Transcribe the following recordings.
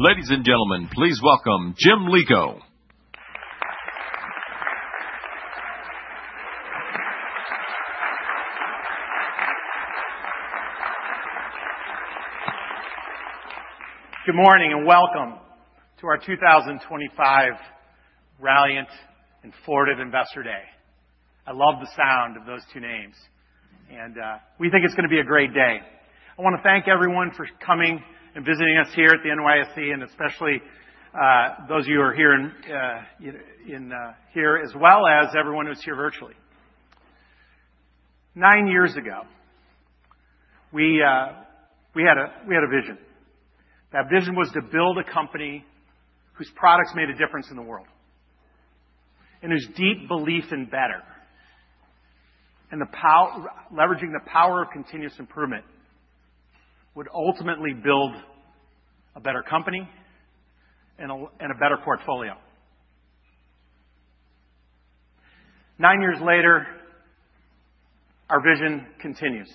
Ladies and gentlemen, please welcome Jim Lico. Good morning and welcome to our 2025 Ralliant and Fortive Investor Day. I love the sound of those two names, and we think it's going to be a great day. I want to thank everyone for coming and visiting us here at the NYSE, and especially those of you who are here as well as everyone who's here virtually. Nine years ago, we had a vision. That vision was to build a company whose products made a difference in the world, and whose deep belief in better and leveraging the power of continuous improvement would ultimately build a better company and a better portfolio. Nine years later, our vision continues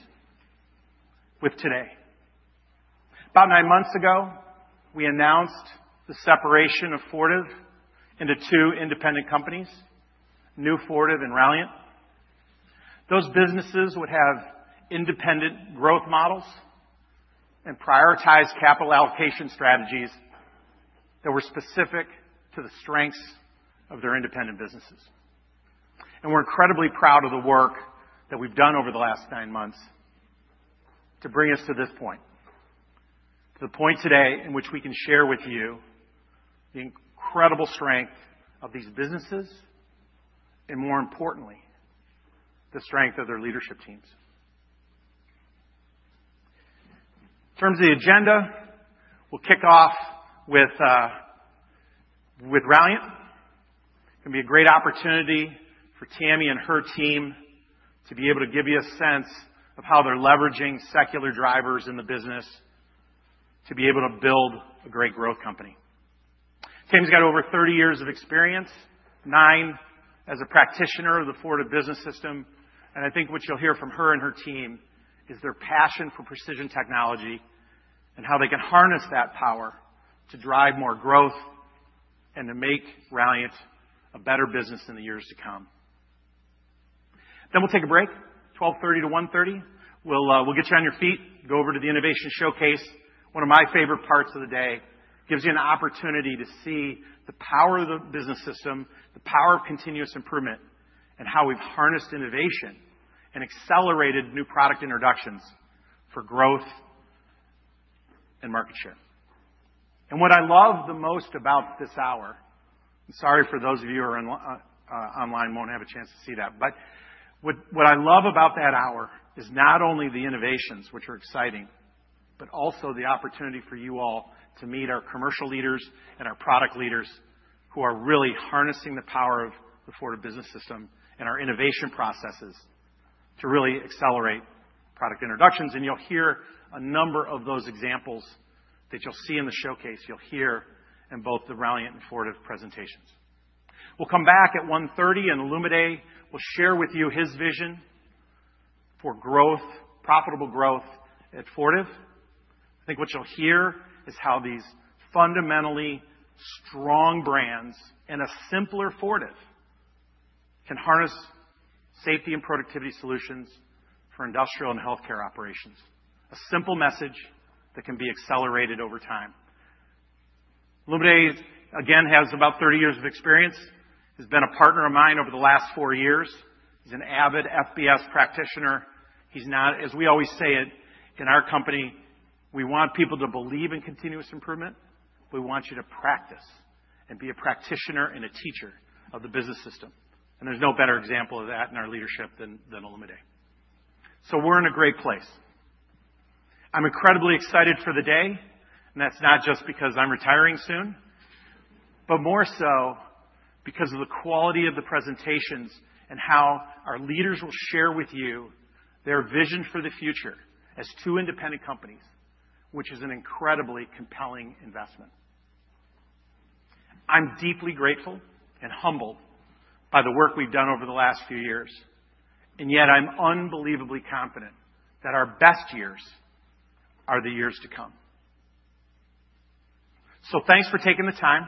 with today. About nine months ago, we announced the separation of Fortive into two independent companies, New Fortive and Ralliant. Those businesses would have independent growth models and prioritize capital allocation strategies that were specific to the strengths of their independent businesses. We are incredibly proud of the work that we have done over the last nine months to bring us to this point, to the point today in which we can share with you the incredible strength of these businesses and, more importantly, the strength of their leadership teams. In terms of the agenda, we will kick off with Ralliant. It is going to be a great opportunity for Tami and her team to be able to give you a sense of how they are leveraging secular drivers in the business to be able to build a great growth company. Tami has got over 30 years of experience, nine as a practitioner of the Fortive Business System. I think what you'll hear from her and her team is their passion for precision technology and how they can harness that power to drive more growth and to make Ralliant a better business in the years to come. We will take a break, 12:30 to 1:30. We will get you on your feet, go over to the Innovation Showcase, one of my favorite parts of the day, gives you an opportunity to see the power of the business system, the power of continuous improvement, and how we've harnessed innovation and accelerated new product introductions for growth and market share. What I love the most about this hour, and sorry for those of you who are online and will not have a chance to see that, but what I love about that hour is not only the innovations, which are exciting, but also the opportunity for you all to meet our commercial leaders and our product leaders who are really harnessing the power of the Fortive Business System and our innovation processes to really accelerate product introductions. You will hear a number of those examples that you will see in the showcase. You will hear in both the Ralliant and Fortive presentations. We will come back at 1:30 P.M. and Ilan Dayan will share with you his vision for growth, profitable growth at Fortive. I think what you will hear is how these fundamentally strong brands and a simpler Fortive can harness safety and productivity solutions for industrial and healthcare operations. A simple message that can be accelerated over time. Ilan Dayan, again, has about 30 years of experience. He's been a partner of mine over the last four years. He's an avid FBS practitioner. As we always say in our company, we want people to believe in continuous improvement. We want you to practice and be a practitioner and a teacher of the business system. There is no better example of that in our leadership than Ilan Dayan. We are in a great place. I'm incredibly excited for the day, and that's not just because I'm retiring soon, but more so because of the quality of the presentations and how our leaders will share with you their vision for the future as two independent companies, which is an incredibly compelling investment. I'm deeply grateful and humbled by the work we've done over the last few years, and yet I'm unbelievably confident that our best years are the years to come. Thanks for taking the time.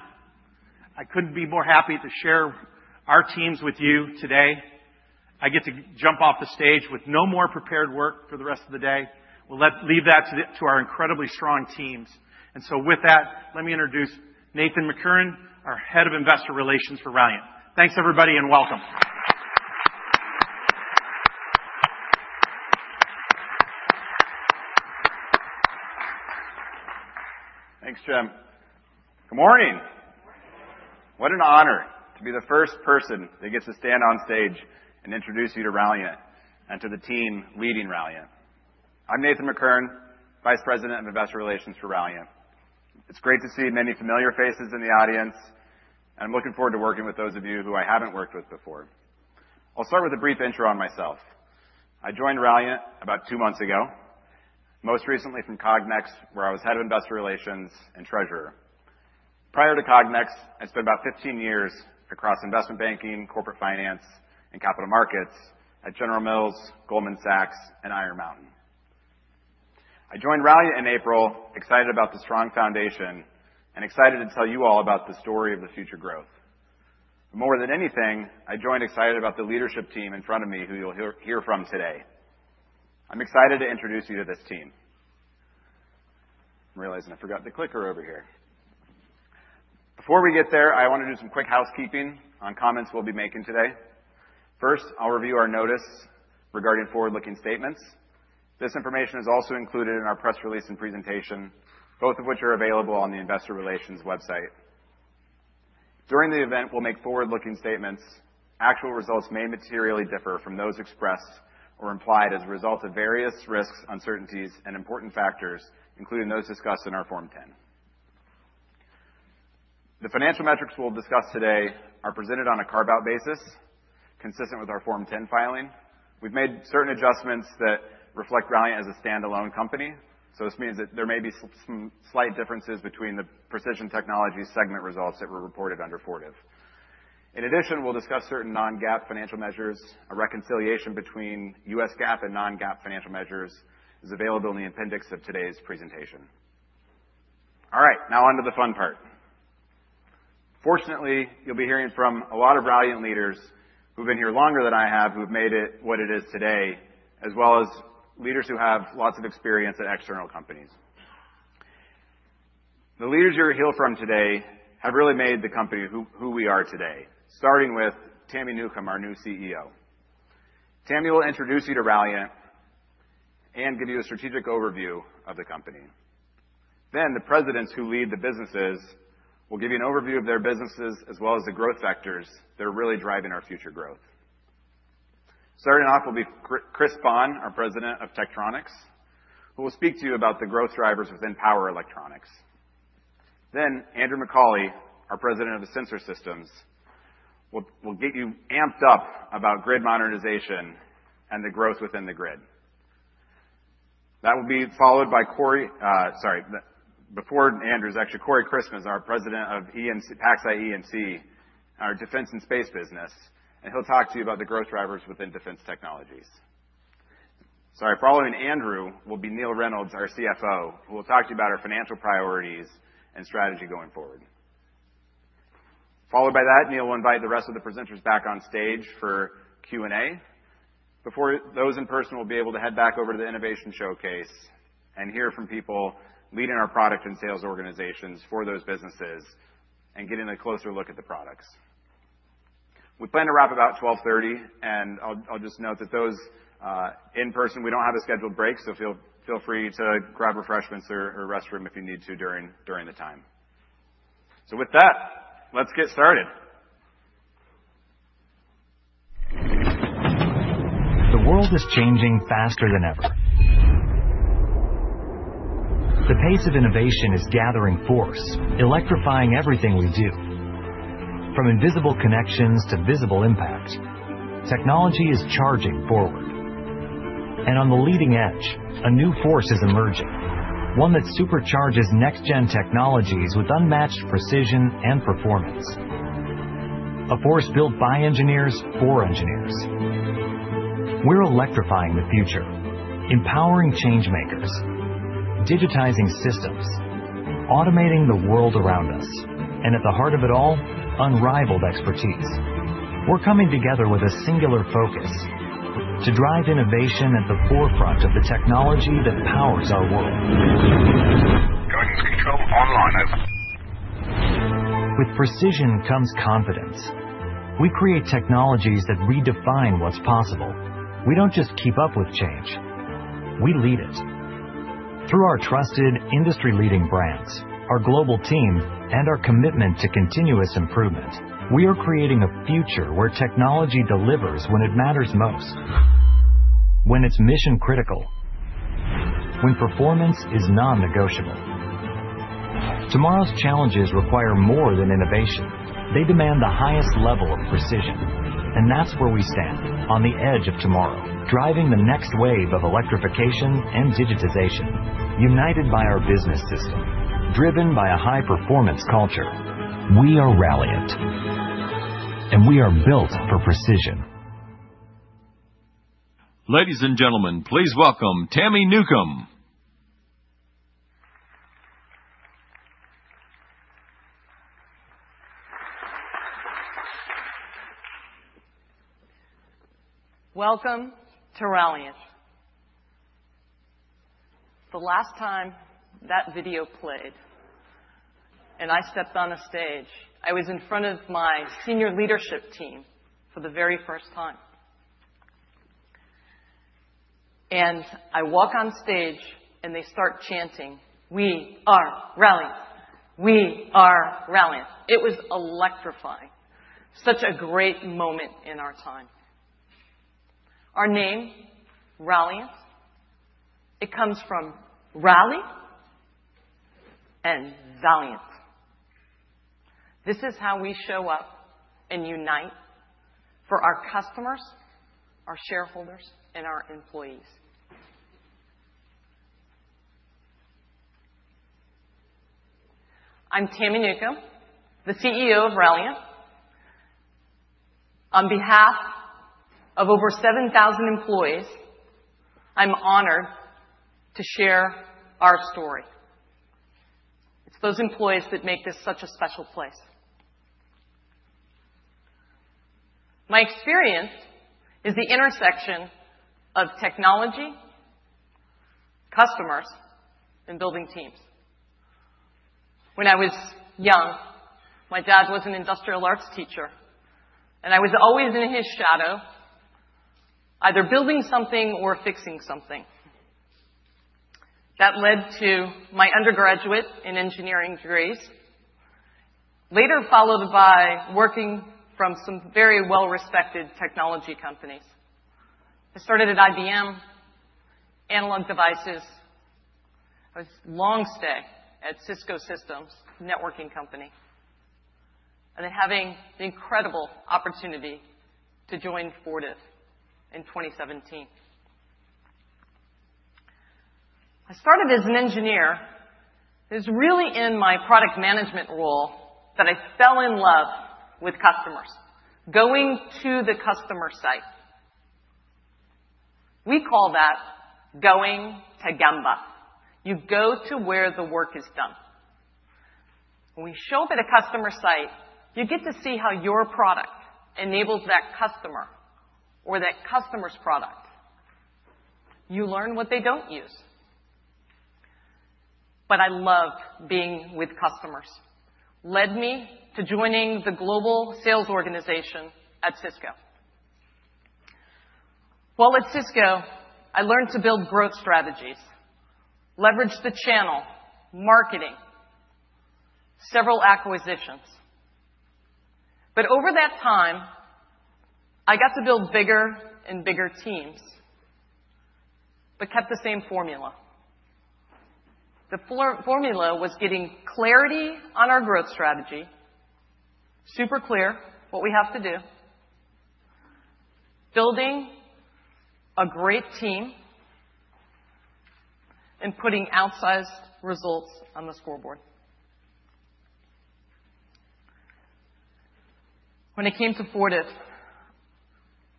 I couldn't be more happy to share our teams with you today. I get to jump off the stage with no more prepared work for the rest of the day. We'll leave that to our incredibly strong teams. With that, let me introduce Nathan McCurren, our head of investor relations for Ralliant. Thanks, everybody, and welcome. Thanks, Jim. Good morning. What an honor to be the first person that gets to stand on stage and introduce you to Ralliant and to the team leading Ralliant. I'm Nathan McCurren, Vice President of Investor Relations for Ralliant. It's great to see many familiar faces in the audience, and I'm looking forward to working with those of you who I haven't worked with before. I'll start with a brief intro on myself. I joined Ralliant about two months ago, most recently from Cognex, where I was head of investor relations and treasurer. Prior to Cognex, I spent about 15 years across investment banking, corporate finance, and capital markets at General Mills, Goldman Sachs, and Iron Mountain. I joined Ralliant in April, excited about the strong foundation and excited to tell you all about the story of the future growth. More than anything, I joined excited about the leadership team in front of me who you'll hear from today. I'm excited to introduce you to this team. I'm realizing I forgot the clicker over here. Before we get there, I want to do some quick housekeeping on comments we'll be making today. First, I'll review our notice regarding forward-looking statements. This information is also included in our press release and presentation, both of which are available on the investor relations website. During the event, we'll make forward-looking statements. Actual results may materially differ from those expressed or implied as a result of various risks, uncertainties, and important factors, including those discussed in our Form 10. The financial metrics we'll discuss today are presented on a carve-out basis, consistent with our Form 10 filing. We've made certain adjustments that reflect Ralliant as a standalone company. This means that there may be some slight differences between the precision technology segment results that were reported under Fortive. In addition, we'll discuss certain non-GAAP financial measures. A reconciliation between U.S. GAAP and non-GAAP financial measures is available in the appendix of today's presentation. All right, now on to the fun part. Fortunately, you'll be hearing from a lot of Ralliant leaders who've been here longer than I have, who've made it what it is today, as well as leaders who have lots of experience at external companies. The leaders you'll hear from today have really made the company who we are today, starting with Tami Newcomb, our new CEO. Tami will introduce you to Ralliant and give you a strategic overview of the company. The presidents who lead the businesses will give you an overview of their businesses as well as the growth factors that are really driving our future growth. Starting off will be Chris Bohn, our President of Tektronix, who will speak to you about the growth drivers within power electronics. Then Andrew McCauley, our President of the sensor systems, will get you amped up about grid modernization and the growth within the grid. That will be followed by Corey, sorry, before Andrew, actually, Corey Christmann, our President of PacSci EMC, our defense and space business. He'll talk to you about the growth drivers within defense technologies. Following Andrew will be Neil Reynolds, our CFO, who will talk to you about our financial priorities and strategy going forward. Followed by that, Neil will invite the rest of the presenters back on stage for Q&A. Before those in person will be able to head back over to the Innovation Showcase and hear from people leading our product and sales organizations for those businesses and getting a closer look at the products. We plan to wrap about 12:30, and I'll just note that those in person, we don't have a scheduled break, so feel free to grab refreshments or restrooms if you need to during the time. With that, let's get started. The world is changing faster than ever. The pace of innovation is gathering force, electrifying everything we do. From invisible connections to visible impact, technology is charging forward. On the leading edge, a new force is emerging, one that supercharges next-gen technologies with unmatched precision and performance. A force built by engineers for engineers. We are electrifying the future, empowering change makers, digitizing systems, automating the world around us. At the heart of it all, unrivaled expertise. We are coming together with a singular focus to drive innovation at the forefront of the technology that powers our world. Guidance control online. Over. With precision comes confidence. We create technologies that redefine what's possible. We don't just keep up with change. We lead it. Through our trusted, industry-leading brands, our global team, and our commitment to continuous improvement, we are creating a future where technology delivers when it matters most, when it's mission-critical, when performance is non-negotiable. Tomorrow's challenges require more than innovation. They demand the highest level of precision. That is where we stand on the edge of tomorrow, driving the next wave of electrification and digitization, united by our business system, driven by a high-performance culture. We are Ralliant, and we are built for precision. Ladies and gentlemen, please welcome Tami Newcomb. Welcome to Ralliant. The last time that video played and I stepped on a stage, I was in front of my senior leadership team for the very first time. I walk on stage, and they start chanting, "We are Ralliant. We are Ralliant." It was electrifying. Such a great moment in our time. Our name, Ralliant, it comes from rally and valiant. This is how we show up and unite for our customers, our shareholders, and our employees. I'm Tami Newcomb, the CEO of Ralliant. On behalf of over 7,000 employees, I'm honored to share our story. It's those employees that make this such a special place. My experience is the intersection of technology, customers, and building teams. When I was young, my dad was an industrial arts teacher, and I was always in his shadow, either building something or fixing something. That led to my undergraduate and engineering degrees, later followed by working from some very well-respected technology companies. I started at IBM, Analog Devices. I was a long stay at Cisco Systems, a networking company, and then having the incredible opportunity to join Fortive in 2017. I started as an engineer. It was really in my product management role that I fell in love with customers, going to the customer site. We call that going to Gemba. You go to where the work is done. When we show up at a customer site, you get to see how your product enables that customer or that customer's product. You learn what they do not use. I love being with customers. Led me to joining the global sales organization at Cisco. While at Cisco, I learned to build growth strategies, leverage the channel, marketing, several acquisitions. Over that time, I got to build bigger and bigger teams, but kept the same formula. The formula was getting clarity on our growth strategy, super clear what we have to do, building a great team, and putting outsized results on the scoreboard. When it came to Fortive,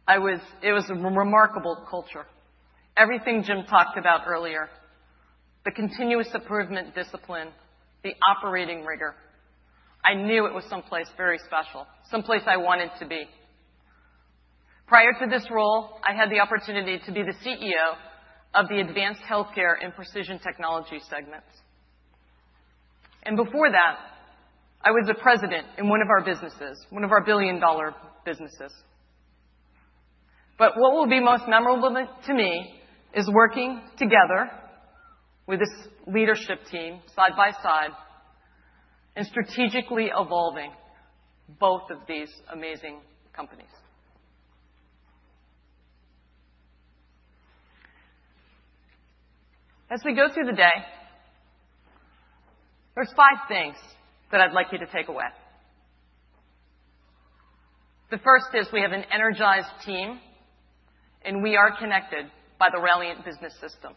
it was a remarkable culture. Everything Jim talked about earlier, the continuous improvement discipline, the operating rigor, I knew it was someplace very special, someplace I wanted to be. Prior to this role, I had the opportunity to be the CEO of the advanced healthcare and precision technology segments. Before that, I was a president in one of our businesses, one of our billion-dollar businesses. What will be most memorable to me is working together with this leadership team side by side and strategically evolving both of these amazing companies. As we go through the day, there are five things that I'd like you to take away. The first is we have an energized team, and we are connected by the Ralliant Business System.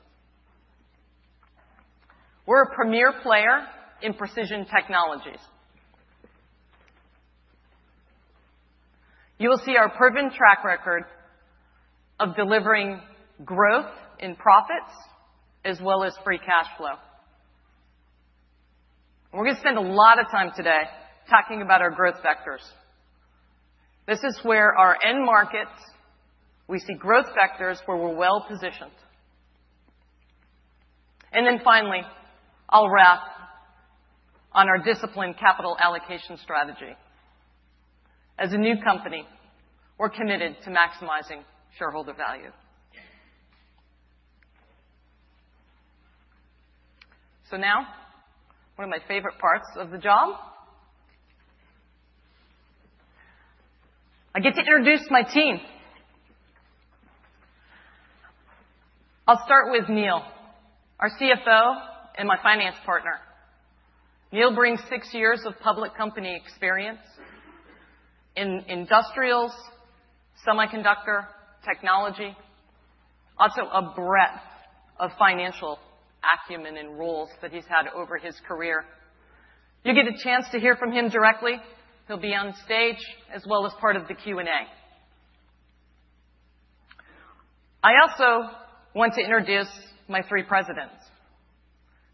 We are a premier player in precision technologies. You will see our proven track record of delivering growth in profits as well as free cash flow. We are going to spend a lot of time today talking about our growth vectors. This is where our end markets, we see growth vectors where we are well positioned. Finally, I will wrap on our disciplined capital allocation strategy. As a new company, we are committed to maximizing shareholder value. Now, one of my favorite parts of the job, I get to introduce my team. I will start with Neil, our CFO and my finance partner. Neil brings six years of public company experience in industrials, semiconductor technology, also a breadth of financial acumen and roles that he's had over his career. You'll get a chance to hear from him directly. He'll be on stage as well as part of the Q&A. I also want to introduce my three presidents,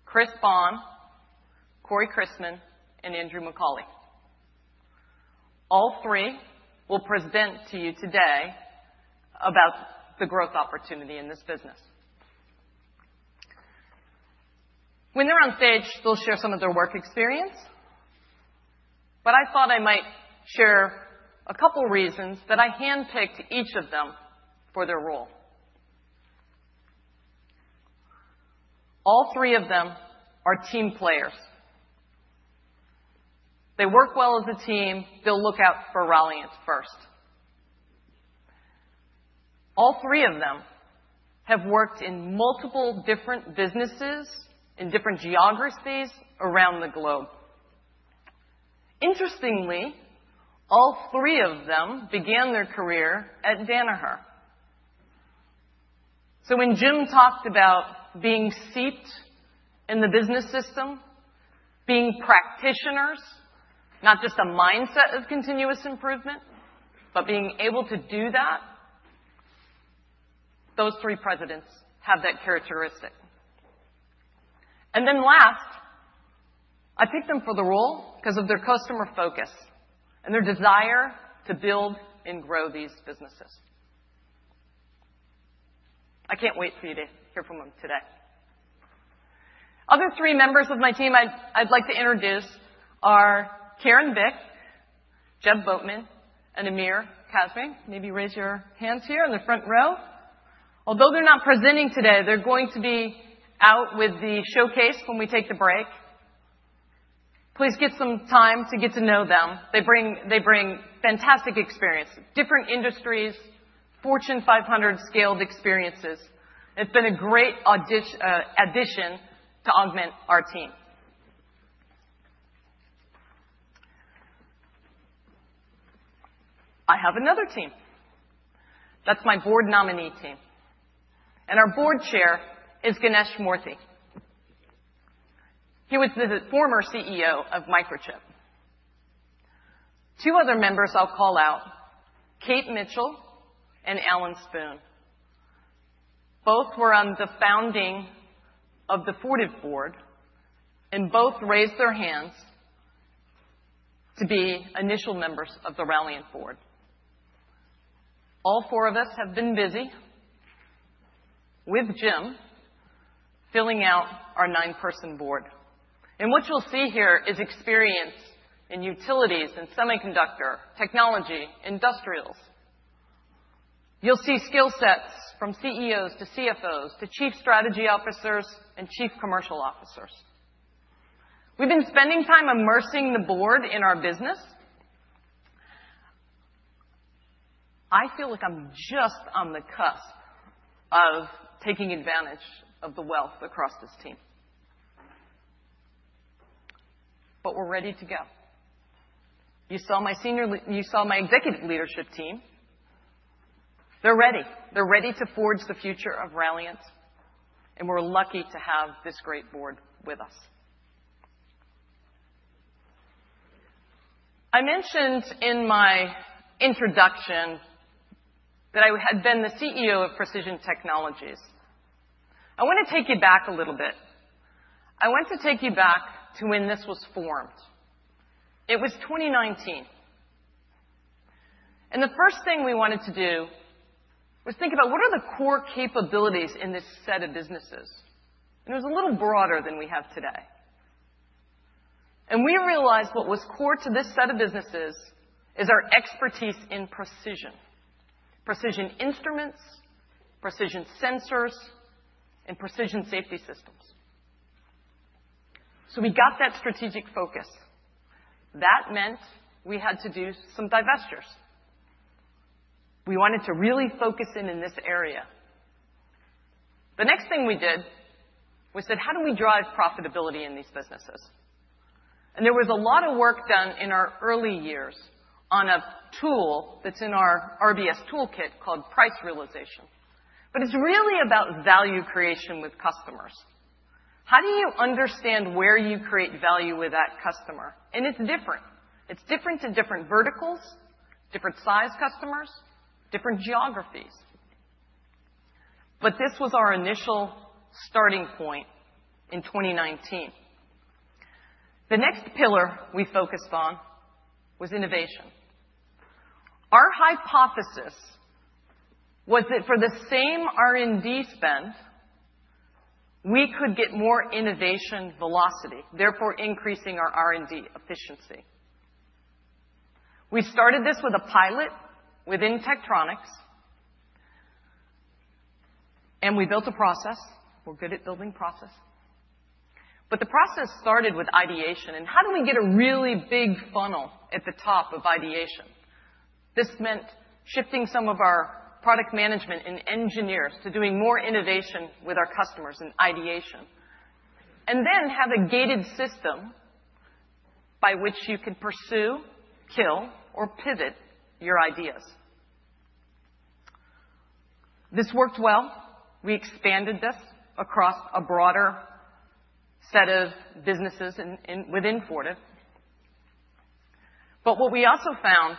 Chris Bohn, Corey Christmann, and Andrew McCauley. All three will present to you today about the growth opportunity in this business. When they're on stage, they'll share some of their work experience. I thought I might share a couple of reasons that I handpicked each of them for their role. All three of them are team players. They work well as a team. They'll look out for Ralliant first. All three of them have worked in multiple different businesses in different geographies around the globe. Interestingly, all three of them began their career at Danaher. When Jim talked about being seeped in the business system, being practitioners, not just a mindset of continuous improvement, but being able to do that, those three presidents have that characteristic. Last, I picked them for the role because of their customer focus and their desire to build and grow these businesses. I can't wait for you to hear from them today. Other three members of my team I'd like to introduce are Karen Vick, Jeb Boatman, and Amir Kazmi. Maybe raise your hands here in the front row. Although they're not presenting today, they're going to be out with the showcase when we take the break. Please get some time to get to know them. They bring fantastic experience, different industries, Fortune 500 scaled experiences. It's been a great addition to augment our team. I have another team. That's my board nominee team. Our board chair is Ganesh Murthy. He was the former CEO of Microchip. Two other members I'll call out, Kate Mitchell and Alan Spoon. Both were on the founding of the Fortive board, and both raised their hands to be initial members of the Ralliant board. All four of us have been busy with Jim filling out our nine-person board. What you'll see here is experience in utilities and semiconductor technology, industrials. You'll see skill sets from CEOs to CFOs to chief strategy officers and chief commercial officers. We've been spending time immersing the board in our business. I feel like I'm just on the cusp of taking advantage of the wealth across this team. We're ready to go. You saw my executive leadership team. They're ready. They're ready to forge the future of Ralliant. We're lucky to have this great board with us. I mentioned in my introduction that I had been the CEO of Precision Technologies. I want to take you back a little bit. I want to take you back to when this was formed. It was 2019. The first thing we wanted to do was think about what are the core capabilities in this set of businesses. It was a little broader than we have today. We realized what was core to this set of businesses is our expertise in precision, precision instruments, precision sensors, and precision safety systems. We got that strategic focus. That meant we had to do some divestitures. We wanted to really focus in in this area. The next thing we did was said, how do we drive profitability in these businesses? There was a lot of work done in our early years on a tool that's in our RBS toolkit called price realization. It's really about value creation with customers. How do you understand where you create value with that customer? It's different. It's different to different verticals, different size customers, different geographies. This was our initial starting point in 2019. The next pillar we focused on was innovation. Our hypothesis was that for the same R&D spend, we could get more innovation velocity, therefore increasing our R&D efficiency. We started this with a pilot within Tektronix, and we built a process. We're good at building process. The process started with ideation. How do we get a really big funnel at the top of ideation? This meant shifting some of our product management and engineers to doing more innovation with our customers and ideation, and then have a gated system by which you can pursue, kill, or pivot your ideas. This worked well. We expanded this across a broader set of businesses within Ralliant. What we also found,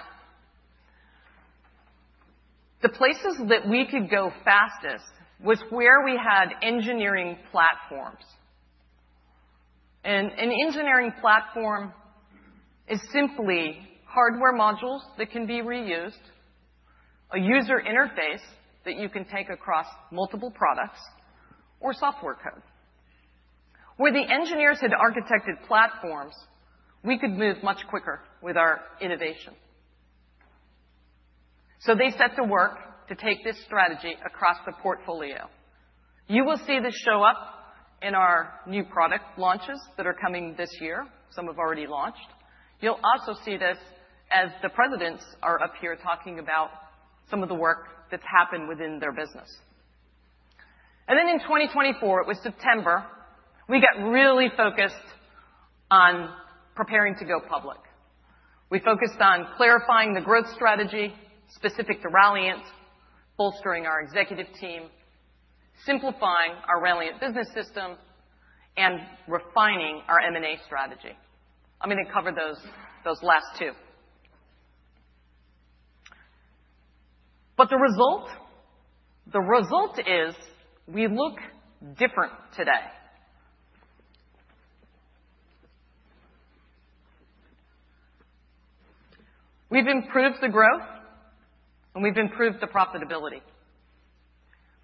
the places that we could go fastest was where we had engineering platforms. An engineering platform is simply hardware modules that can be reused, a user interface that you can take across multiple products, or software code. Where the engineers had architected platforms, we could move much quicker with our innovation. They set to work to take this strategy across the portfolio. You will see this show up in our new product launches that are coming this year. Some have already launched. You'll also see this as the presidents are up here talking about some of the work that's happened within their business. In 2024, it was September, we got really focused on preparing to go public. We focused on clarifying the growth strategy specific to Ralliant, bolstering our executive team, simplifying our Ralliant business system, and refining our M&A strategy. I'm going to cover those last two. The result is we look different today. We've improved the growth, and we've improved the profitability.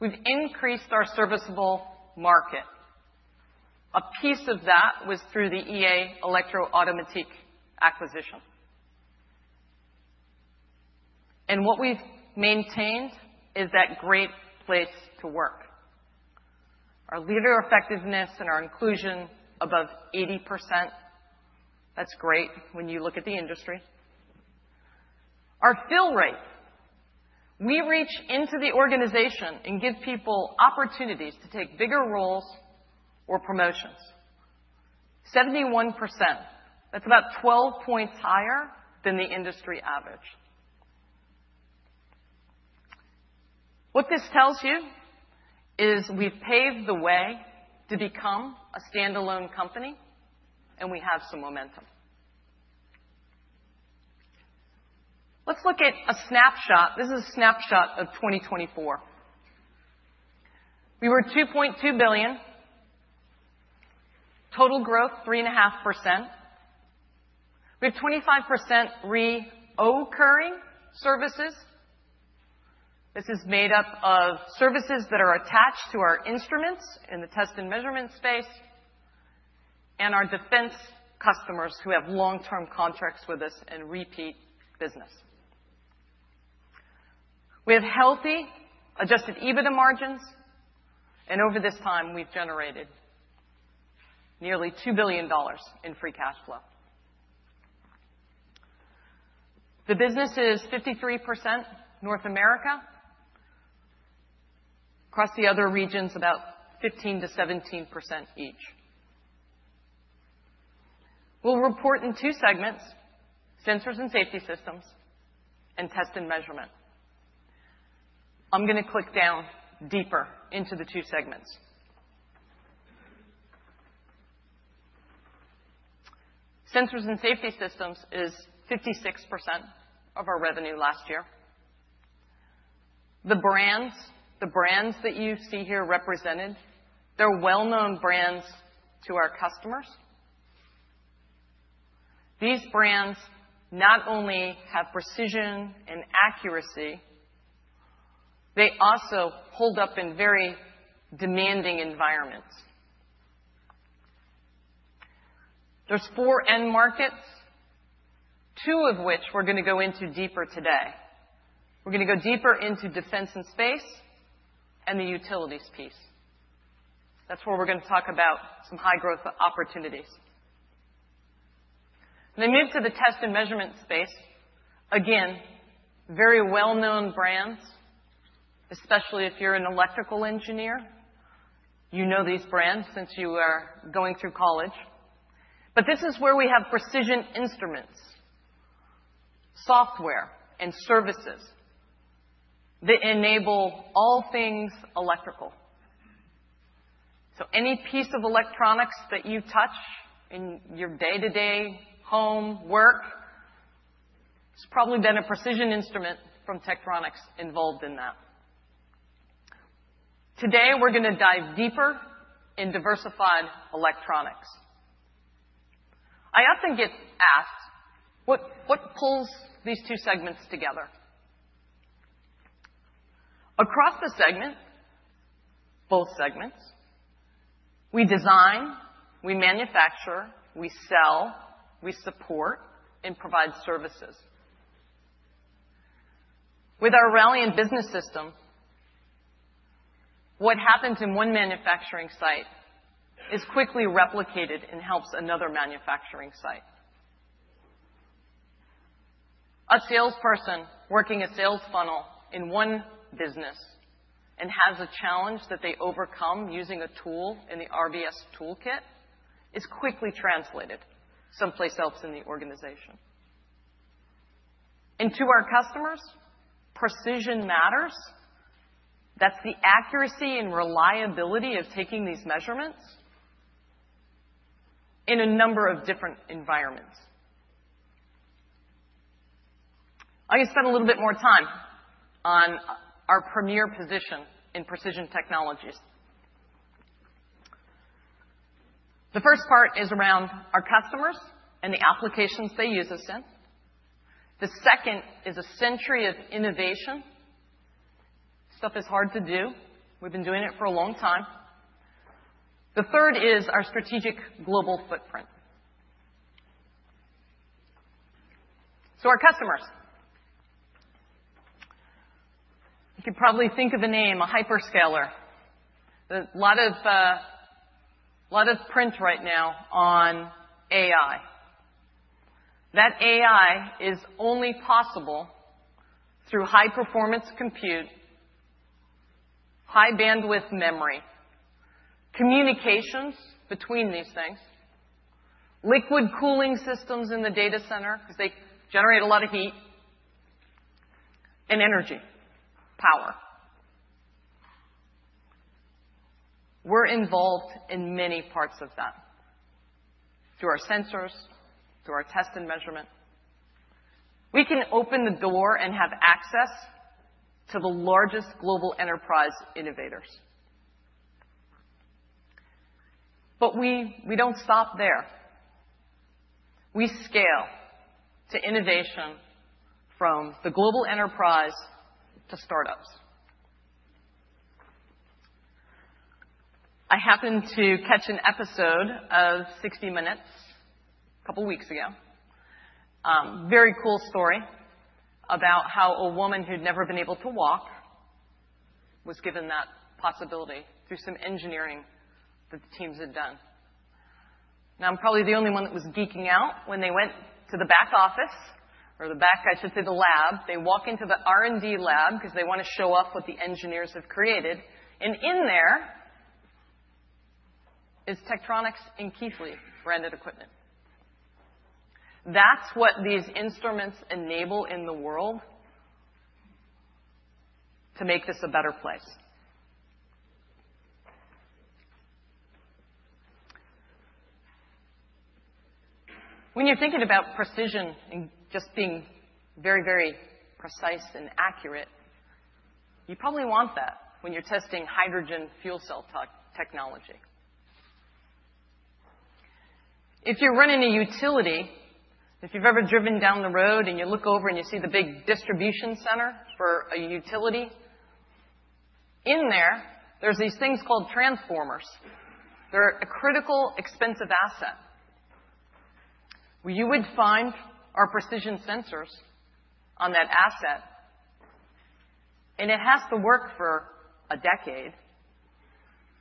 We've increased our serviceable market. A piece of that was through the EA Elektroautomatik acquisition. What we've maintained is that great place to work. Our leader effectiveness and our inclusion above 80%. That's great when you look at the industry. Our fill rate, we reach into the organization and give people opportunities to take bigger roles or promotions. 71%. That's about 12 percentage points higher than the industry average. What this tells you is we've paved the way to become a standalone company, and we have some momentum. Let's look at a snapshot. This is a snapshot of 2024. We were $2.2 billion. Total growth, 3.5%. We have 25% recurring services. This is made up of services that are attached to our instruments in the test and measurement space and our defense customers who have long-term contracts with us and repeat business. We have healthy adjusted EBITDA margins, and over this time, we've generated nearly $2 billion in free cash flow. The business is 53% North America. Across the other regions, about 15%-17% each. We'll report in two segments, sensors and safety systems and test and measurement. I'm going to click down deeper into the two segments. Sensors and safety systems is 56% of our revenue last year. The brands, the brands that you see here represented, they're well-known brands to our customers. These brands not only have precision and accuracy, they also hold up in very demanding environments. There are four end markets, two of which we're going to go into deeper today. We're going to go deeper into defense and space and the utilities piece. That's where we're going to talk about some high-growth opportunities. Then move to the test and measurement space. Again, very well-known brands, especially if you're an electrical engineer. You know these brands since you are going through college. This is where we have precision instruments, software, and services that enable all things electrical. Any piece of electronics that you touch in your day-to-day home, work, it's probably been a precision instrument from Tektronix involved in that. Today, we're going to dive deeper in diversified electronics. I often get asked, what pulls these two segments together? Across the segment, both segments, we design, we manufacture, we sell, we support, and provide services. With our Ralliant business system, what happens in one manufacturing site is quickly replicated and helps another manufacturing site. A salesperson working a sales funnel in one business and has a challenge that they overcome using a tool in the RBS toolkit is quickly translated someplace else in the organization. To our customers, precision matters. That is the accuracy and reliability of taking these measurements in a number of different environments. I'm going to spend a little bit more time on our premier position in precision technologies. The first part is around our customers and the applications they use us in. The second is a century of innovation. Stuff is hard to do. We've been doing it for a long time. The third is our strategic global footprint. Our customers, you could probably think of a name, a hyperscaler. A lot of print right now on AI. That AI is only possible through high-performance compute, high-bandwidth memory, communications between these things, liquid cooling systems in the data center because they generate a lot of heat, and energy, power. We're involved in many parts of that through our sensors, through our test and measurement. We can open the door and have access to the largest global enterprise innovators. We do not stop there. We scale to innovation from the global enterprise to startups. I happened to catch an episode of 60 Minutes a couple of weeks ago. Very cool story about how a woman who had never been able to walk was given that possibility through some engineering that the teams had done. Now, I'm probably the only one that was geeking out when they went to the back office or the back, I should say the lab. They walk into the R&D lab because they want to show off what the engineers have created. And in there is Tektronix and Keithley branded equipment. That's what these instruments enable in the world to make this a better place. When you're thinking about precision and just being very, very precise and accurate, you probably want that when you're testing hydrogen fuel cell technology. If you're running a utility, if you've ever driven down the road and you look over and you see the big distribution center for a utility, in there, there's these things called transformers. They're a critical expensive asset. You would find our precision sensors on that asset, and it has to work for a decade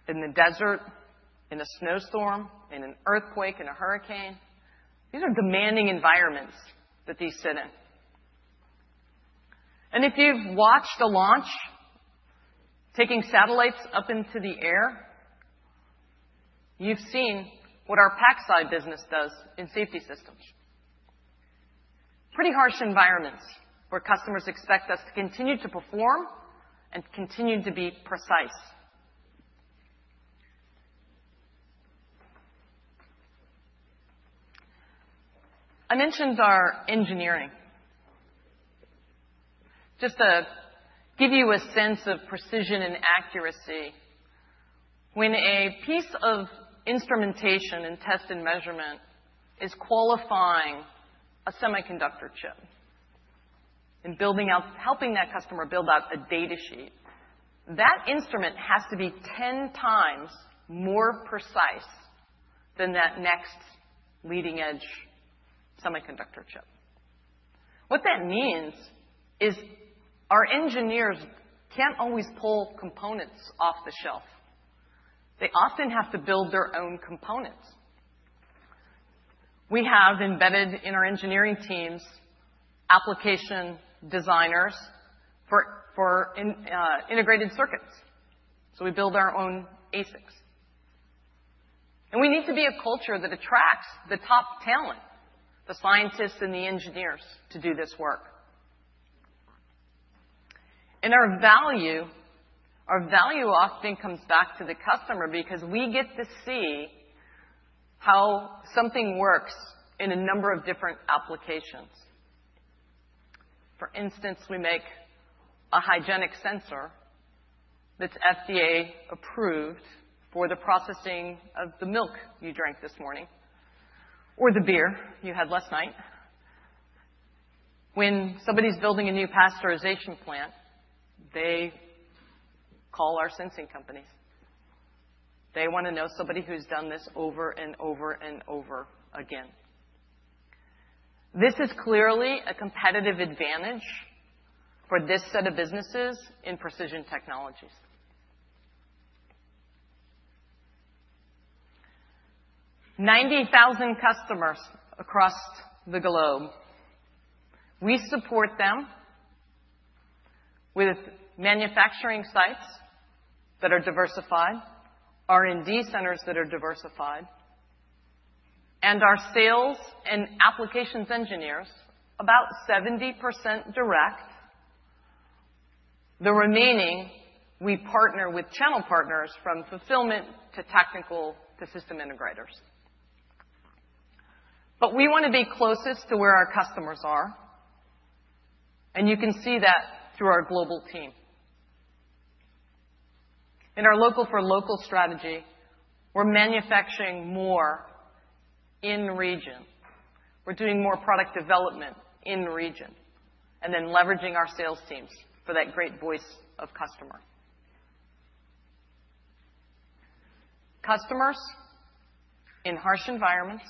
in the desert, in a snowstorm, in an earthquake, in a hurricane. These are demanding environments that these sit in. If you've watched a launch taking satellites up into the air, you've seen what our PacSci EMC business does in safety systems. Pretty harsh environments where customers expect us to continue to perform and continue to be precise. I mentioned our engineering. Just to give you a sense of precision and accuracy, when a piece of instrumentation and test and measurement is qualifying a semiconductor chip and helping that customer build out a data sheet, that instrument has to be 10 times more precise than that next leading-edge semiconductor chip. What that means is our engineers can't always pull components off the shelf. They often have to build their own components. We have embedded in our engineering teams application designers for integrated circuits. We build our own ASICs. We need to be a culture that attracts the top talent, the scientists and the engineers to do this work. Our value, our value often comes back to the customer because we get to see how something works in a number of different applications. For instance, we make a hygienic sensor that's FDA approved for the processing of the milk you drank this morning or the beer you had last night. When somebody's building a new pasteurization plant, they call our sensing companies. They want to know somebody who's done this over and over and over again. This is clearly a competitive advantage for this set of businesses in precision technologies. 90,000 customers across the globe. We support them with manufacturing sites that are diversified, R&D centers that are diversified, and our sales and applications engineers, about 70% direct. The remaining, we partner with channel partners from fulfillment to tactical to system integrators. We want to be closest to where our customers are. You can see that through our global team. In our local-for-local strategy, we're manufacturing more in region. We're doing more product development in region and then leveraging our sales teams for that great voice of customer. Customers in harsh environments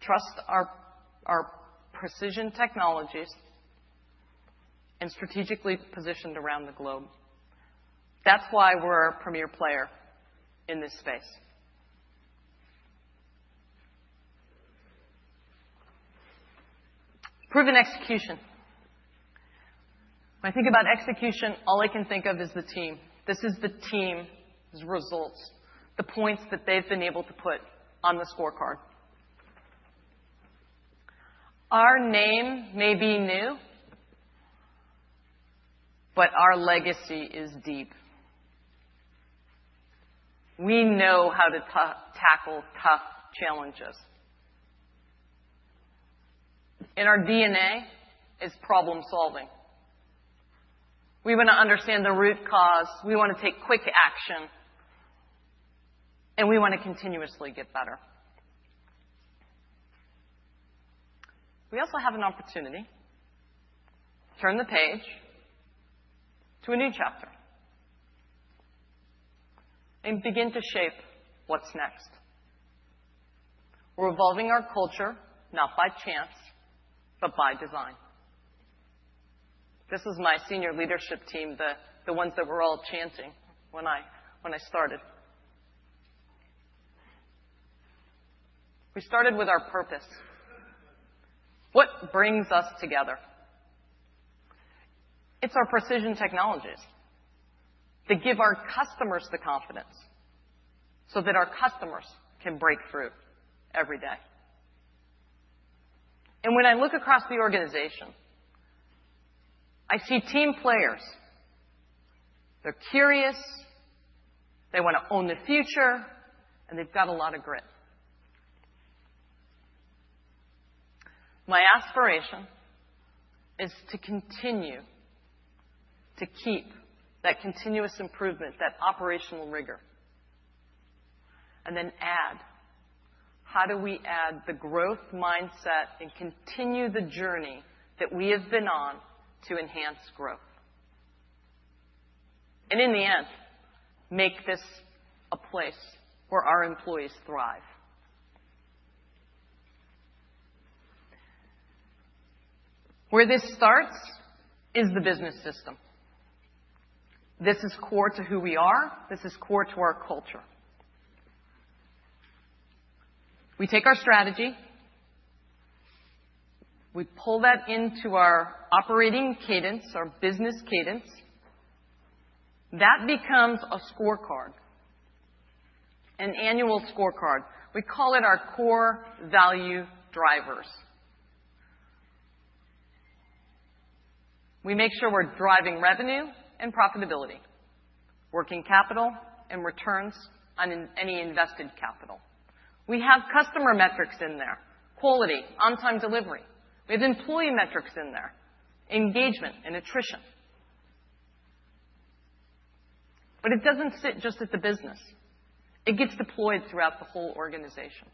trust our precision technologies and strategically positioned around the globe. That's why we're a premier player in this space. Proven execution. When I think about execution, all I can think of is the team. This is the team's results, the points that they've been able to put on the scorecard. Our name may be new, but our legacy is deep. We know how to tackle tough challenges. Our DNA is problem-solving. We want to understand the root cause. We want to take quick action, and we want to continuously get better. We also have an opportunity to turn the page to a new chapter and begin to shape what's next. We're evolving our culture not by chance, but by design. This is my senior leadership team, the ones that were all chanting when I started. We started with our purpose. What brings us together? It's our precision technologies that give our customers the confidence so that our customers can break through every day. When I look across the organization, I see team players. They're curious. They want to own the future, and they've got a lot of grit. My aspiration is to continue to keep that continuous improvement, that operational rigor, and then add how do we add the growth mindset and continue the journey that we have been on to enhance growth. In the end, make this a place where our employees thrive. Where this starts is the business system. This is core to who we are. This is core to our culture. We take our strategy. We pull that into our operating cadence, our business cadence. That becomes a scorecard, an annual scorecard. We call it our core value drivers. We make sure we're driving revenue and profitability, working capital and returns on any invested capital. We have customer metrics in there, quality, on-time delivery. We have employee metrics in there, engagement and attrition. It doesn't sit just at the business. It gets deployed throughout the whole organization.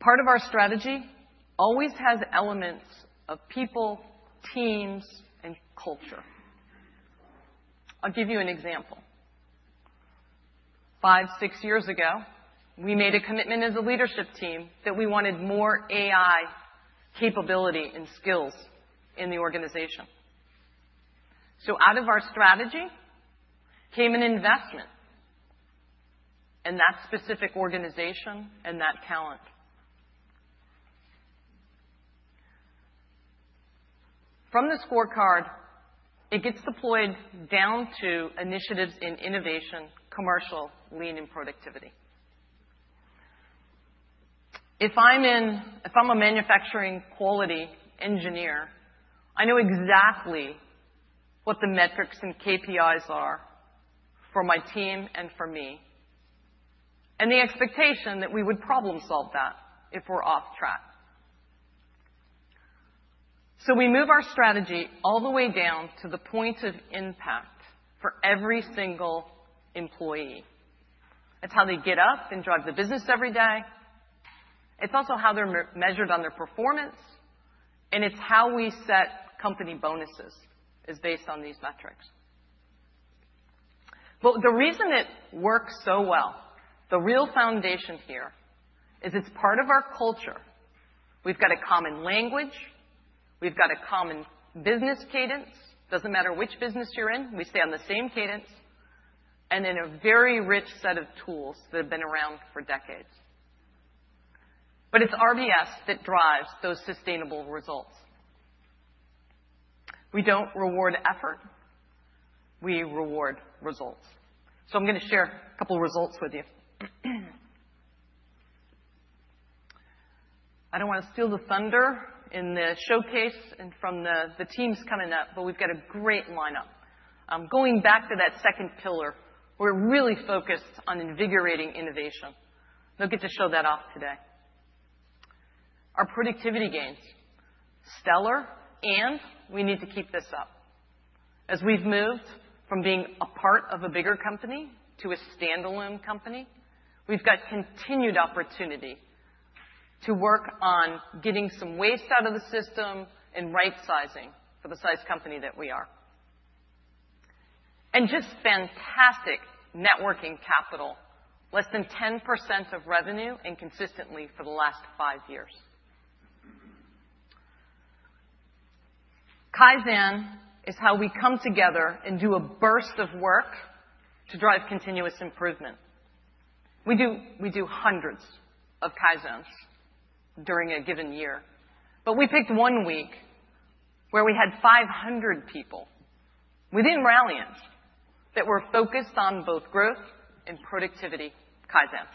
Part of our strategy always has elements of people, teams, and culture. I'll give you an example. Five, six years ago, we made a commitment as a leadership team that we wanted more AI capability and skills in the organization. Out of our strategy came an investment in that specific organization and that talent. From the scorecard, it gets deployed down to initiatives in innovation, commercial, lean, and productivity. If I'm a manufacturing quality engineer, I know exactly what the metrics and KPIs are for my team and for me, and the expectation that we would problem-solve that if we're off track. We move our strategy all the way down to the point of impact for every single employee. It's how they get up and drive the business every day. It's also how they're measured on their performance. It is how we set company bonuses, is based on these metrics. The reason it works so well, the real foundation here is it is part of our culture. We have got a common language. We have got a common business cadence. It does not matter which business you are in. We stay on the same cadence and in a very rich set of tools that have been around for decades. It is RBS that drives those sustainable results. We do not reward effort. We reward results. I am going to share a couple of results with you. I do not want to steal the thunder in the showcase and from the teams coming up, but we have got a great lineup. Going back to that second pillar, we are really focused on invigorating innovation. They will get to show that off today. Our productivity gains, stellar, and we need to keep this up. As we've moved from being a part of a bigger company to a standalone company, we've got continued opportunity to work on getting some waste out of the system and right-sizing for the size company that we are. Just fantastic networking capital, less than 10% of revenue and consistently for the last five years. Kaizen is how we come together and do a burst of work to drive continuous improvement. We do hundreds of Kaizens during a given year. We picked one week where we had 500 people within Ralliant that were focused on both growth and productivity Kaizens.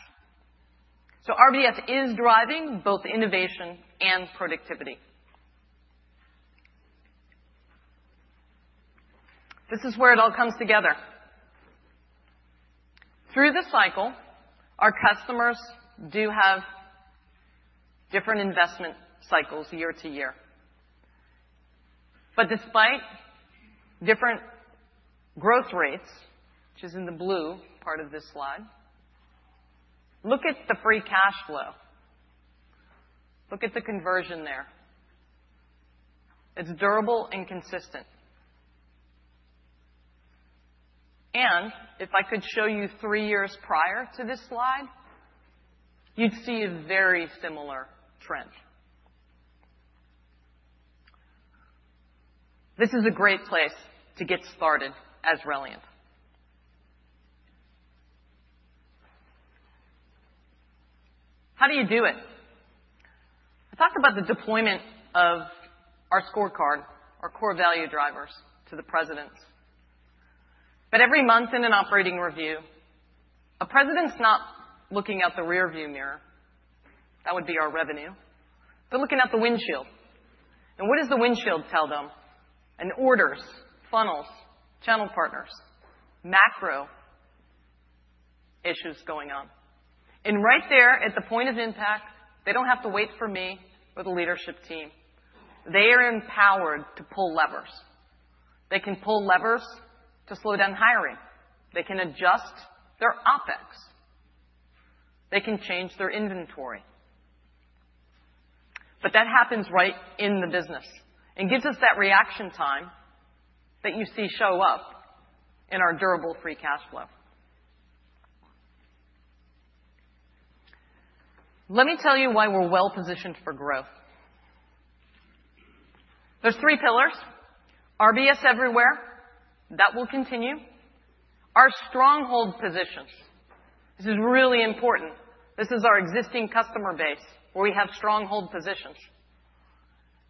RBS is driving both innovation and productivity. This is where it all comes together. Through the cycle, our customers do have different investment cycles year to year. Despite different growth rates, which is in the blue part of this slide, look at the free cash flow. Look at the conversion there. It's durable and consistent. If I could show you three years prior to this slide, you'd see a very similar trend. This is a great place to get started as Ralliant. How do you do it? I talked about the deployment of our scorecard, our core value drivers to the presidents. Every month in an operating review, a president's not looking out the rearview mirror. That would be our revenue. They're looking out the windshield. What does the windshield tell them? Orders, funnels, channel partners, macro issues going on. Right there at the point of impact, they do not have to wait for me or the leadership team. They are empowered to pull levers. They can pull levers to slow down hiring. They can adjust their OpEx. They can change their inventory. That happens right in the business and gives us that reaction time that you see show up in our durable free cash flow. Let me tell you why we're well-positioned for growth. There are three pillars: RBS everywhere. That will continue. Our stronghold positions. This is really important. This is our existing customer base where we have stronghold positions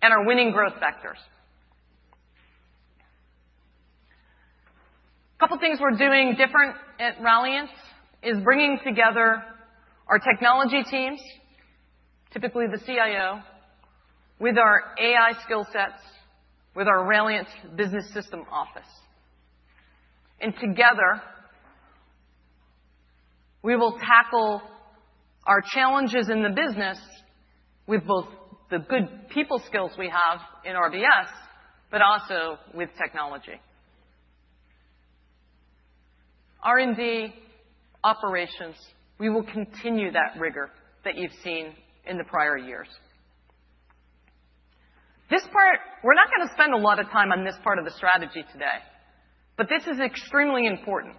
and our winning growth vectors. A couple of things we're doing different at Ralliant is bringing together our technology teams, typically the CIO, with our AI skill sets, with our Ralliant Business System office. Together, we will tackle our challenges in the business with both the good people skills we have in RBS, but also with technology. R&D operations, we will continue that rigor that you've seen in the prior years. This part, we're not going to spend a lot of time on this part of the strategy today, but this is extremely important.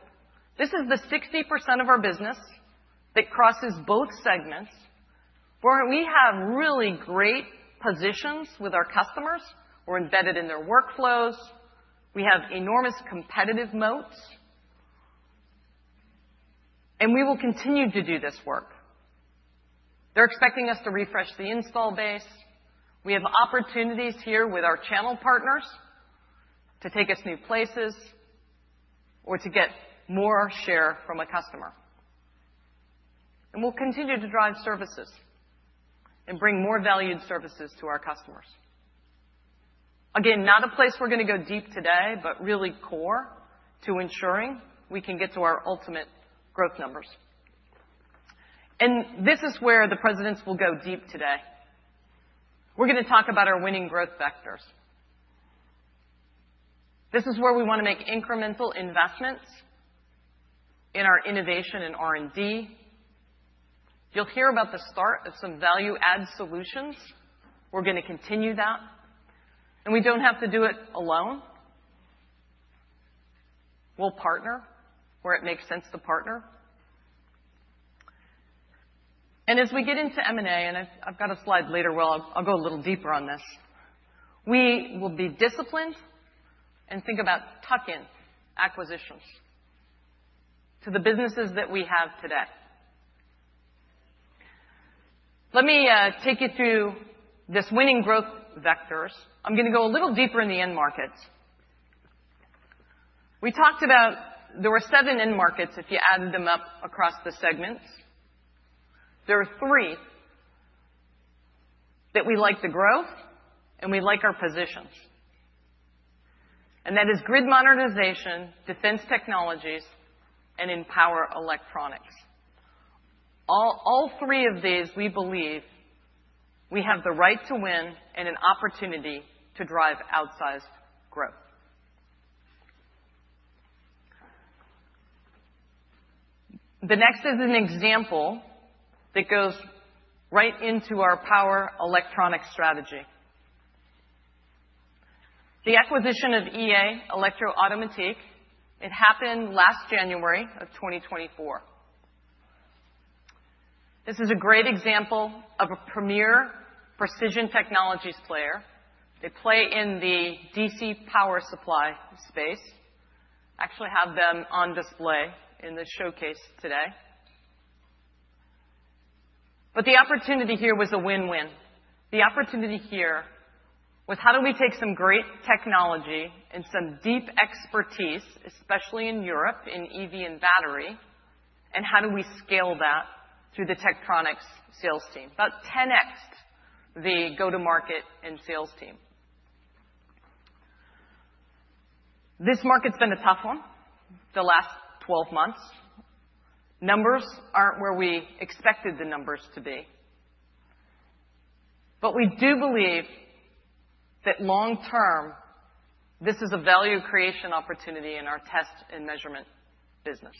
This is the 60% of our business that crosses both segments where we have really great positions with our customers. We're embedded in their workflows. We have enormous competitive moats. We will continue to do this work. They're expecting us to refresh the install base. We have opportunities here with our channel partners to take us new places or to get more share from a customer. We'll continue to drive services and bring more valued services to our customers. Again, not a place we're going to go deep today, but really core to ensuring we can get to our ultimate growth numbers. This is where the presidents will go deep today. We're going to talk about our winning growth vectors. This is where we want to make incremental investments in our innovation and R&D. You'll hear about the start of some value-add solutions. We're going to continue that. We don't have to do it alone. We'll partner where it makes sense to partner. As we get into M&A, and I've got a slide later where I'll go a little deeper on this, we will be disciplined and think about tuck-in acquisitions to the businesses that we have today. Let me take you through this winning growth vectors. I'm going to go a little deeper in the end markets. We talked about there were seven end markets if you added them up across the segments. There are three that we like to grow, and we like our positions. That is grid modernization, defense technologies, and in power electronics. All three of these, we believe we have the right to win and an opportunity to drive outsized growth. The next is an example that goes right into our power electronics strategy. The acquisition of EA Elektroautomatik, it happened last January of 2024. This is a great example of a premier precision technologies player. They play in the DC power supply space. Actually have them on display in the showcase today. The opportunity here was a win-win. The opportunity here was how do we take some great technology and some deep expertise, especially in Europe in EV and battery, and how do we scale that through the Tektronix sales team? About 10X the go-to-market and sales team. This market's been a tough one the last 12 months. Numbers aren't where we expected the numbers to be. We do believe that long-term, this is a value creation opportunity in our test and measurement business.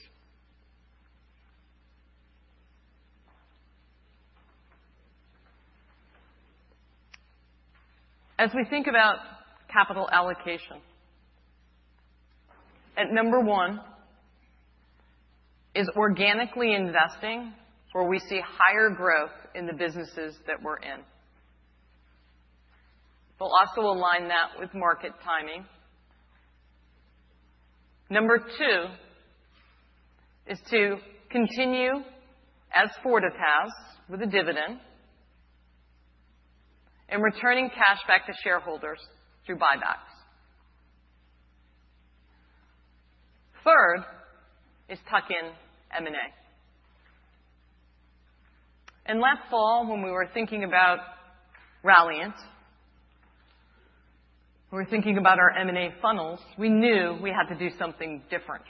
As we think about capital allocation, at number one is organically investing where we see higher growth in the businesses that we're in. We'll also align that with market timing. Number two is to continue as Fortive with a dividend and returning cash back to shareholders through buybacks. Third is tuck-in M&A. Last fall, when we were thinking about Ralliant, we were thinking about our M&A funnels. We knew we had to do something different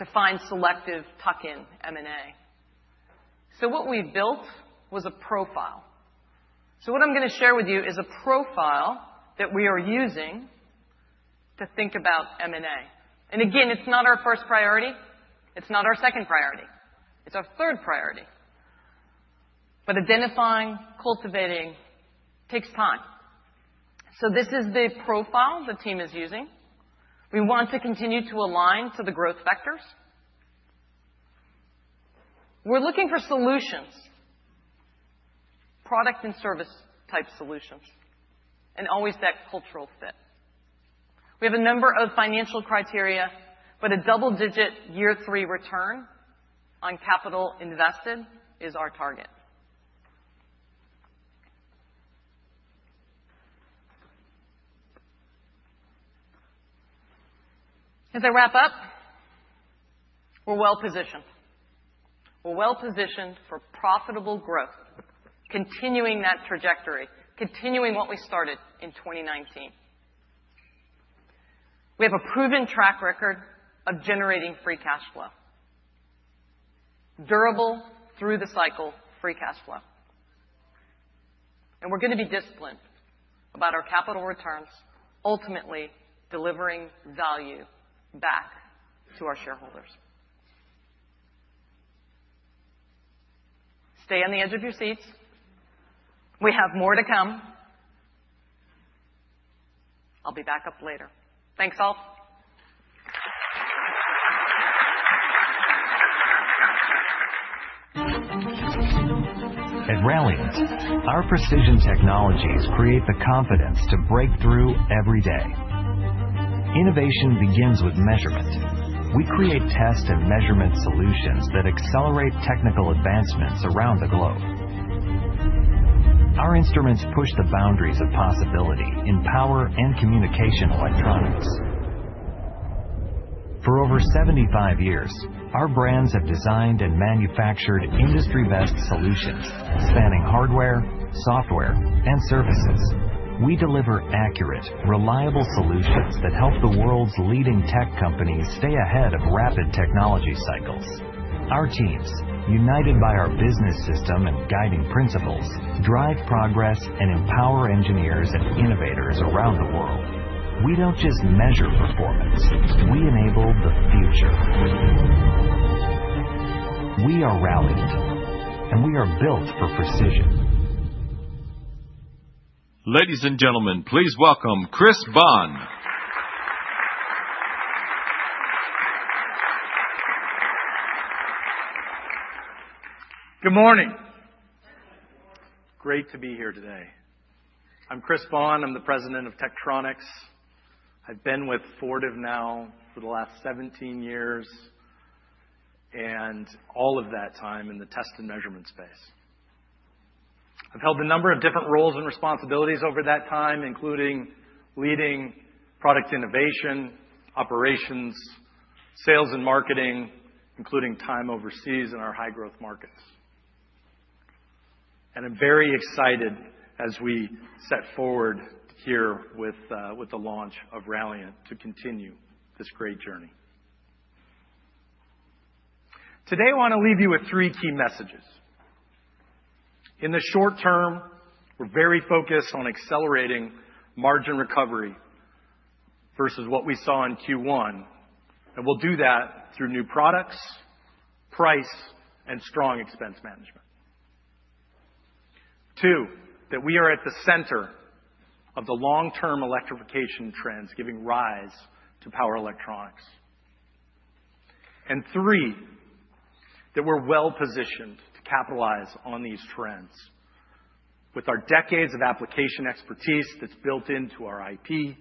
to find selective tuck-in M&A. What we built was a profile. What I'm going to share with you is a profile that we are using to think about M&A. Again, it's not our first priority. It's not our second priority. It's our third priority. Identifying, cultivating takes time. This is the profile the team is using. We want to continue to align to the growth vectors. We're looking for solutions, product and service-type solutions, and always that cultural fit. We have a number of financial criteria, but a double-digit year-three return on capital invested is our target. As I wrap up, we're well-positioned. We're well-positioned for profitable growth, continuing that trajectory, continuing what we started in 2019. We have a proven track record of generating free cash flow, durable through the cycle, free cash flow. We're going to be disciplined about our capital returns, ultimately delivering value back to our shareholders. Stay on the edge of your seats. We have more to come. I'll be back up later. Thanks, all. At Ralliant, our precision technologies create the confidence to break through every day. Innovation begins with measurement. We create test and measurement solutions that accelerate technical advancements around the globe. Our instruments push the boundaries of possibility in power and communication electronics. For over 75 years, our brands have designed and manufactured industry-best solutions spanning hardware, software, and services. We deliver accurate, reliable solutions that help the world's leading tech companies stay ahead of rapid technology cycles. Our teams, united by our business system and guiding principles, drive progress and empower engineers and innovators around the world. We don't just measure performance. We enable the future. We are Ralliant, and we are built for precision. Ladies and gentlemen, please welcome Chris Bohn. Good morning. Great to be here today. I'm Chris Bohn. I'm the President of Tektronix. I've been with Fortive now for the last 17 years and all of that time in the test and measurement space. I've held a number of different roles and responsibilities over that time, including leading product innovation, operations, sales, and marketing, including time overseas in our high-growth markets. I'm very excited as we set forward here with the launch of Ralliant to continue this great journey. Today, I want to leave you with three key messages. In the short term, we're very focused on accelerating margin recovery versus what we saw in Q1. We'll do that through new products, price, and strong expense management. Two, that we are at the center of the long-term electrification trends giving rise to power electronics. Three, that we're well-positioned to capitalize on these trends with our decades of application expertise that's built into our IP,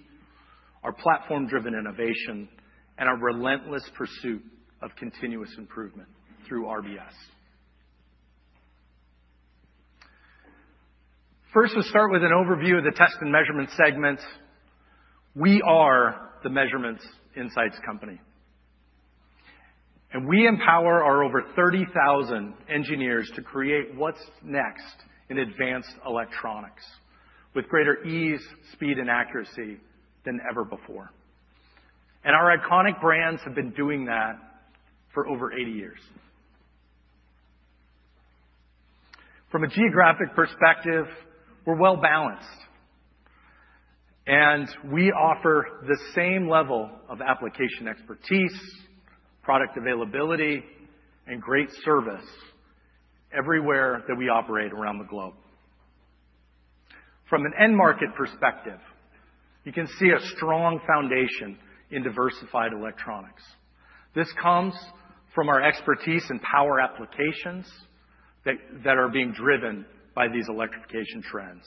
our platform-driven innovation, and our relentless pursuit of continuous improvement through RBS. First, we'll start with an overview of the test and measurement segments. We are the measurements insights company. We empower our over 30,000 engineers to create what's next in advanced electronics with greater ease, speed, and accuracy than ever before. Our iconic brands have been doing that for over 80 years. From a geographic perspective, we are well-balanced. We offer the same level of application expertise, product availability, and great service everywhere that we operate around the globe. From an end market perspective, you can see a strong foundation in diversified electronics. This comes from our expertise in power applications that are being driven by these electrification trends.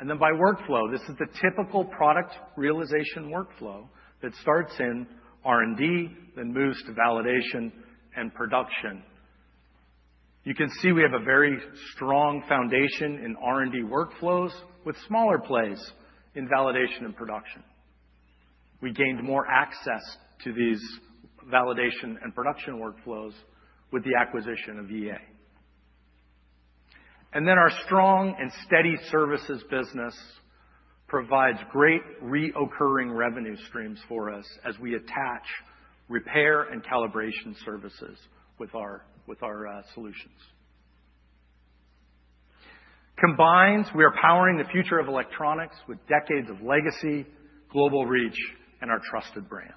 By workflow, this is the typical product realization workflow that starts in R&D, then moves to validation and production. You can see we have a very strong foundation in R&D workflows with smaller plays in validation and production. We gained more access to these validation and production workflows with the acquisition of EA. Our strong and steady services business provides great recurring revenue streams for us as we attach repair and calibration services with our solutions. Combined, we are powering the future of electronics with decades of legacy, global reach, and our trusted brands.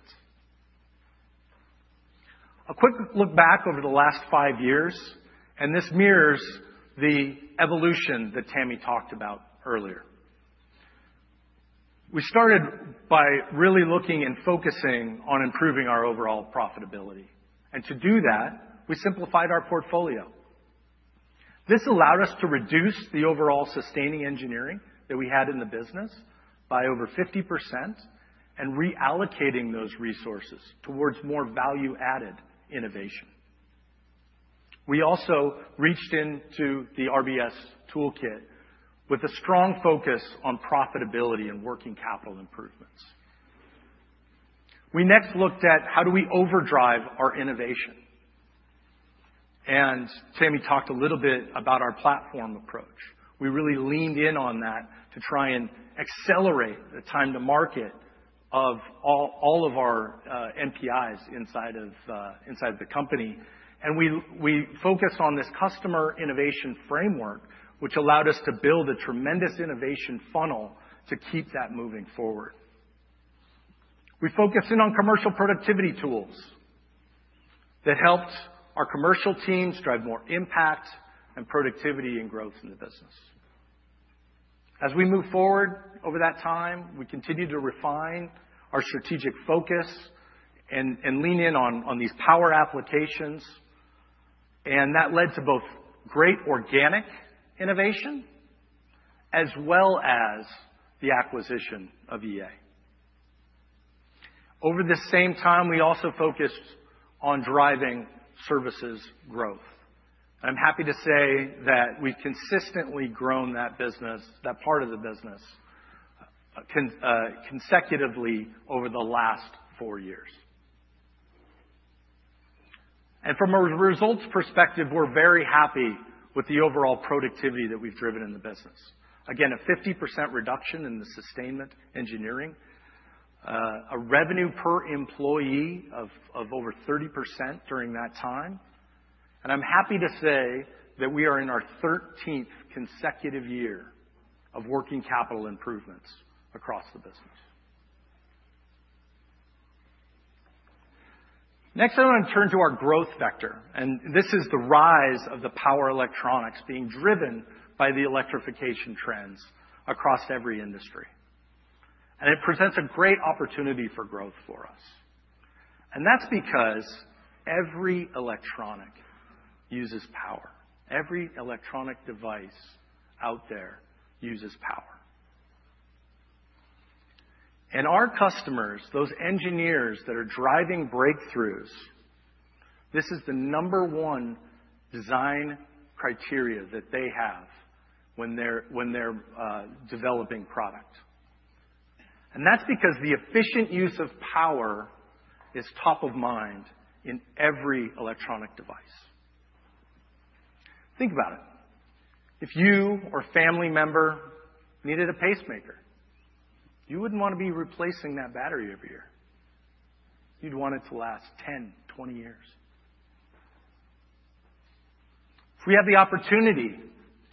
A quick look back over the last five years, and this mirrors the evolution that Tami talked about earlier. We started by really looking and focusing on improving our overall profitability. To do that, we simplified our portfolio. This allowed us to reduce the overall sustaining engineering that we had in the business by over 50% and reallocating those resources towards more value-added innovation. We also reached into the RBS toolkit with a strong focus on profitability and working capital improvements. We next looked at how do we overdrive our innovation. Tami talked a little bit about our platform approach. We really leaned in on that to try and accelerate the time to market of all of our MPIs inside of the company. We focused on this customer innovation framework, which allowed us to build a tremendous innovation funnel to keep that moving forward. We focused in on commercial productivity tools that helped our commercial teams drive more impact and productivity and growth in the business. As we move forward over that time, we continue to refine our strategic focus and lean in on these power applications. That led to both great organic innovation as well as the acquisition of EA. Over the same time, we also focused on driving services growth. I'm happy to say that we've consistently grown that part of the business consecutively over the last four years. From a results perspective, we're very happy with the overall productivity that we've driven in the business. Again, a 50% reduction in the sustainment engineering, a revenue per employee of over 30% during that time. I'm happy to say that we are in our 13th consecutive year of working capital improvements across the business. Next, I want to turn to our growth vector. This is the rise of the power electronics being driven by the electrification trends across every industry. It presents a great opportunity for growth for us. That's because every electronic uses power. Every electronic device out there uses power. Our customers, those engineers that are driving breakthroughs, this is the number one design criteria that they have when they're developing product. That's because the efficient use of power is top of mind in every electronic device. Think about it. If you or a family member needed a pacemaker, you would not want to be replacing that battery every year. You would want it to last 10, 20 years. If we have the opportunity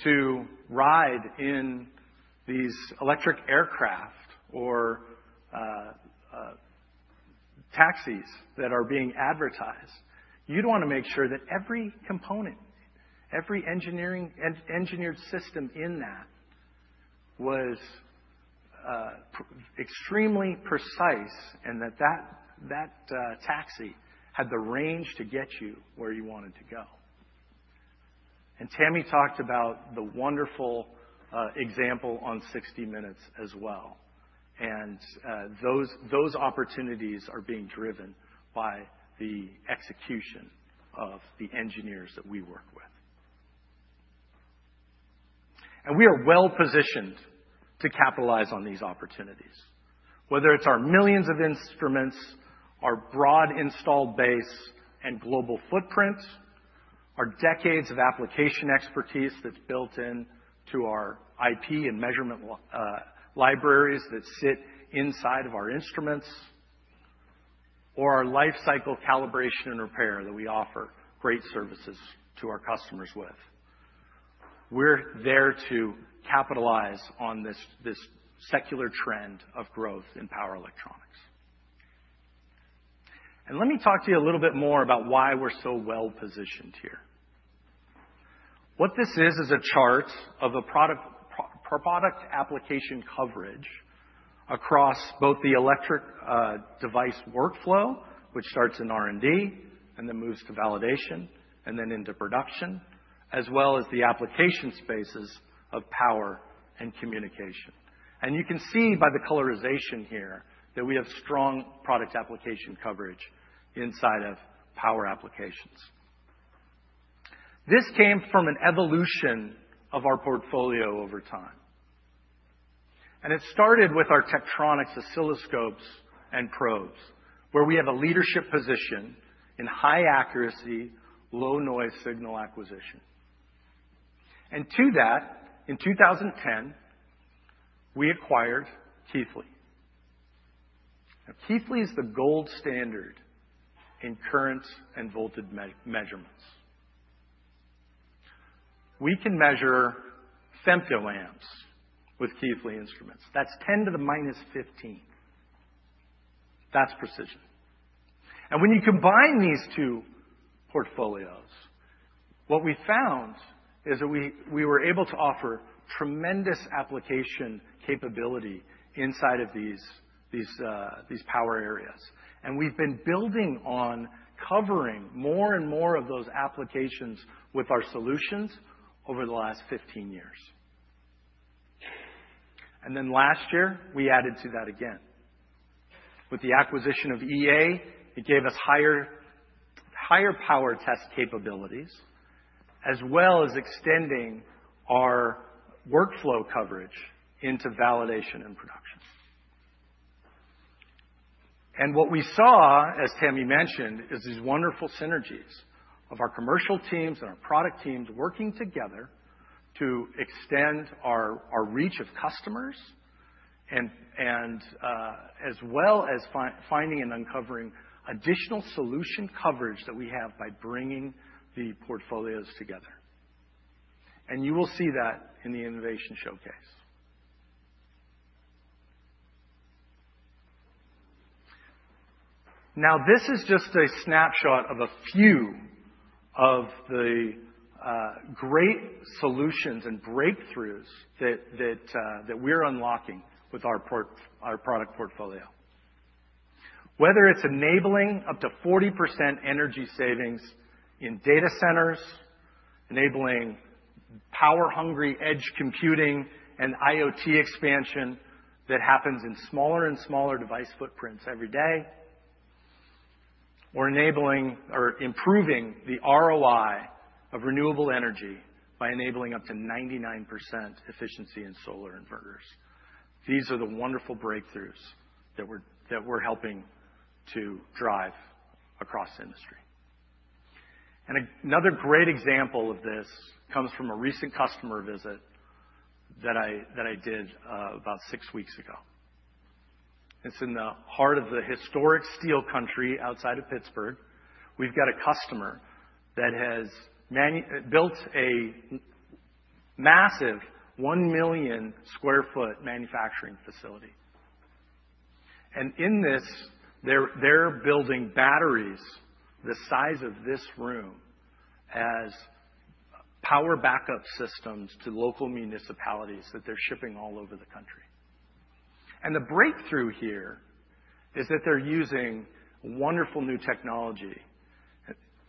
to ride in these electric aircraft or taxis that are being advertised, you would want to make sure that every component, every engineered system in that was extremely precise and that that taxi had the range to get you where you wanted to go. Tami talked about the wonderful example on 60 Minutes as well. Those opportunities are being driven by the execution of the engineers that we work with. We are well-positioned to capitalize on these opportunities, whether it's our millions of instruments, our broad installed base and global footprint, our decades of application expertise that's built into our IP and measurement libraries that sit inside of our instruments, or our life cycle calibration and repair that we offer great services to our customers with. We are there to capitalize on this secular trend of growth in power electronics. Let me talk to you a little bit more about why we're so well-positioned here. What this is, is a chart of a product application coverage across both the electric device workflow, which starts in R&D and then moves to validation and then into production, as well as the application spaces of power and communication. You can see by the colorization here that we have strong product application coverage inside of power applications. This came from an evolution of our portfolio over time. It started with our Tektronix oscilloscopes and probes, where we have a leadership position in high accuracy, low noise signal acquisition. To that, in 2010, we acquired Keithley. Now, Keithley is the gold standard in current and voltage measurements. We can measure femtoamps with Keithley instruments. That is 10 to the minus 15. That is precision. When you combine these two portfolios, what we found is that we were able to offer tremendous application capability inside of these power areas. We have been building on covering more and more of those applications with our solutions over the last 15 years. Last year, we added to that again. With the acquisition of EA, it gave us higher power test capabilities, as well as extending our workflow coverage into validation and production. What we saw, as Tami mentioned, is these wonderful synergies of our commercial teams and our product teams working together to extend our reach of customers, as well as finding and uncovering additional solution coverage that we have by bringing the portfolios together. You will see that in the innovation showcase. Now, this is just a snapshot of a few of the great solutions and breakthroughs that we are unlocking with our product portfolio. Whether it is enabling up to 40% energy savings in data centers, enabling power-hungry edge computing and IoT expansion that happens in smaller and smaller device footprints every day, or improving the ROI of renewable energy by enabling up to 99% efficiency in solar inverters. These are the wonderful breakthroughs that we are helping to drive across the industry. Another great example of this comes from a recent customer visit that I did about six weeks ago. It is in the heart of the historic steel country outside of Pittsburgh. We have got a customer that has built a massive 1 million sq ft manufacturing facility. In this, they are building batteries the size of this room as power backup systems to local municipalities that they are shipping all over the country. The breakthrough here is that they are using wonderful new technology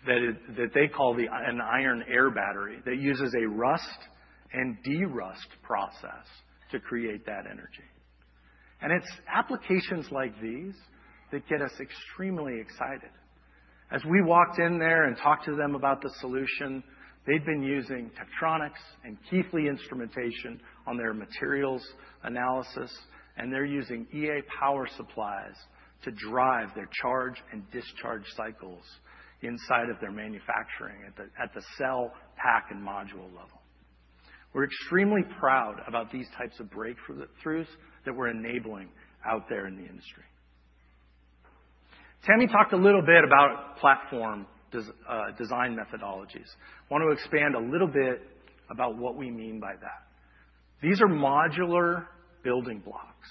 that they call an iron-air battery that uses a rust and de-rust process to create that energy. It is applications like these that get us extremely excited. As we walked in there and talked to them about the solution, they'd been using Tektronix and Keithley instrumentation on their materials analysis, and they're using EA power supplies to drive their charge and discharge cycles inside of their manufacturing at the cell, pack, and module level. We're extremely proud about these types of breakthroughs that we're enabling out there in the industry. Tami talked a little bit about platform design methodologies. I want to expand a little bit about what we mean by that. These are modular building blocks.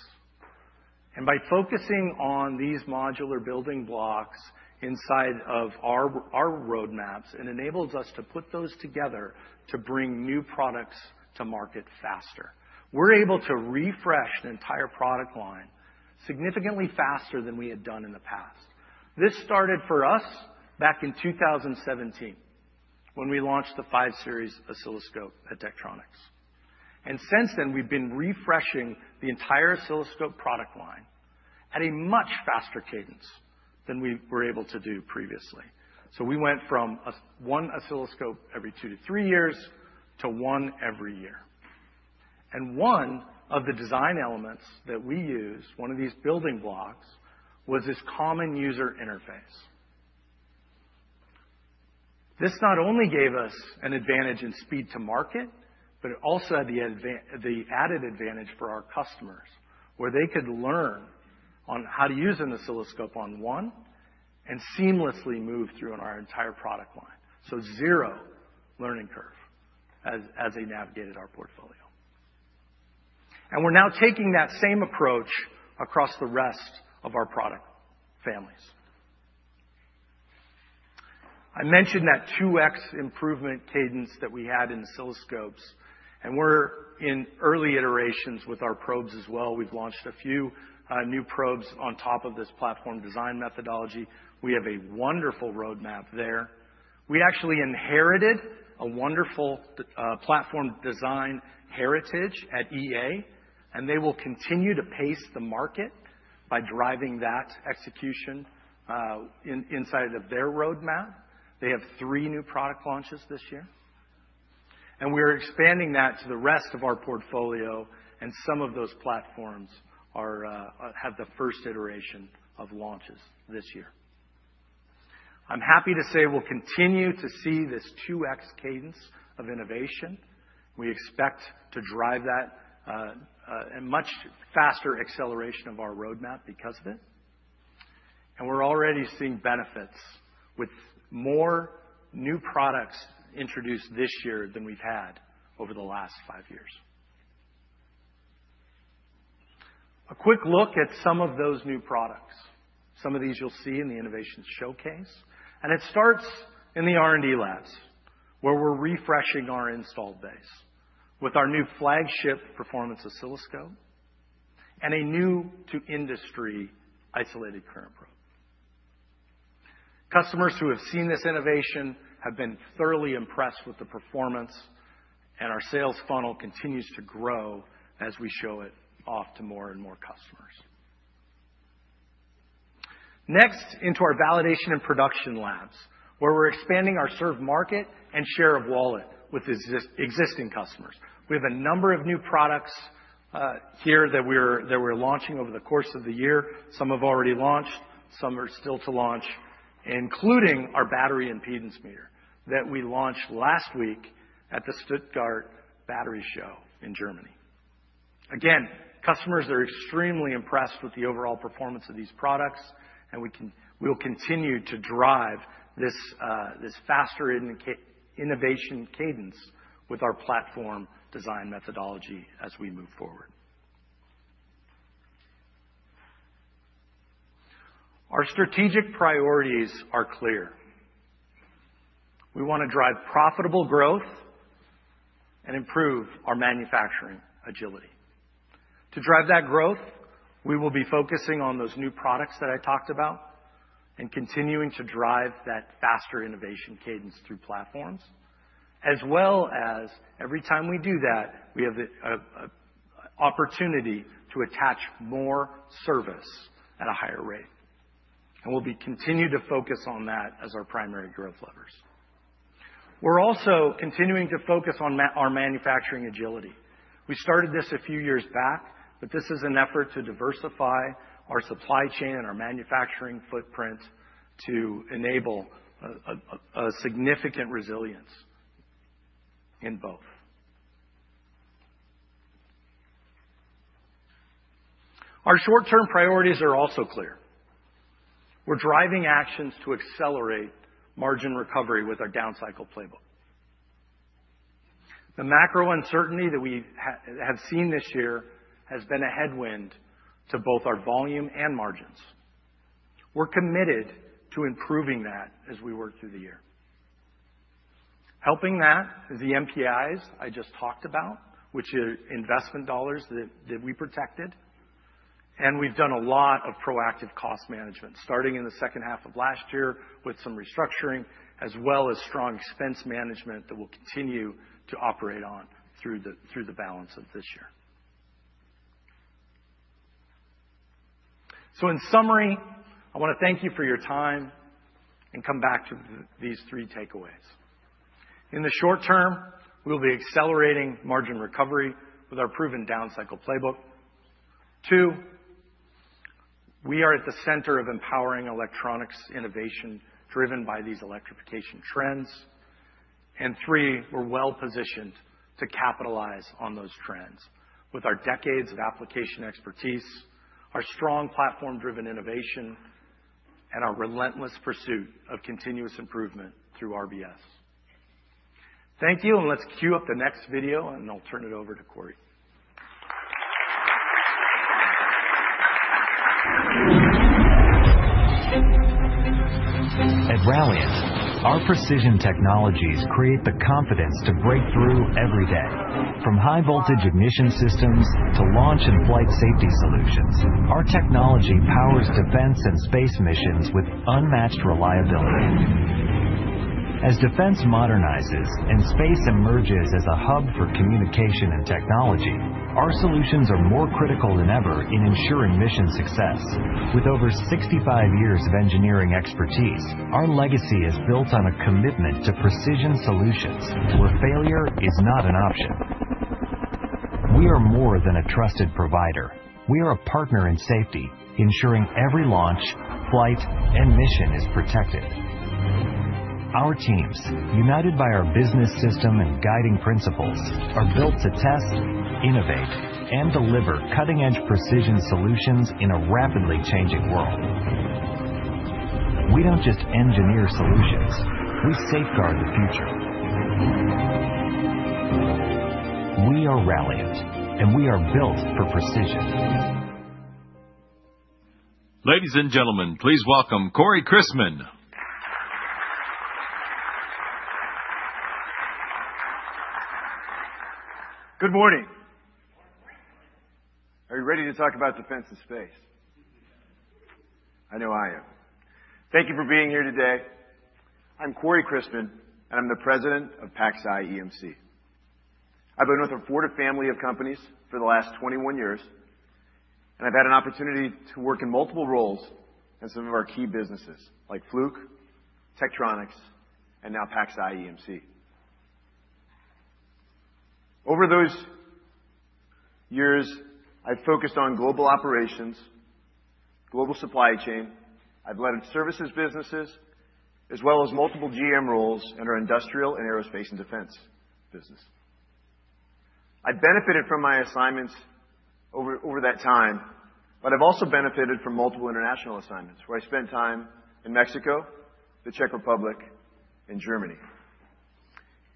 By focusing on these modular building blocks inside of our roadmaps, it enables us to put those together to bring new products to market faster. We're able to refresh the entire product line significantly faster than we had done in the past. This started for us back in 2017 when we launched the 5-Series Oscilloscope at Tektronix. Since then, we've been refreshing the entire oscilloscope product line at a much faster cadence than we were able to do previously. We went from one oscilloscope every two to three years to one every year. One of the design elements that we used, one of these building blocks, was this common user interface. This not only gave us an advantage in speed to market, but it also had the added advantage for our customers, where they could learn how to use an oscilloscope on one and seamlessly move through our entire product line. Zero learning curve as they navigated our portfolio. We are now taking that same approach across the rest of our product families. I mentioned that 2x improvement cadence that we had in oscilloscopes. We are in early iterations with our probes as well. We've launched a few new probes on top of this platform design methodology. We have a wonderful roadmap there. We actually inherited a wonderful platform design heritage at EA, and they will continue to pace the market by driving that execution inside of their roadmap. They have three new product launches this year. We are expanding that to the rest of our portfolio, and some of those platforms have the first iteration of launches this year. I'm happy to say we'll continue to see this 2x cadence of innovation. We expect to drive that and much faster acceleration of our roadmap because of it. We're already seeing benefits with more new products introduced this year than we've had over the last five years. A quick look at some of those new products. Some of these you'll see in the innovation showcase. It starts in the R&D labs, where we're refreshing our installed base with our new flagship performance oscilloscope and a new-to-industry isolated current probe. Customers who have seen this innovation have been thoroughly impressed with the performance, and our sales funnel continues to grow as we show it off to more and more customers. Next, into our validation and production labs, where we're expanding our serve market and share of wallet with existing customers. We have a number of new products here that we're launching over the course of the year. Some have already launched. Some are still to launch, including our battery impedance meter that we launched last week at the Stuttgart Battery Show in Germany. Again, customers are extremely impressed with the overall performance of these products, and we will continue to drive this faster innovation cadence with our platform design methodology as we move forward. Our strategic priorities are clear. We want to drive profitable growth and improve our manufacturing agility. To drive that growth, we will be focusing on those new products that I talked about and continuing to drive that faster innovation cadence through platforms, as well as every time we do that, we have an opportunity to attach more service at a higher rate. We will continue to focus on that as our primary growth levers. We are also continuing to focus on our manufacturing agility. We started this a few years back, but this is an effort to diversify our supply chain and our manufacturing footprint to enable a significant resilience in both. Our short-term priorities are also clear. We are driving actions to accelerate margin recovery with our downcycle playbook. The macro uncertainty that we have seen this year has been a headwind to both our volume and margins. We're committed to improving that as we work through the year. Helping that is the MPIs I just talked about, which are investment dollars that we protected. We've done a lot of proactive cost management, starting in the second half of last year with some restructuring, as well as strong expense management that we'll continue to operate on through the balance of this year. In summary, I want to thank you for your time and come back to these three takeaways. In the short term, we will be accelerating margin recovery with our proven downcycle playbook. Two, we are at the center of empowering electronics innovation driven by these electrification trends. Three, we're well-positioned to capitalize on those trends with our decades of application expertise, our strong platform-driven innovation, and our relentless pursuit of continuous improvement through RBS. Thank you, and let's queue up the next video, and I'll turn it over to Corey. At Ralliant, our precision technologies create the confidence to break through every day. From high-voltage ignition systems to launch and flight safety solutions, our technology powers defense and space missions with unmatched reliability. As defense modernizes and space emerges as a hub for communication and technology, our solutions are more critical than ever in ensuring mission success. With over 65 years of engineering expertise, our legacy is built on a commitment to precision solutions where failure is not an option. We are more than a trusted provider. We are a partner in safety, ensuring every launch, flight, and mission is protected. Our teams, united by our business system and guiding principles, are built to test, innovate, and deliver cutting-edge precision solutions in a rapidly changing world. We don't just engineer solutions; we safeguard the future. We are Ralliant, and we are built for precision. Ladies and gentlemen, please welcome Corey Christmann. Good morning. Are you ready to talk about defense and space? I know I am. Thank you for being here today. I'm Corey Christmann, and I'm the President of PacSci EMC. I've been with a Fortive family of companies for the last 21 years, and I've had an opportunity to work in multiple roles in some of our key businesses like Fluke, Tektronix, and now PacSci EMC. Over those years, I've focused on global operations, global supply chain. I've led services businesses, as well as multiple GM roles in our industrial and aerospace and defense business. I benefited from my assignments over that time, but I've also benefited from multiple international assignments where I spent time in Mexico, the Czech Republic, and Germany.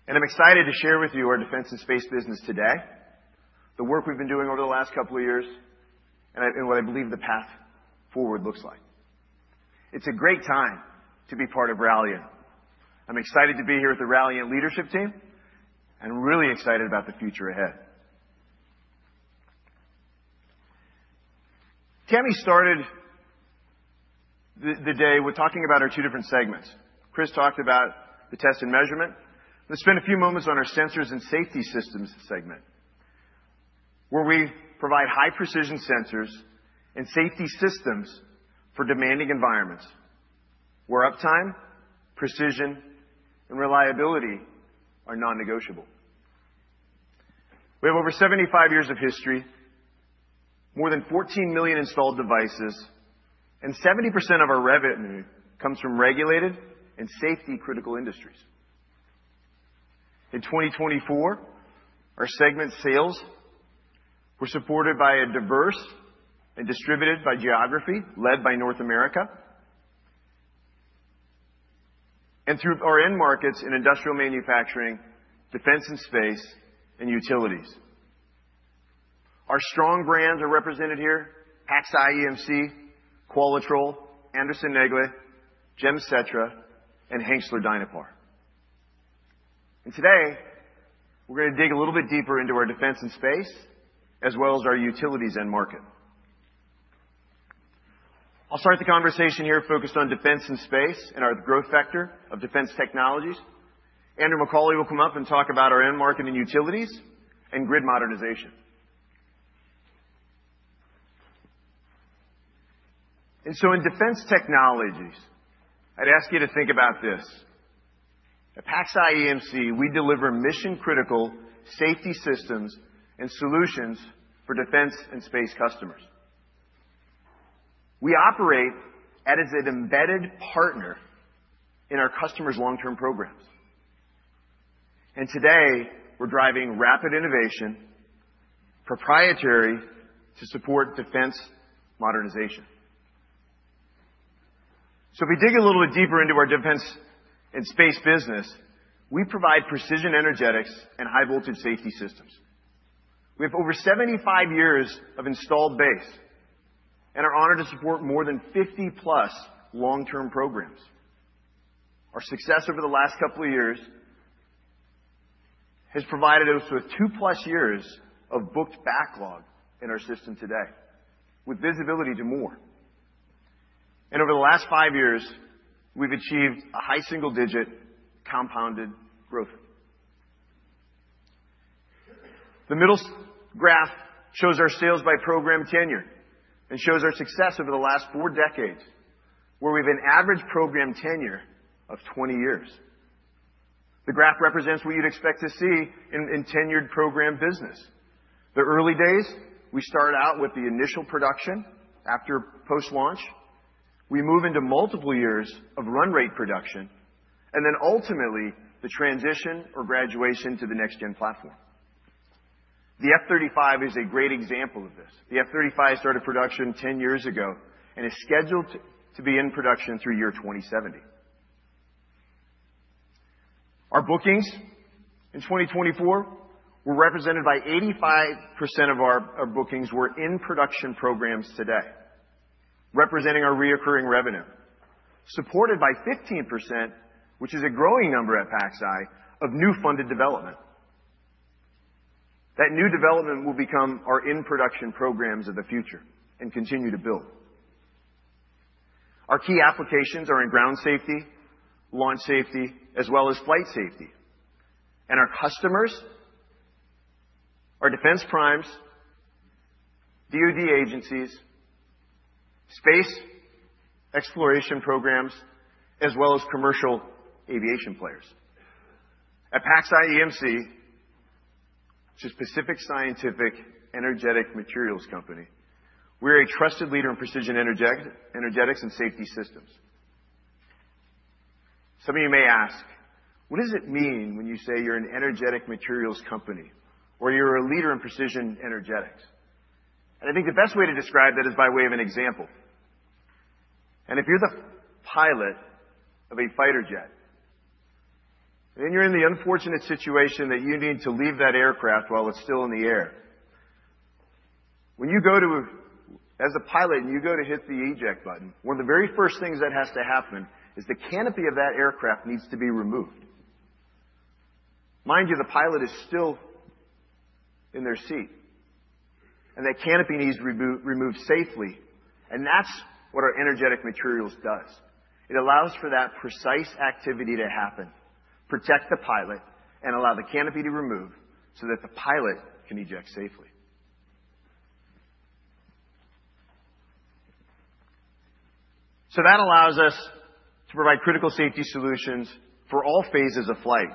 I'm excited to share with you our defense and space business today, the work we've been doing over the last couple of years, and what I believe the path forward looks like. It's a great time to be part of Ralliant. I'm excited to be here with the Ralliant leadership team and really excited about the future ahead. Tami started the day with talking about our two different segments. Chris talked about the test and measurement. Let's spend a few moments on our sensors and safety systems segment, where we provide high-precision sensors and safety systems for demanding environments where uptime, precision, and reliability are non-negotiable. We have over 75 years of history, more than 14 million installed devices, and 70% of our revenue comes from regulated and safety-critical industries. In 2024, our segment sales were supported by a diverse and distributed by geography led by North America and through our end markets in industrial manufacturing, defense and space, and utilities. Our strong brands are represented here: PacSci EMC, Qualitrol, Anderson-Negele, Gems Sensors, and Hengstler Dynapar. Today, we're going to dig a little bit deeper into our defense and space, as well as our utilities end market. I'll start the conversation here focused on defense and space and our growth factor of defense technologies. Andrew McCauley will come up and talk about our end market in utilities and grid modernization. In defense technologies, I'd ask you to think about this. At PacSci EMC, we deliver mission-critical safety systems and solutions for defense and space customers. We operate as an embedded partner in our customers' long-term programs. Today, we're driving rapid innovation proprietary to support defense modernization. If we dig a little bit deeper into our defense and space business, we provide precision energetics and high-voltage safety systems. We have over 75 years of installed base and are honored to support more than 50 long-term programs. Our success over the last couple of years has provided us with two-plus years of booked backlog in our system today, with visibility to more. Over the last five years, we've achieved a high single-digit compounded growth. The middle graph shows our sales by program tenure and shows our success over the last four decades, where we have an average program tenure of 20 years. The graph represents what you'd expect to see in tenured program business. The early days, we start out with the initial production after post-launch. We move into multiple years of run rate production and then ultimately the transition or graduation to the next-gen platform. The F-35 is a great example of this. The F-35 started production 10 years ago and is scheduled to be in production through year 2070. Our bookings in 2024 were represented by 85% of our bookings were in production programs today, representing our recurring revenue, supported by 15%, which is a growing number at PacSci, of new funded development. That new development will become our in-production programs of the future and continue to build. Our key applications are in ground safety, launch safety, as well as flight safety. Our customers are defense primes, DoD agencies, space exploration programs, as well as commercial aviation players. At PacSci EMC, we are a trusted leader in precision energetics and safety systems. Some of you may ask, "What does it mean when you say you're an energetic materials company or you're a leader in precision energetics?" I think the best way to describe that is by way of an example. If you're the pilot of a fighter jet, then you're in the unfortunate situation that you need to leave that aircraft while it's still in the air. When you go to, as a pilot, and you go to hit the eject button, one of the very first things that has to happen is the canopy of that aircraft needs to be removed. Mind you, the pilot is still in their seat, and that canopy needs to be removed safely. That's what our energetic materials does. It allows for that precise activity to happen, protect the pilot, and allow the canopy to remove so that the pilot can eject safely. That allows us to provide critical safety solutions for all phases of flight.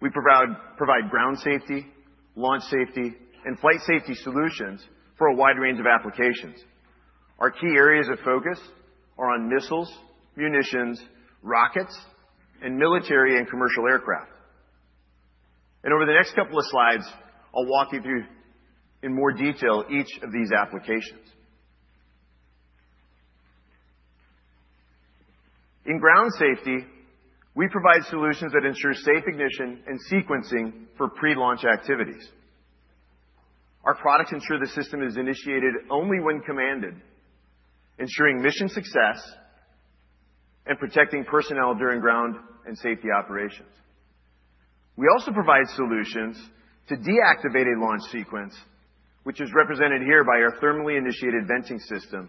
We provide ground safety, launch safety, and flight safety solutions for a wide range of applications. Our key areas of focus are on missiles, munitions, rockets, and military and commercial aircraft. Over the next couple of slides, I'll walk you through in more detail each of these applications. In ground safety, we provide solutions that ensure safe ignition and sequencing for pre-launch activities. Our products ensure the system is initiated only when commanded, ensuring mission success and protecting personnel during ground and safety operations. We also provide solutions to deactivate a launch sequence, which is represented here by our thermally initiated venting system.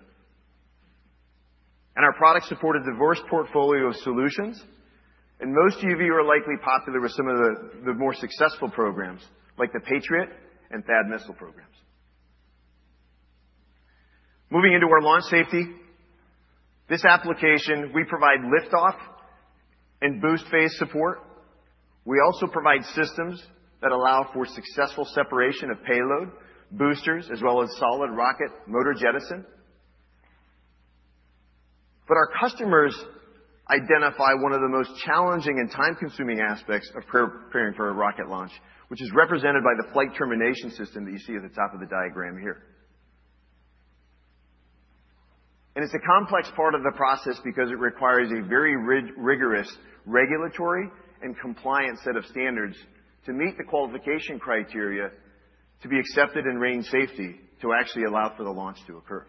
Our products support a diverse portfolio of solutions, and most of you are likely familiar with some of the more successful programs, like the Patriot and THAAD missile programs. Moving into our launch safety, this application, we provide liftoff and boost phase support. We also provide systems that allow for successful separation of payload boosters, as well as solid rocket motor jettison. Our customers identify one of the most challenging and time-consuming aspects of preparing for a rocket launch, which is represented by the flight termination system that you see at the top of the diagram here. It is a complex part of the process because it requires a very rigorous regulatory and compliance set of standards to meet the qualification criteria to be accepted in range safety to actually allow for the launch to occur.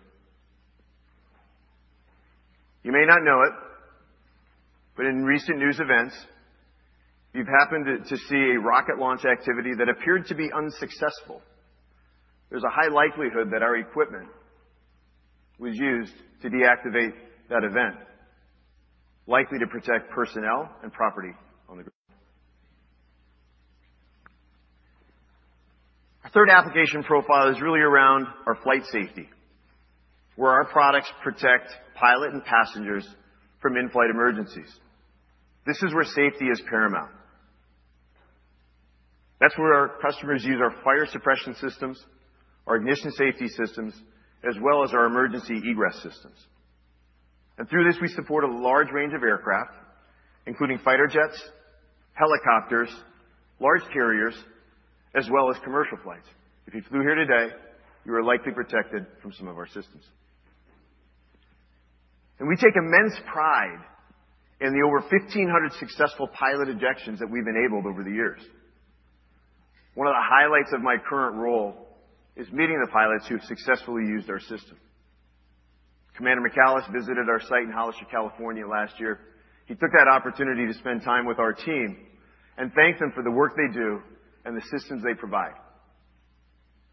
You may not know it, but in recent news events, you have happened to see a rocket launch activity that appeared to be unsuccessful. There's a high likelihood that our equipment was used to deactivate that event, likely to protect personnel and property on the ground. Our third application profile is really around our flight safety, where our products protect pilot and passengers from in-flight emergencies. This is where safety is paramount. That is where our customers use our fire suppression systems, our ignition safety systems, as well as our emergency egress systems. Through this, we support a large range of aircraft, including fighter jets, helicopters, large carriers, as well as commercial flights. If you flew here today, you are likely protected from some of our systems. We take immense pride in the over 1,500 successful pilot ejections that we have enabled over the years. One of the highlights of my current role is meeting the pilots who have successfully used our system. Commander McAllis visited our site in Hollister, California last year. He took that opportunity to spend time with our team and thanked them for the work they do and the systems they provide.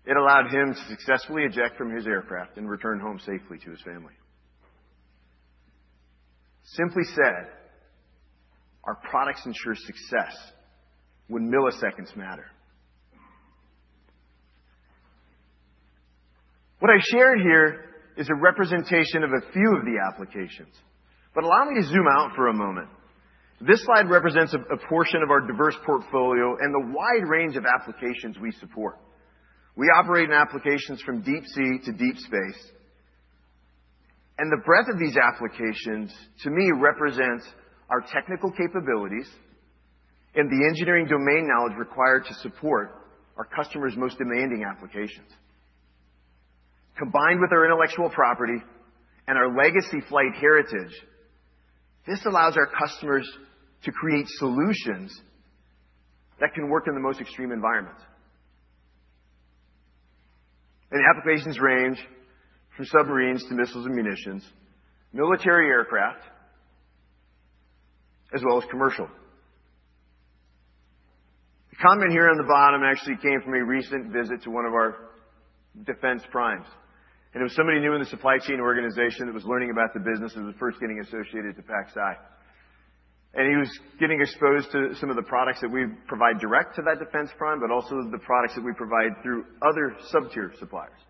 It allowed him to successfully eject from his aircraft and return home safely to his family. Simply said, our products ensure success when milliseconds matter. What I shared here is a representation of a few of the applications. Allow me to zoom out for a moment. This slide represents a portion of our diverse portfolio and the wide range of applications we support. We operate in applications from deep sea to deep space. The breadth of these applications, to me, represents our technical capabilities and the engineering domain knowledge required to support our customers' most demanding applications. Combined with our intellectual property and our legacy flight heritage, this allows our customers to create solutions that can work in the most extreme environments. The applications range from submarines to missiles and munitions, military aircraft, as well as commercial. The comment here on the bottom actually came from a recent visit to one of our defense primes. It was somebody new in the supply chain organization that was learning about the business and was first getting associated to PacSci. He was getting exposed to some of the products that we provide direct to that defense prime, but also the products that we provide through other sub-tier suppliers.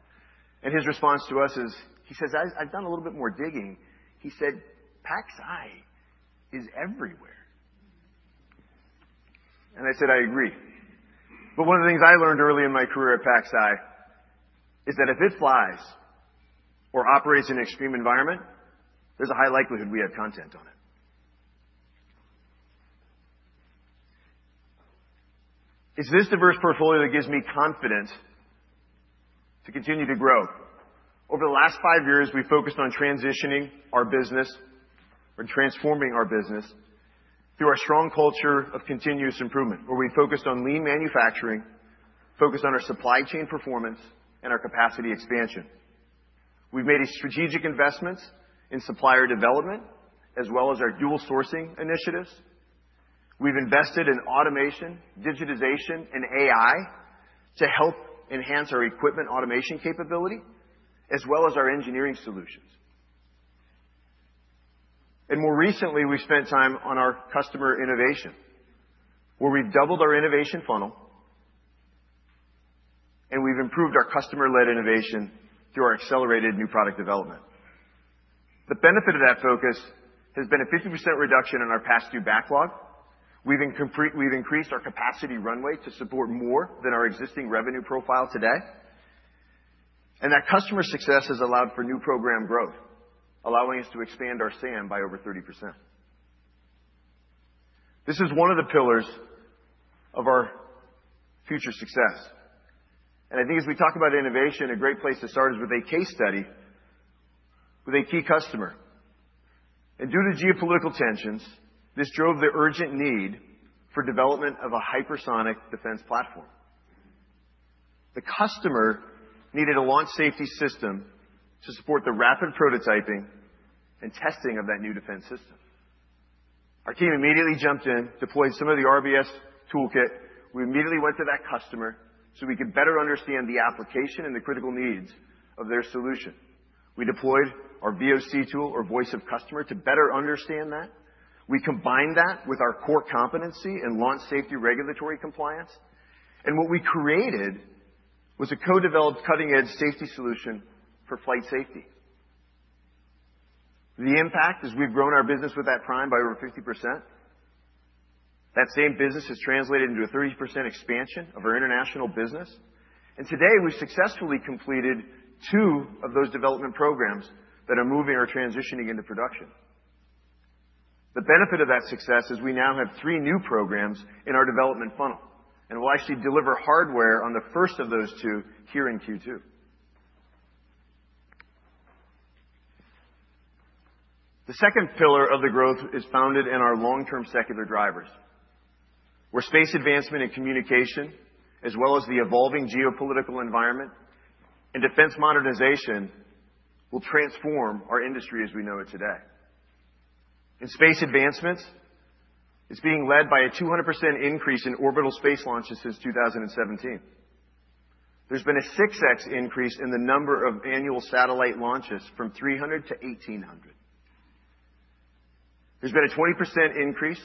His response to us is, he says, "I've done a little bit more digging." He said, "PacSci is everywhere." I said, "I agree." One of the things I learned early in my career at PacSci is that if it flies or operates in an extreme environment, there is a high likelihood we have content on it. It's this diverse portfolio that gives me confidence to continue to grow. Over the last five years, we've focused on transitioning our business or transforming our business through our strong culture of continuous improvement, where we focused on lean manufacturing, focused on our supply chain performance, and our capacity expansion. We've made strategic investments in supplier development, as well as our dual sourcing initiatives. We've invested in automation, digitization, and AI to help enhance our equipment automation capability, as well as our engineering solutions. More recently, we've spent time on our customer innovation, where we've doubled our innovation funnel, and we've improved our customer-led innovation through our accelerated new product development. The benefit of that focus has been a 50% reduction in our past due backlog. We've increased our capacity runway to support more than our existing revenue profile today. That customer success has allowed for new program growth, allowing us to expand our SAM by over 30%. This is one of the pillars of our future success. I think as we talk about innovation, a great place to start is with a case study with a key customer. Due to geopolitical tensions, this drove the urgent need for development of a hypersonic defense platform. The customer needed a launch safety system to support the rapid prototyping and testing of that new defense system. Our team immediately jumped in, deployed some of the RBS toolkit. We immediately went to that customer so we could better understand the application and the critical needs of their solution. We deployed our VOC tool, or voice of customer, to better understand that. We combined that with our core competency and launch safety regulatory compliance. What we created was a co-developed cutting-edge safety solution for flight safety. The impact is we've grown our business with that prime by over 50%. That same business has translated into a 30% expansion of our international business. Today, we've successfully completed two of those development programs that are moving or transitioning into production. The benefit of that success is we now have three new programs in our development funnel, and we'll actually deliver hardware on the first of those two here in Q2. The second pillar of the growth is founded in our long-term secular drivers, where space advancement and communication, as well as the evolving geopolitical environment and defense modernization, will transform our industry as we know it today. In space advancements, it's being led by a 200% increase in orbital space launches since 2017. There's been a 6X increase in the number of annual satellite launches from 300 to 1,800. There's been a 20% increase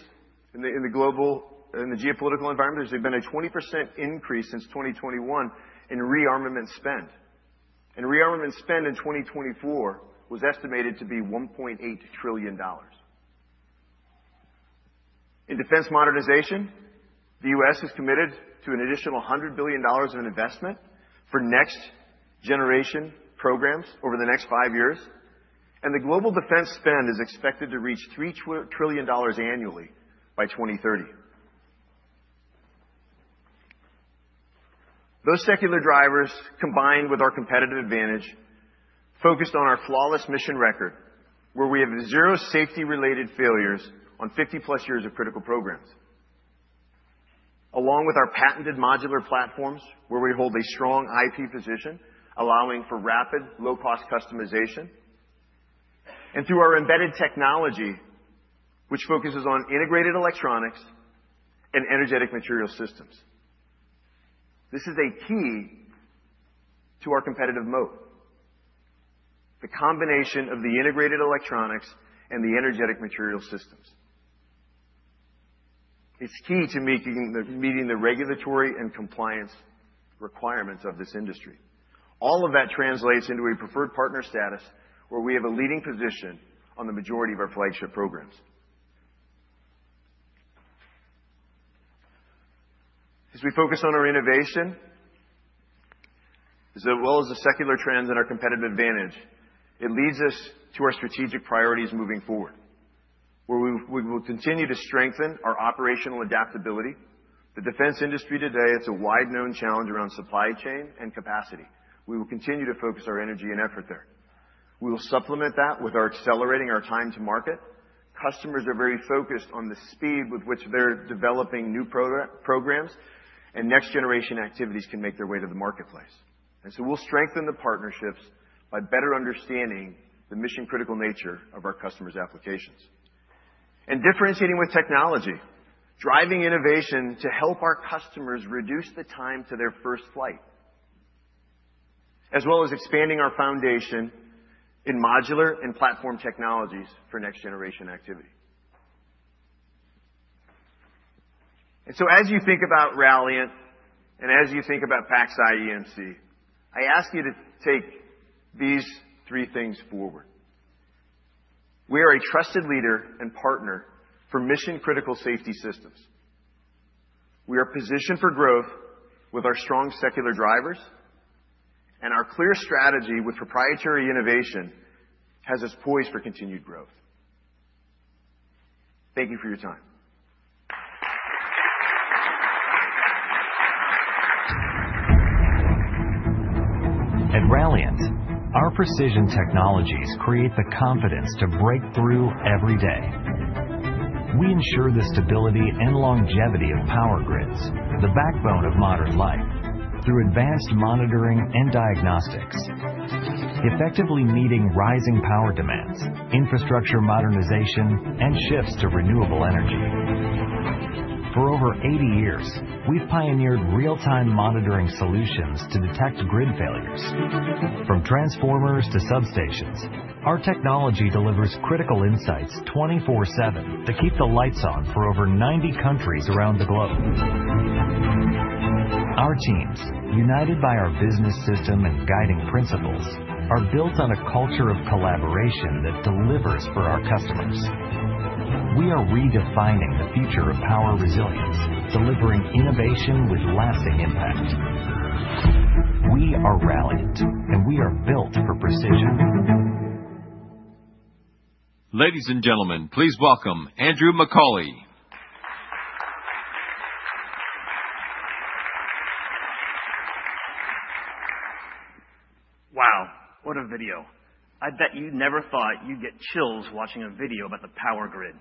in the geopolitical environment. There's been a 20% increase since 2021 in rearmament spend. Rearmament spend in 2024 was estimated to be $1.8 trillion. In defense modernization, the U.S. has committed to an additional $100 billion of investment for next-generation programs over the next five years. The global defense spend is expected to reach $3 trillion annually by 2030. Those secular drivers, combined with our competitive advantage, focused on our flawless mission record, where we have zero safety-related failures on 50-plus years of critical programs, along with our patented modular platforms, where we hold a strong IP position, allowing for rapid, low-cost customization, and through our embedded technology, which focuses on integrated electronics and energetic material systems. This is a key to our competitive moat: the combination of the integrated electronics and the energetic material systems. It's key to meeting the regulatory and compliance requirements of this industry. All of that translates into a preferred partner status, where we have a leading position on the majority of our flagship programs. As we focus on our innovation, as well as the secular trends and our competitive advantage, it leads us to our strategic priorities moving forward, where we will continue to strengthen our operational adaptability. The defense industry today, it's a wide-known challenge around supply chain and capacity. We will continue to focus our energy and effort there. We will supplement that with our accelerating our time to market. Customers are very focused on the speed with which they're developing new programs, and next-generation activities can make their way to the marketplace. We will strengthen the partnerships by better understanding the mission-critical nature of our customers' applications and differentiating with technology, driving innovation to help our customers reduce the time to their first flight, as well as expanding our foundation in modular and platform technologies for next-generation activity. As you think about Ralliant and as you think about PacSci EMC, I ask you to take these three things forward. We are a trusted leader and partner for mission-critical safety systems. We are positioned for growth with our strong secular drivers, and our clear strategy with proprietary innovation has us poised for continued growth. Thank you for your time. At Ralliant, our precision technologies create the confidence to break through every day. We ensure the stability and longevity of power grids, the backbone of modern life, through advanced monitoring and diagnostics, effectively meeting rising power demands, infrastructure modernization, and shifts to renewable energy. For over 80 years, we've pioneered real-time monitoring solutions to detect grid failures. From transformers to substations, our technology delivers critical insights 24/7 to keep the lights on for over 90 countries around the globe. Our teams, united by our business system and guiding principles, are built on a culture of collaboration that delivers for our customers. We are redefining the future of power resilience, delivering innovation with lasting impact. We are Ralliant, and we are built for precision. Ladies and gentlemen, please welcome Andrew McCauley. Wow, what a video. I bet you never thought you'd get chills watching a video about the power grid.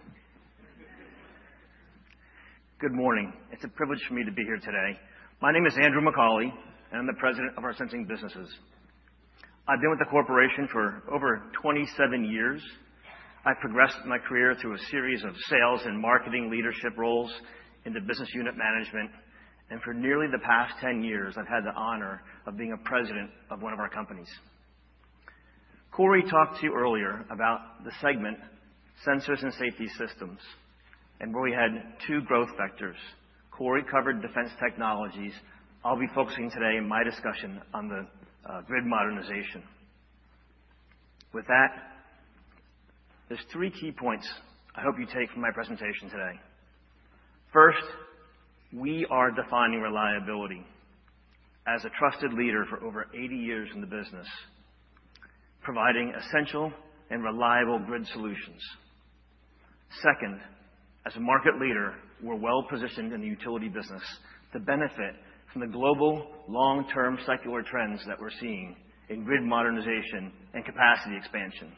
Good morning. It's a privilege for me to be here today. My name is Andrew McCauley, and I'm the president of Sensing Businesses. I've been with the corporation for over 27 years. I've progressed in my career through a series of sales and marketing leadership roles into business unit management. For nearly the past 10 years, I've had the honor of being a president of one of our companies. Corey talked to you earlier about the segment, sensors and safety systems, and where we had two growth vectors. Corey covered defense technologies. I'll be focusing today in my discussion on the grid modernization. With that, there are three key points I hope you take from my presentation today. First, we are defining reliability as a trusted leader for over 80 years in the business, providing essential and reliable grid solutions. Second, as a market leader, we're well positioned in the utility business to benefit from the global long-term secular trends that we're seeing in grid modernization and capacity expansion.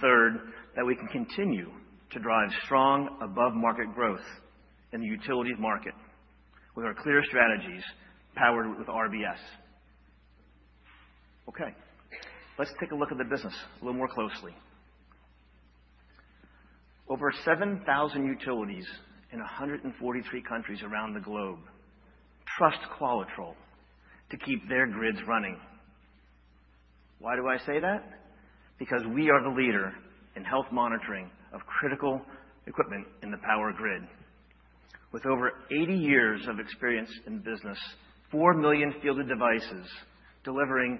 Third, that we can continue to drive strong above-market growth in the utilities market with our clear strategies powered with RBS. Okay. Let's take a look at the business a little more closely. Over 7,000 utilities in 143 countries around the globe trust Qualitrol to keep their grids running. Why do I say that? Because we are the leader in health monitoring of critical equipment in the power grid. With over 80 years of experience in business, 4 million fielded devices delivering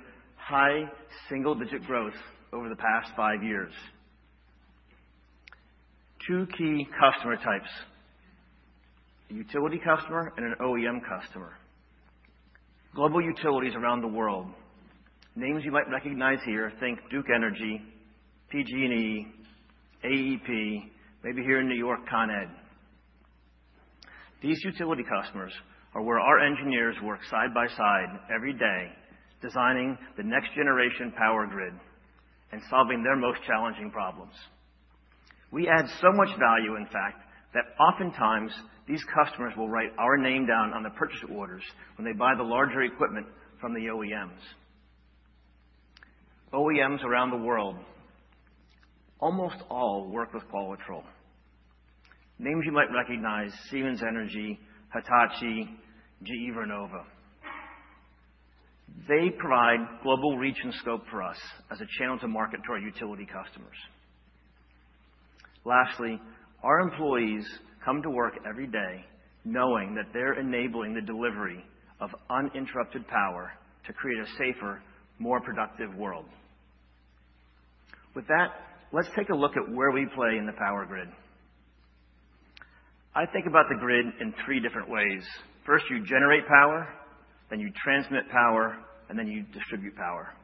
high single-digit growth over the past five years. Two key customer types: a utility customer and an OEM customer. Global utilities around the world. Names you might recognize here, think Duke Energy, PG&E, AEP, maybe here in New York, ConEd. These utility customers are where our engineers work side by side every day, designing the next-generation power grid and solving their most challenging problems. We add so much value, in fact, that oftentimes these customers will write our name down on the purchase orders when they buy the larger equipment from the OEMs. OEMs around the world, almost all work with Qualitrol. Names you might recognize: Siemens Energy, Hitachi, GE Vernova. They provide global reach and scope for us as a channel to market to our utility customers. Lastly, our employees come to work every day knowing that they're enabling the delivery of uninterrupted power to create a safer, more productive world. With that, let's take a look at where we play in the power grid. I think about the grid in three different ways. First, you generate power, then you transmit power, and then you distribute power.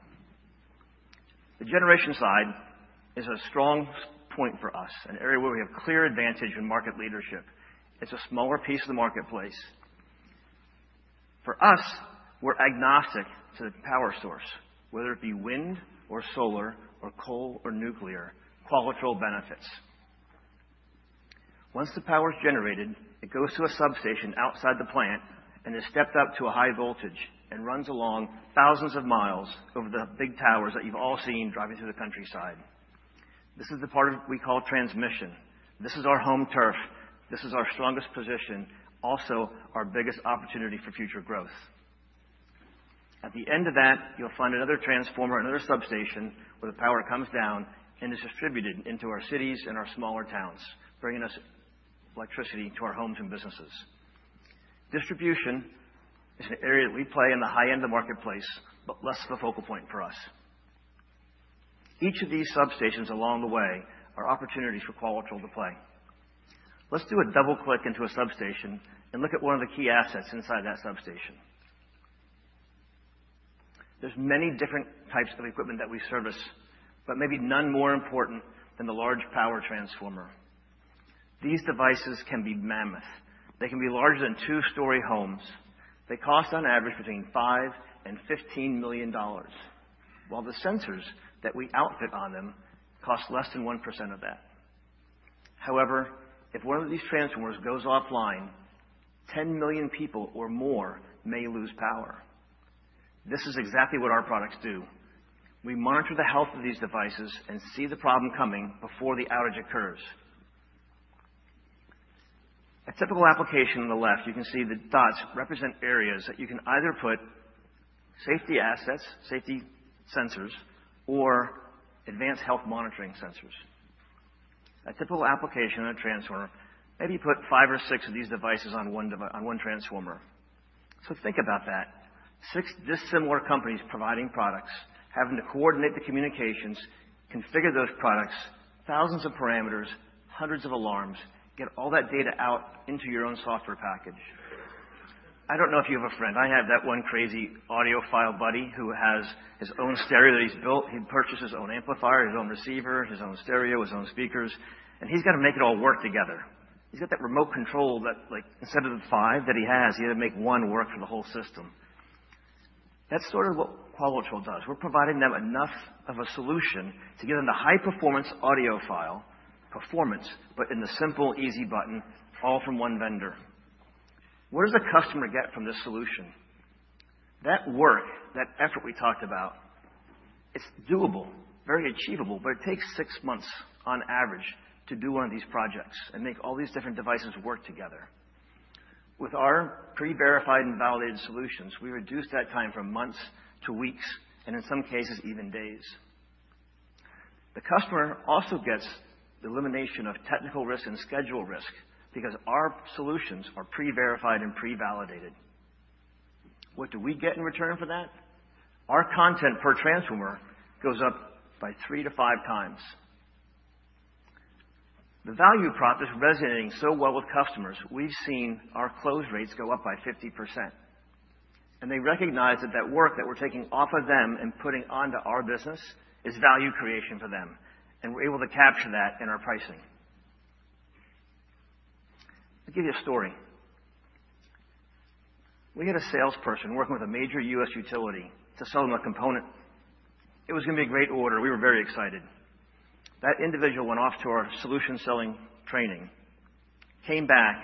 The generation side is a strong point for us, an area where we have clear advantage in market leadership. It's a smaller piece of the marketplace. For us, we're agnostic to the power source, whether it be wind or solar or coal or nuclear. Qualitrol benefits. Once the power is generated, it goes to a substation outside the plant and is stepped up to a high voltage and runs along thousands of miles over the big towers that you've all seen driving through the countryside. This is the part we call transmission. This is our home turf. This is our strongest position, also our biggest opportunity for future growth. At the end of that, you'll find another transformer, another substation where the power comes down and is distributed into our cities and our smaller towns, bringing us electricity to our homes and businesses. Distribution is an area that we play in the high-end of the marketplace, but less of a focal point for us. Each of these substations along the way are opportunities for Qualitrol to play. Let's do a double-click into a substation and look at one of the key assets inside that substation. There are many different types of equipment that we service, but maybe none more important than the large power transformer. These devices can be mammoth. They can be larger than two-story homes. They cost on average between $5 million and $15 million, while the sensors that we outfit on them cost less than 1% of that. However, if one of these transformers goes offline, 10 million people or more may lose power. This is exactly what our products do. We monitor the health of these devices and see the problem coming before the outage occurs. A typical application on the left, you can see the dots represent areas that you can either put safety assets, safety sensors, or advanced health monitoring sensors. A typical application of a transformer, maybe put five or six of these devices on one transformer. Think about that. Six dissimilar companies providing products having to coordinate the communications, configure those products, thousands of parameters, hundreds of alarms, get all that data out into your own software package. I do not know if you have a friend. I have that one crazy audiophile buddy who has his own stereo that he has built. He purchased his own amplifier, his own receiver, his own stereo, his own speakers, and he's got to make it all work together. He's got that remote control that, instead of the five that he has, he had to make one work for the whole system. That's sort of what Qualitrol does. We're providing them enough of a solution to give them the high-performance audiophile performance, but in the simple, easy button, all from one vendor. What does the customer get from this solution? That work, that effort we talked about, it's doable, very achievable, but it takes six months on average to do one of these projects and make all these different devices work together. With our pre-verified and validated solutions, we reduce that time from months to weeks and, in some cases, even days. The customer also gets the elimination of technical risk and schedule risk because our solutions are pre-verified and pre-validated. What do we get in return for that? Our content per transformer goes up by three to five times. The value prop is resonating so well with customers, we've seen our close rates go up by 50%. They recognize that that work that we're taking off of them and putting onto our business is value creation for them, and we're able to capture that in our pricing. I'll give you a story. We had a salesperson working with a major U.S. utility to sell them a component. It was going to be a great order. We were very excited. That individual went off to our solution selling training, came back,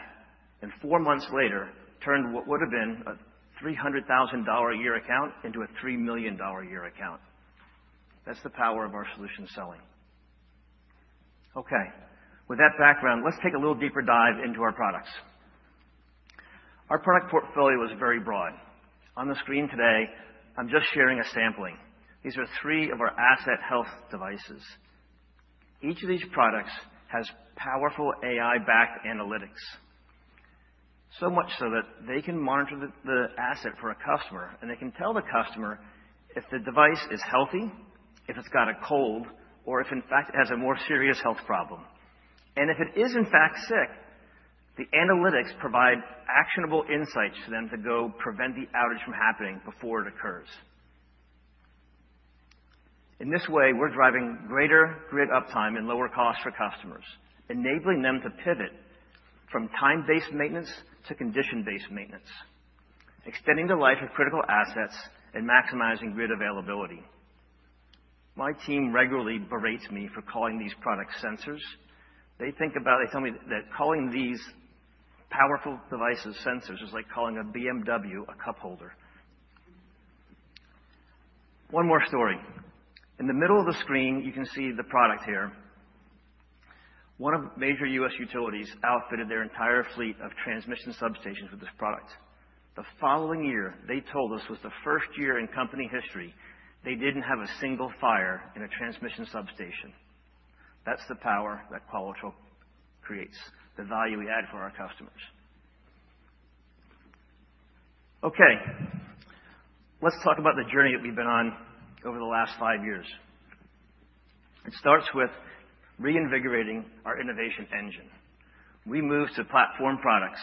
and four months later turned what would have been a $300,000 a year account into a $3 million a year account. That's the power of our solution selling. Okay. With that background, let's take a little deeper dive into our products. Our product portfolio is very broad. On the screen today, I'm just sharing a sampling. These are three of our asset health devices. Each of these products has powerful AI-backed analytics, so much so that they can monitor the asset for a customer, and they can tell the customer if the device is healthy, if it's got a cold, or if, in fact, it has a more serious health problem. If it is, in fact, sick, the analytics provide actionable insights to them to go prevent the outage from happening before it occurs. In this way, we're driving greater grid uptime and lower costs for customers, enabling them to pivot from time-based maintenance to condition-based maintenance, extending the life of critical assets and maximizing grid availability. My team regularly berates me for calling these products sensors. They tell me that calling these powerful devices sensors is like calling a BMW a cupholder. One more story. In the middle of the screen, you can see the product here. One of major U.S. utilities outfitted their entire fleet of transmission substations with this product. The following year, they told us, was the first year in company history they didn't have a single fire in a transmission substation. That's the power that Qualitrol creates, the value we add for our customers. Okay. Let's talk about the journey that we've been on over the last five years. It starts with reinvigorating our innovation engine. We moved to platform products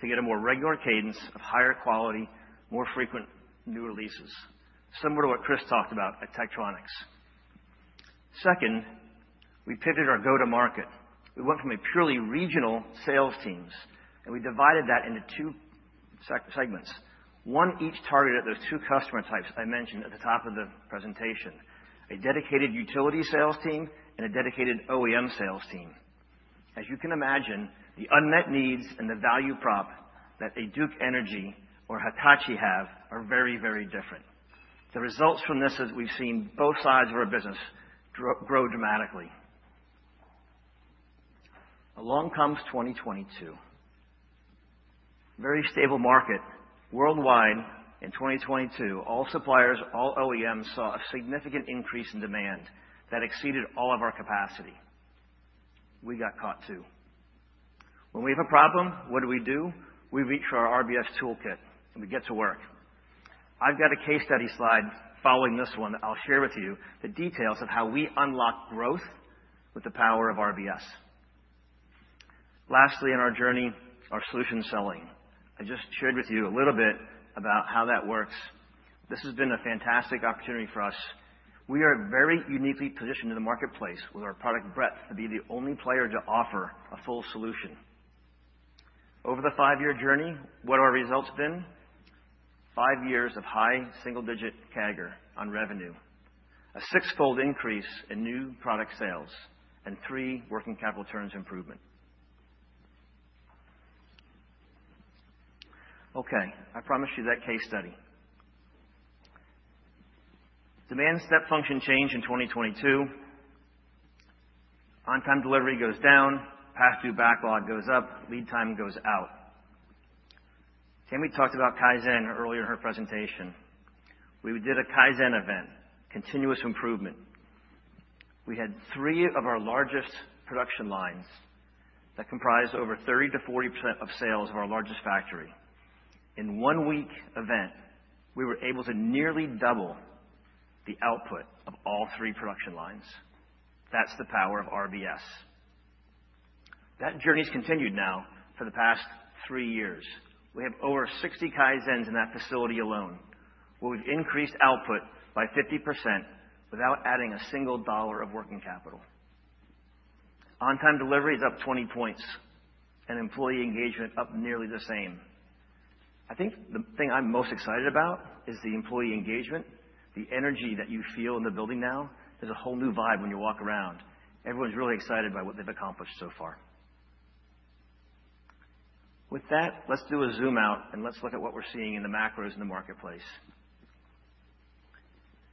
to get a more regular cadence of higher quality, more frequent new releases, similar to what Chris talked about at Tektronix. Second, we pivoted our go-to-market. We went from a purely regional sales team, and we divided that into two segments, one each targeted at those two customer types I mentioned at the top of the presentation, a dedicated utility sales team and a dedicated OEM sales team. As you can imagine, the unmet needs and the value prop that a Duke Energy or Hitachi have are very, very different. The results from this is we've seen both sides of our business grow dramatically. Along comes 2022. Very stable market. Worldwide, in 2022, all suppliers, all OEMs saw a significant increase in demand that exceeded all of our capacity. We got caught too. When we have a problem, what do we do? We reach for our RBS toolkit, and we get to work. I've got a case study slide following this one that I'll share with you, the details of how we unlock growth with the power of RBS. Lastly, in our journey, our solution selling. I just shared with you a little bit about how that works. This has been a fantastic opportunity for us. We are very uniquely positioned in the marketplace with our product breadth to be the only player to offer a full solution. Over the five-year journey, what have our results been? Five years of high single-digit CAGR on revenue, a six-fold increase in new product sales, and three working capital turns improvement. Okay. I promised you that case study. Demand step function change in 2022. On-time delivery goes down, passthrough backlog goes up, lead time goes out. Tami talked about Kaizen earlier in her presentation. We did a Kaizen event, continuous improvement. We had three of our largest production lines that comprised over 30-40% of sales of our largest factory. In one-week event, we were able to nearly double the output of all three production lines. That's the power of RBS. That journey has continued now for the past three years. We have over 60 Kaizens in that facility alone, where we've increased output by 50% without adding a single dollar of working capital. On-time delivery is up 20 percentage points, and employee engagement up nearly the same. I think the thing I'm most excited about is the employee engagement. The energy that you feel in the building now is a whole new vibe when you walk around. Everyone's really excited by what they've accomplished so far. With that, let's do a zoom out and let's look at what we're seeing in the macros in the marketplace.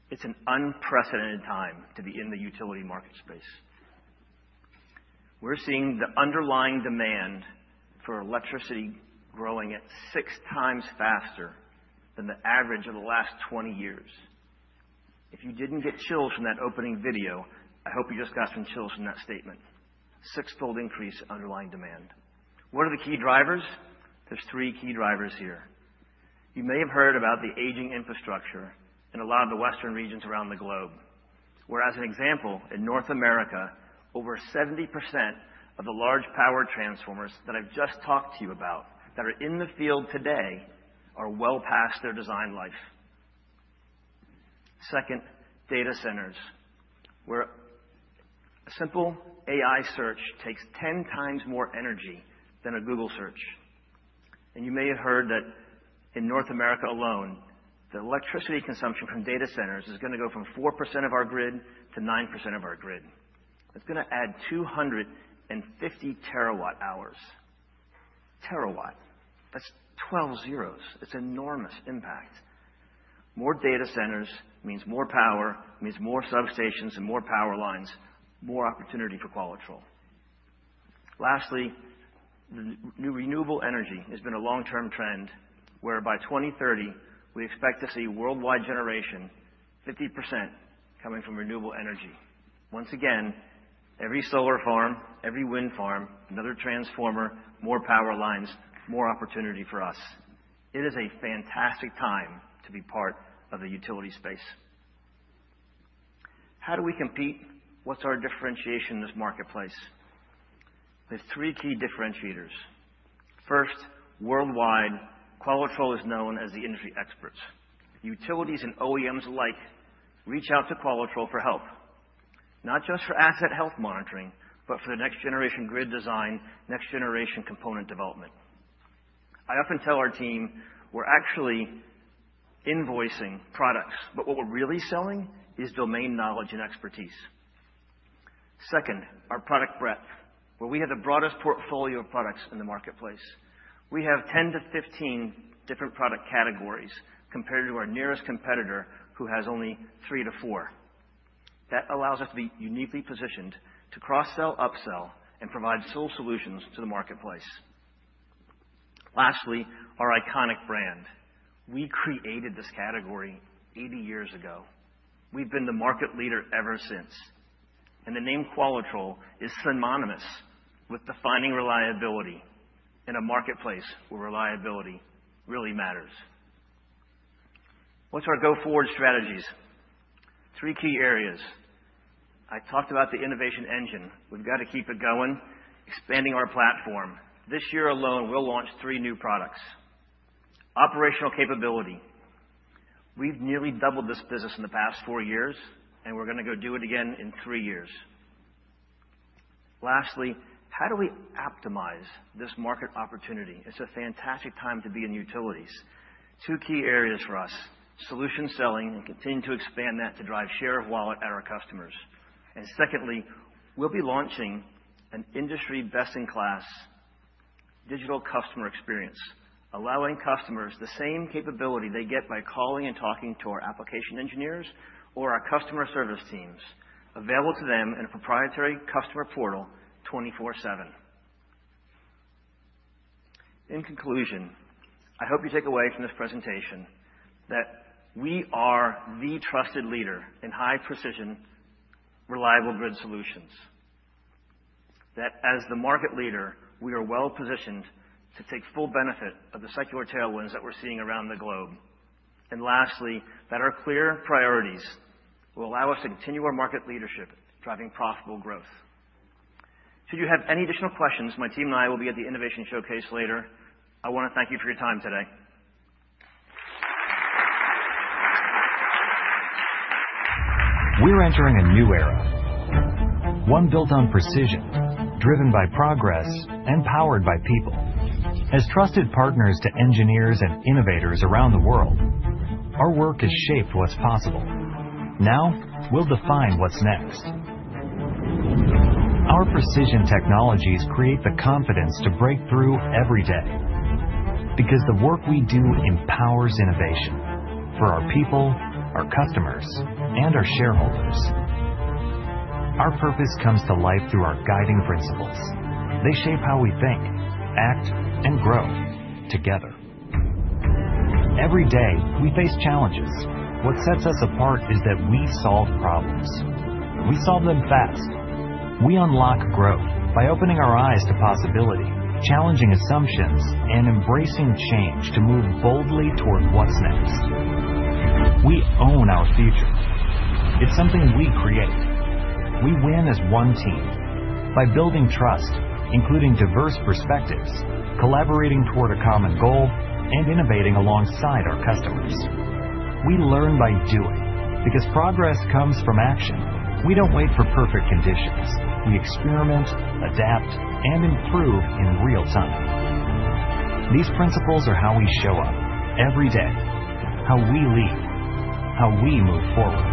It's an unprecedented time to be in the utility market space. We're seeing the underlying demand for electricity growing at six times faster than the average of the last 20 years. If you didn't get chills from that opening video, I hope you just got some chills from that statement. Six-fold increase in underlying demand. What are the key drivers? There's three key drivers here. You may have heard about the aging infrastructure in a lot of the Western regions around the globe, where, as an example, in North America, over 70% of the large power transformers that I've just talked to you about that are in the field today are well past their design life. Second, data centers, where a simple AI search takes 10 times more energy than a Google search. You may have heard that in North America alone, the electricity consumption from data centers is going to go from 4% of our grid to 9% of our grid. That is going to add 250 terawatt hours. Terawatt. That is 12 zeros. It is an enormous impact. More data centers means more power, means more substations and more power lines, more opportunity for Qualitrol. Lastly, new renewable energy has been a long-term trend where, by 2030, we expect to see worldwide generation, 50% coming from renewable energy. Once again, every solar farm, every wind farm, another transformer, more power lines, more opportunity for us. It is a fantastic time to be part of the utility space. How do we compete? What is our differentiation in this marketplace? We have three key differentiators. First, worldwide, Qualitrol is known as the industry experts. Utilities and OEMs alike reach out to Qualitrol for help, not just for asset health monitoring, but for the next-generation grid design, next-generation component development. I often tell our team we're actually invoicing products, but what we're really selling is domain knowledge and expertise. Second, our product breadth, where we have the broadest portfolio of products in the marketplace. We have 10-15 different product categories compared to our nearest competitor, who has only three to four. That allows us to be uniquely positioned to cross-sell, upsell, and provide sole solutions to the marketplace. Lastly, our iconic brand. We created this category 80 years ago. We've been the market leader ever since. The name Qualitrol is synonymous with defining reliability in a marketplace where reliability really matters. What's our go-forward strategies? Three key areas. I talked about the innovation engine. We've got to keep it going, expanding our platform. This year alone, we'll launch three new products. Operational capability. We've nearly doubled this business in the past four years, and we're going to go do it again in three years. Lastly, how do we optimize this market opportunity? It's a fantastic time to be in utilities. Two key areas for us: solution selling and continue to expand that to drive share of wallet at our customers. Secondly, we'll be launching an industry best-in-class digital customer experience, allowing customers the same capability they get by calling and talking to our application engineers or our customer service teams available to them in a proprietary customer portal 24/7. In conclusion, I hope you take away from this presentation that we are the trusted leader in high-precision, reliable grid solutions, that as the market leader, we are well-positioned to take full benefit of the secular tailwinds that we're seeing around the globe, and lastly, that our clear priorities will allow us to continue our market leadership, driving profitable growth. Should you have any additional questions, my team and I will be at the Innovation Showcase later. I want to thank you for your time today. We're entering a new era, one built on precision, driven by progress and powered by people. As trusted partners to engineers and innovators around the world, our work has shaped what's possible. Now we'll define what's next. Our precision technologies create the confidence to break through every day because the work we do empowers innovation for our people, our customers, and our shareholders. Our purpose comes to life through our guiding principles. They shape how we think, act, and grow together. Every day, we face challenges. What sets us apart is that we solve problems. We solve them fast. We unlock growth by opening our eyes to possibility, challenging assumptions, and embracing change to move boldly toward what's next. We own our future. It's something we create. We win as one team by building trust, including diverse perspectives, collaborating toward a common goal, and innovating alongside our customers. We learn by doing because progress comes from action. We don't wait for perfect conditions. We experiment, adapt, and improve in real time. These principles are how we show up every day, how we lead, how we move forward.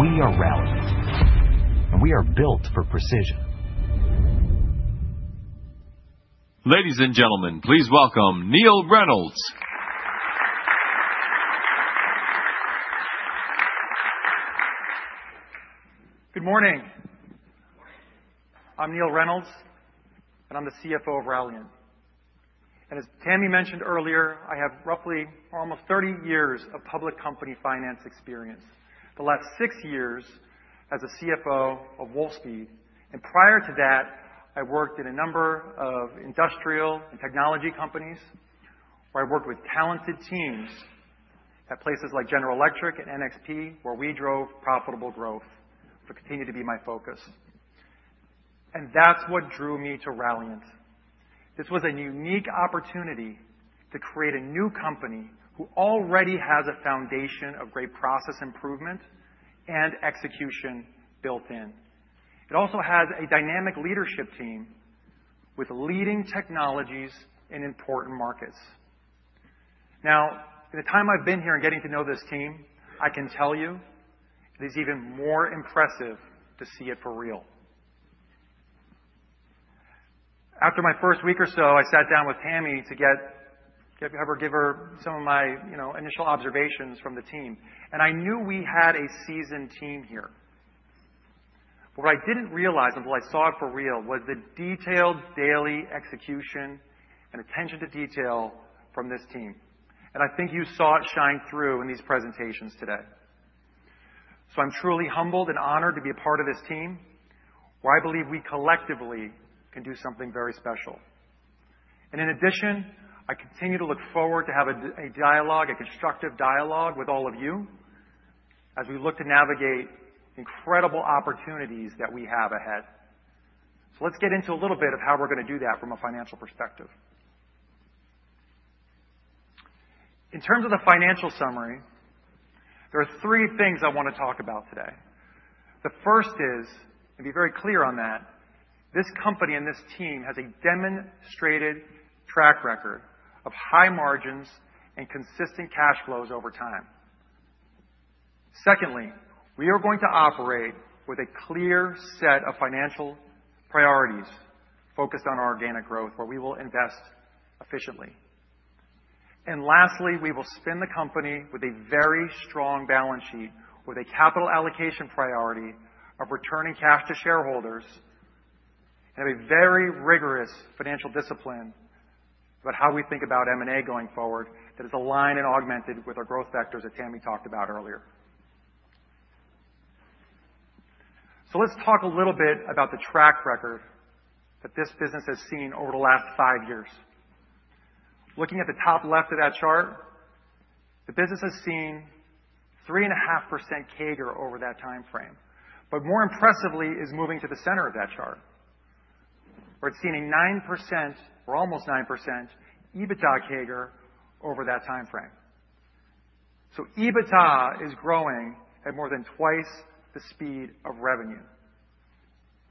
We are relevant, and we are built for precision. Ladies and gentlemen, please welcome Neil Reynolds. Good morning. I'm Neill Reynolds, and I'm the CFO of Ralliant. As Tami mentioned earlier, I have roughly almost 30 years of public company finance experience, the last six years as a CFO on Wall Street. Prior to that, I worked in a number of industrial and technology companies where I worked with talented teams at places like General Electric and NXP, where we drove profitable growth. It continued to be my focus. That's what drew me to Ralliant. This was a unique opportunity to create a new company who already has a foundation of great process improvement and execution built in. It also has a dynamic leadership team with leading technologies in important markets. Now, in the time I've been here and getting to know this team, I can tell you it is even more impressive to see it for real. After my first week or so, I sat down with Tami to give her some of my initial observations from the team. I knew we had a seasoned team here. What I did not realize until I saw it for real was the detailed daily execution and attention to detail from this team. I think you saw it shine through in these presentations today. I am truly humbled and honored to be a part of this team where I believe we collectively can do something very special. In addition, I continue to look forward to having a dialogue, a constructive dialogue with all of you as we look to navigate incredible opportunities that we have ahead. Let us get into a little bit of how we are going to do that from a financial perspective. In terms of the financial summary, there are three things I want to talk about today. The first is, and be very clear on that, this company and this team has a demonstrated track record of high margins and consistent cash flows over time. Secondly, we are going to operate with a clear set of financial priorities focused on organic growth, where we will invest efficiently. Lastly, we will spin the company with a very strong balance sheet with a capital allocation priority of returning cash to shareholders and a very rigorous financial discipline about how we think about M&A going forward that is aligned and augmented with our growth vectors that Tami talked about earlier. Let's talk a little bit about the track record that this business has seen over the last five years. Looking at the top left of that chart, the business has seen 3.5% CAGR over that time frame. More impressively is moving to the center of that chart, where it's seen a 9% or almost 9% EBITDA CAGR over that time frame. EBITDA is growing at more than twice the speed of revenue.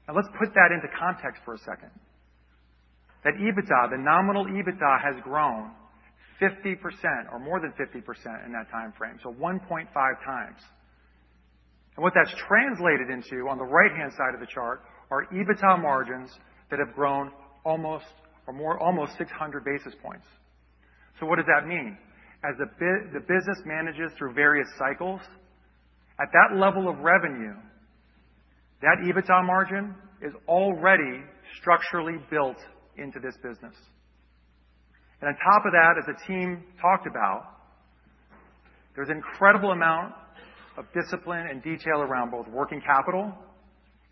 Now, let's put that into context for a second. That EBITDA, the nominal EBITDA, has grown 50% or more than 50% in that time frame, so 1.5 times. What that's translated into on the right-hand side of the chart are EBITDA margins that have grown almost 600 basis points. What does that mean? As the business manages through various cycles, at that level of revenue, that EBITDA margin is already structurally built into this business. On top of that, as the team talked about, there's an incredible amount of discipline and detail around both working capital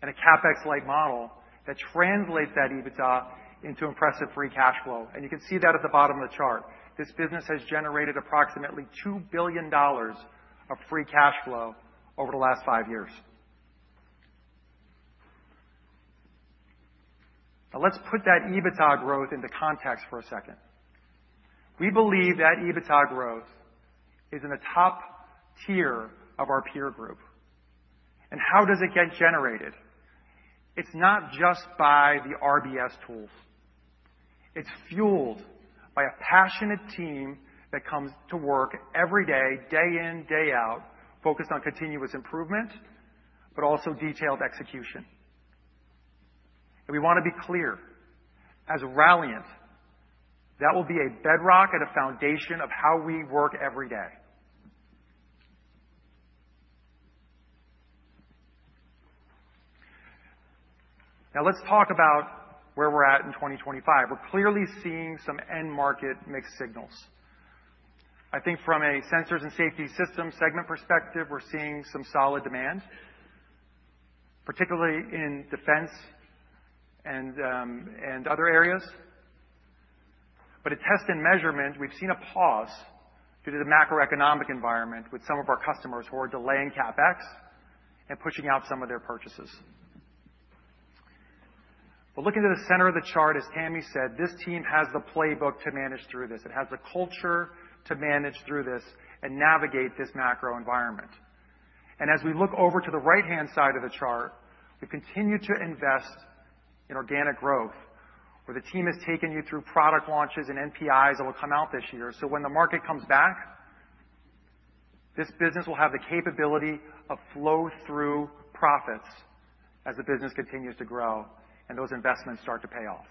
and a CapEx-like model that translates that EBITDA into impressive free cash flow. You can see that at the bottom of the chart. This business has generated approximately $2 billion of free cash flow over the last five years. Now, let's put that EBITDA growth into context for a second. We believe that EBITDA growth is in the top tier of our peer group. How does it get generated? It's not just by the RBS tools. It's fueled by a passionate team that comes to work every day, day in, day out, focused on continuous improvement, but also detailed execution. We want to be clear, as Ralliant, that will be a bedrock and a foundation of how we work every day. Now, let's talk about where we're at in 2025. We're clearly seeing some end-market mixed signals. I think from a sensors and safety system segment perspective, we're seeing some solid demand, particularly in defense and other areas. In test and measurement, we've seen a pause due to the macroeconomic environment with some of our customers who are delaying CapEx and pushing out some of their purchases. Looking to the center of the chart, as Tami said, this team has the playbook to manage through this. It has the culture to manage through this and navigate this macro environment. As we look over to the right-hand side of the chart, we've continued to invest in organic growth, where the team has taken you through product launches and NPIs that will come out this year. When the market comes back, this business will have the capability of flow-through profits as the business continues to grow and those investments start to pay off.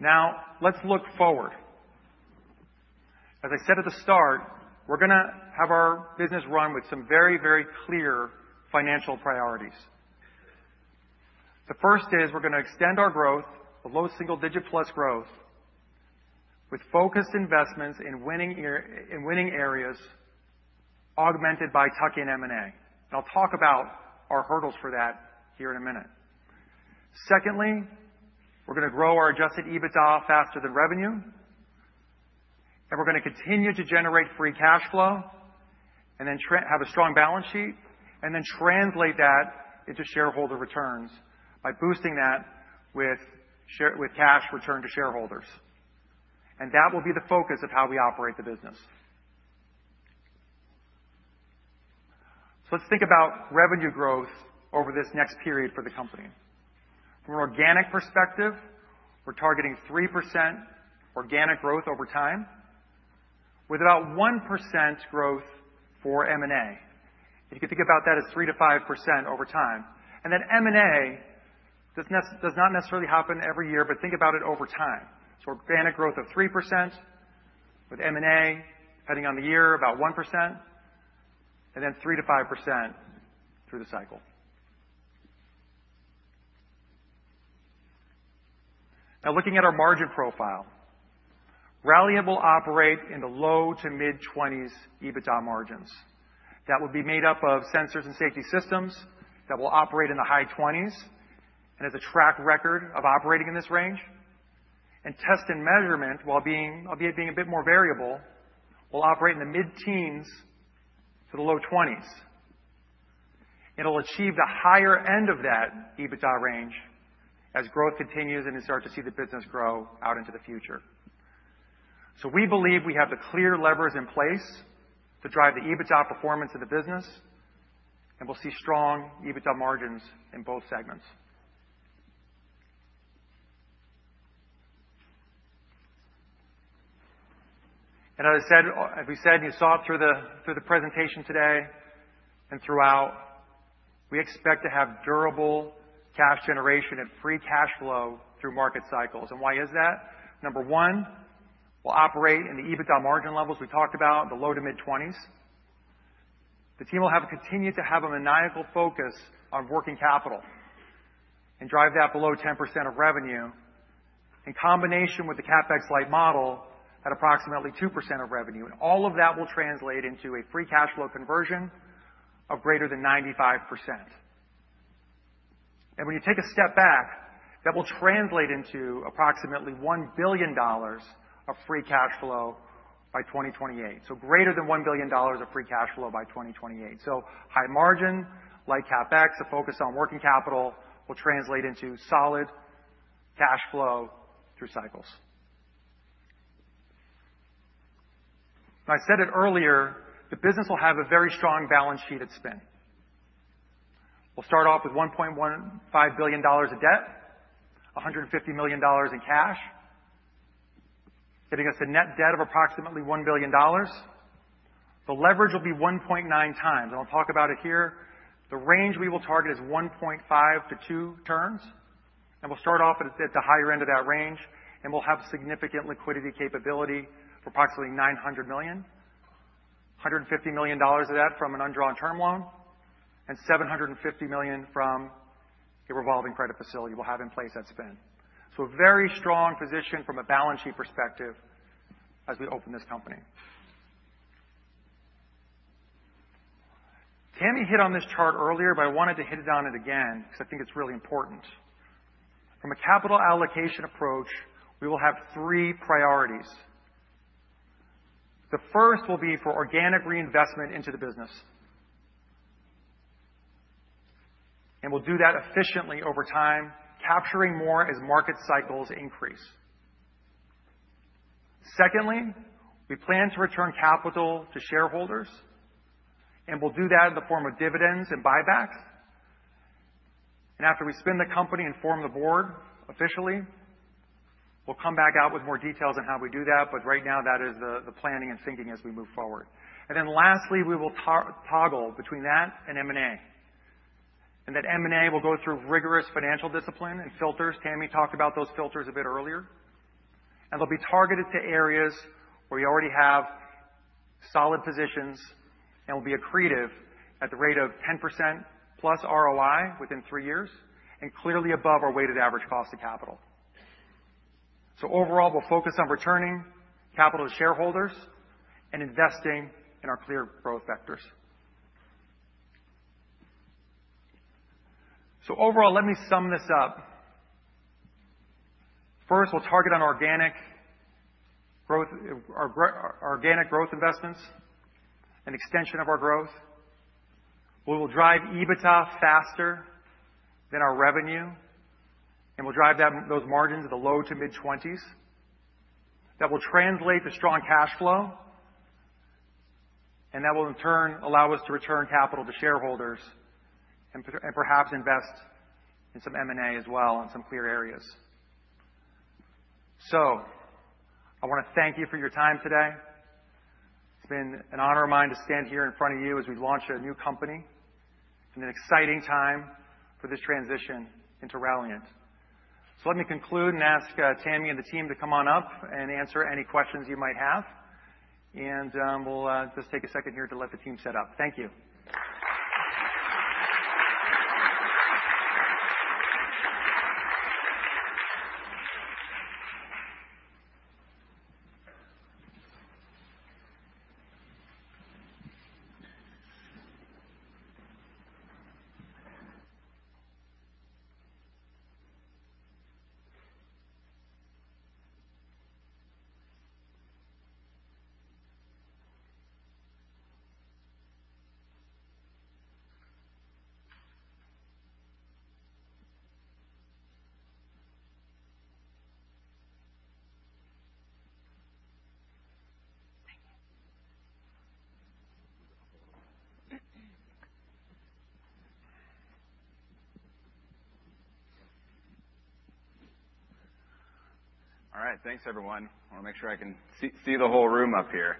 Now, let's look forward. As I said at the start, we're going to have our business run with some very, very clear financial priorities. The first is we're going to extend our growth, below single-digit plus growth, with focused investments in winning areas augmented by tuck-in M&A. I'll talk about our hurdles for that here in a minute. Secondly, we're going to grow our adjusted EBITDA faster than revenue, and we're going to continue to generate free cash flow and then have a strong balance sheet and then translate that into shareholder returns by boosting that with cash returned to shareholders. That will be the focus of how we operate the business. Let's think about revenue growth over this next period for the company. From an organic perspective, we're targeting 3% organic growth over time with about 1% growth for M&A. You can think about that as 3-5% over time. That M&A does not necessarily happen every year, but think about it over time. Organic growth of 3% with M&A depending on the year, about 1%, and then 3-5% through the cycle. Now, looking at our margin profile, Ralliant will operate in the low to mid-20% EBITDA margins. That will be made up of sensors and safety systems that will operate in the high 20% and has a track record of operating in this range. Test and measurement, albeit being a bit more variable, will operate in the mid-teens to the low 20%. It'll achieve the higher end of that EBITDA range as growth continues and we start to see the business grow out into the future. We believe we have the clear levers in place to drive the EBITDA performance of the business, and we'll see strong EBITDA margins in both segments. As we said, you saw it through the presentation today and throughout, we expect to have durable cash generation and free cash flow through market cycles. Why is that? Number one, we'll operate in the EBITDA margin levels we talked about, the low to mid-20%. The team will continue to have a maniacal focus on working capital and drive that below 10% of revenue in combination with the CapEx-like model at approximately 2% of revenue. All of that will translate into a free cash flow conversion of greater than 95%. When you take a step back, that will translate into approximately $1 billion of free cash flow by 2028. Greater than $1 billion of free cash flow by 2028. High margin, light CapEx, a focus on working capital will translate into solid cash flow through cycles. I said it earlier, the business will have a very strong balance sheet at spin. We'll start off with $1.15 billion of debt, $150 million in cash, giving us a net debt of approximately $1 billion. The leverage will be 1.9 times. I'll talk about it here. The range we will target is 1.5-2 turns. We will start off at the higher end of that range, and we will have significant liquidity capability for approximately $900 million, $150 million of that from an undrawn term loan, and $750 million from a revolving credit facility we will have in place at spin. A very strong position from a balance sheet perspective as we open this company. Tami hit on this chart earlier, but I wanted to hit on it again because I think it is really important. From a capital allocation approach, we will have three priorities. The first will be for organic reinvestment into the business. We will do that efficiently over time, capturing more as market cycles increase. Secondly, we plan to return capital to shareholders, and we will do that in the form of dividends and buybacks. After we spin the company and form the board officially, we'll come back out with more details on how we do that. Right now, that is the planning and thinking as we move forward. Lastly, we will toggle between that and M&A. That M&A will go through rigorous financial discipline and filters. Tami talked about those filters a bit earlier. They'll be targeted to areas where we already have solid positions and will be accretive at the rate of 10%+ ROI within three years and clearly above our weighted average cost of capital. Overall, we'll focus on returning capital to shareholders and investing in our clear growth vectors. Overall, let me sum this up. First, we'll target on organic growth investments and extension of our growth. We will drive EBITDA faster than our revenue, and we'll drive those margins to the low to mid-20s. That will translate to strong cash flow, and that will in turn allow us to return capital to shareholders and perhaps invest in some M&A as well in some clear areas. I want to thank you for your time today. It's been an honor of mine to stand here in front of you as we launch a new company and an exciting time for this transition into Ralliant. Let me conclude and ask Tami and the team to come on up and answer any questions you might have. We'll just take a second here to let the team set up. Thank you. All right. Thanks, everyone. I want to make sure I can see the whole room up here.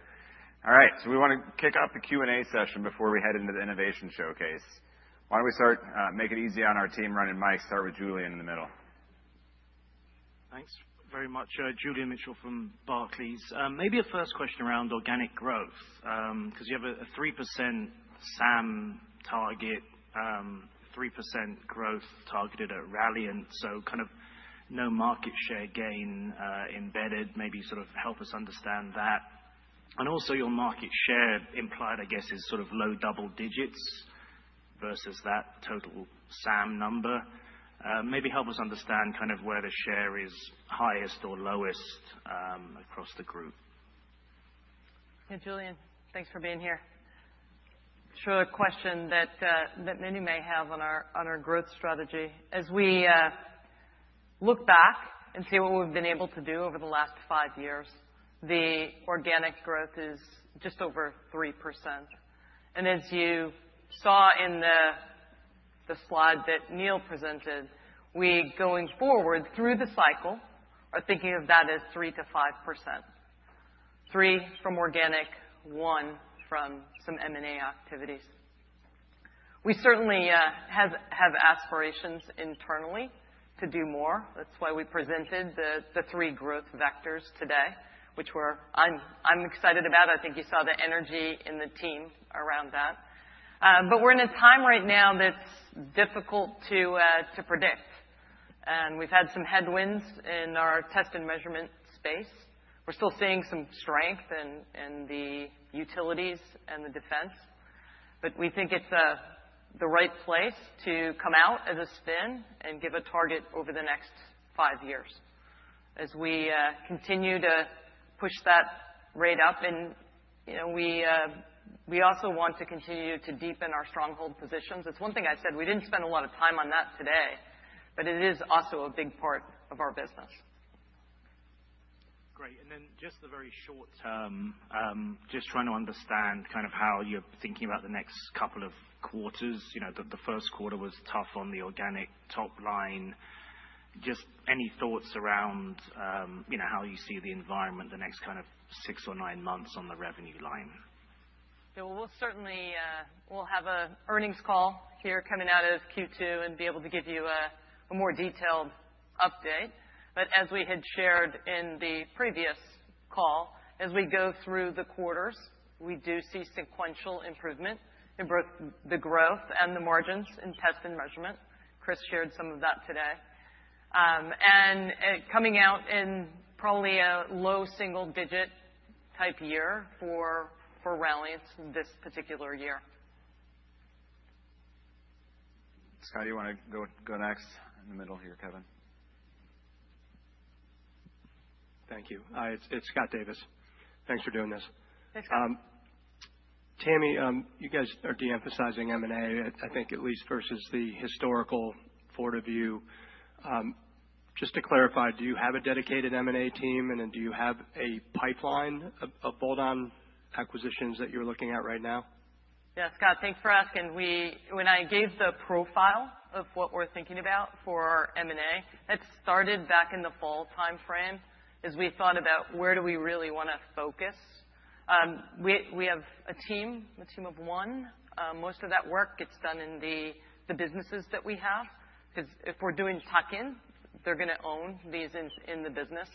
All right. We want to kick off the Q&A session before we head into the innovation showcase. Why don't we start? Make it easy on our team running mics. Start with Julian in the middle. Thanks very much. Julian Mitchell from Barclays. Maybe a first question around organic growth because you have a 3% SAM target, 3% growth targeted at Ralliant. Kind of no market share gain embedded, maybe sort of help us understand that. Also your market share implied, I guess, is sort of low double digits versus that total SAM number. Maybe help us understand kind of where the share is highest or lowest across the group. Yeah, Julian, thanks for being here. Sure, a question that many may have on our growth strategy. As we look back and see what we've been able to do over the last five years, the organic growth is just over 3%. As you saw in the slide that Neil presented, we going forward through the cycle are thinking of that as 3-5%. Three from organic, one from some M&A activities. We certainly have aspirations internally to do more. That is why we presented the three growth vectors today, which I'm excited about. I think you saw the energy in the team around that. We are in a time right now that is difficult to predict. We have had some headwinds in our test and measurement space. We are still seeing some strength in the utilities and the defense. We think it's the right place to come out as a spin and give a target over the next five years as we continue to push that rate up. We also want to continue to deepen our stronghold positions. It's one thing I said, we didn't spend a lot of time on that today, but it is also a big part of our business. Great. In the very short term, just trying to understand kind of how you're thinking about the next couple of quarters. The first quarter was tough on the organic top line. Just any thoughts around how you see the environment the next kind of six or nine months on the revenue line? Yeah, we'll certainly have an earnings call here coming out of Q2 and be able to give you a more detailed update. As we had shared in the previous call, as we go through the quarters, we do see sequential improvement in both the growth and the margins in test and measurement. Chris shared some of that today. Coming out in probably a low single-digit type year for Ralliant this particular year. Scott, you want to go next in the middle here, Kevin? Thank you. It's Scott Davis. Thanks for doing this. Thanks, Kevin. Tami, you guys are de-emphasizing M&A, I think at least versus the historical point of view. Just to clarify, do you have a dedicated M&A team, and do you have a pipeline of bolt-on acquisitions that you're looking at right now? Yeah, Scott, thanks for asking. When I gave the profile of what we're thinking about for our M&A, that started back in the fall timeframe as we thought about where do we really want to focus. We have a team, a team of one. Most of that work gets done in the businesses that we have because if we're doing tuck-in, they're going to own these in the business.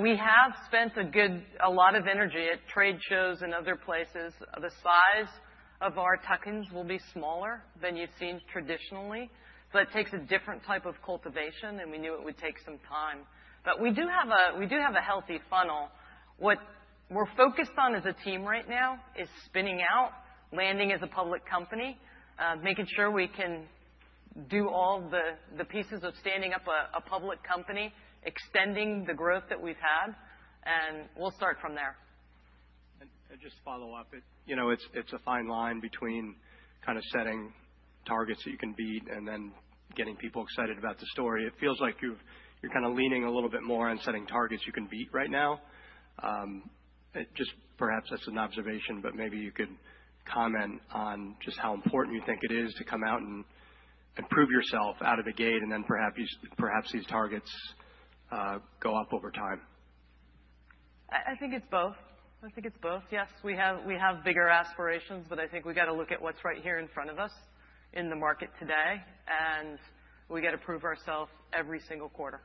We have spent a lot of energy at trade shows and other places. The size of our tuck-ins will be smaller than you've seen traditionally, but it takes a different type of cultivation, and we knew it would take some time. We do have a healthy funnel. What we're focused on as a team right now is spinning out, landing as a public company, making sure we can do all the pieces of standing up a public company, extending the growth that we've had. We'll start from there. Just to follow up, it's a fine line between kind of setting targets that you can beat and then getting people excited about the story. It feels like you're kind of leaning a little bit more on setting targets you can beat right now. Perhaps that's an observation, but maybe you could comment on just how important you think it is to come out and prove yourself out of the gate, and then perhaps these targets go up over time. I think it's both. I think it's both. Yes, we have bigger aspirations, but I think we got to look at what's right here in front of us in the market today, and we got to prove ourselves every single quarter.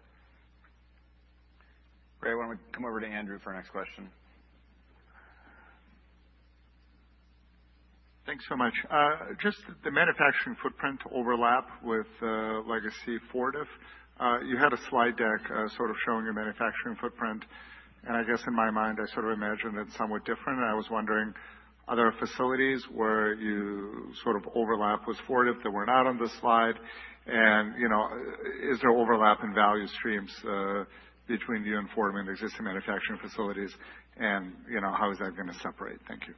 Great. I want to come over to Andrew for our next question. Thanks so much. Just the manufacturing footprint overlap with legacy Fortive. You had a slide deck sort of showing your manufacturing footprint. I guess in my mind, I sort of imagined it somewhat different. I was wondering, are there facilities where you sort of overlap with Fortive that were not on the slide? Is there overlap in value streams between you and Fortive and existing manufacturing facilities? How is that going to separate? Thank you.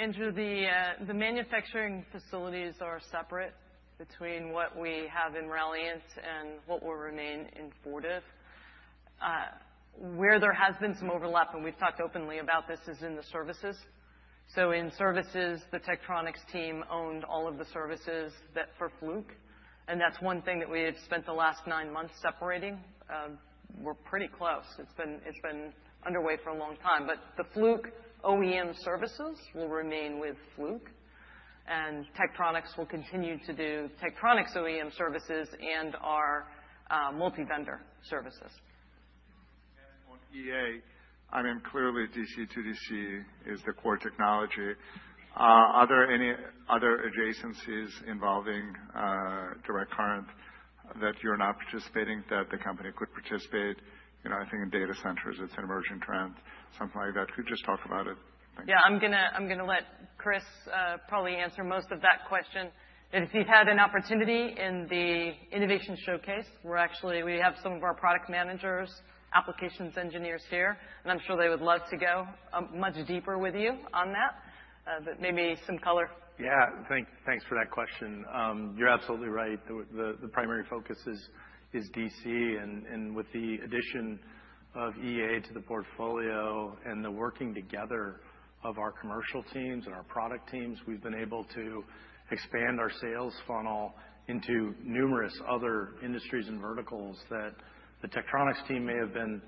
Andrew, the manufacturing facilities are separate between what we have in Ralliant and what will remain in Fortive. Where there has been some overlap, and we've talked openly about this, is in the services. In services, the Tektronix team owned all of the services for Fluke. That is one thing that we have spent the last nine months separating. We're pretty close. It's been underway for a long time. The Fluke OEM services will remain with Fluke, and Tektronix will continue to do Tektronix OEM services and our multi-vendor services. On EA, I mean, clearly DC to DC is the core technology. Are there any other adjacencies involving direct current that you're not participating in that the company could participate in? I think in data centers, it's an emerging trend, something like that. Could you just talk about it? Yeah, I'm going to let Chris probably answer most of that question. If you've had an opportunity in the innovation showcase, we have some of our product managers, applications engineers here, and I'm sure they would love to go much deeper with you on that, but maybe some color. Yeah, thanks for that question. You're absolutely right. The primary focus is DC. With the addition of EA to the portfolio and the working together of our commercial teams and our product teams, we've been able to expand our sales funnel into numerous other industries and verticals that the Tektronix team may have been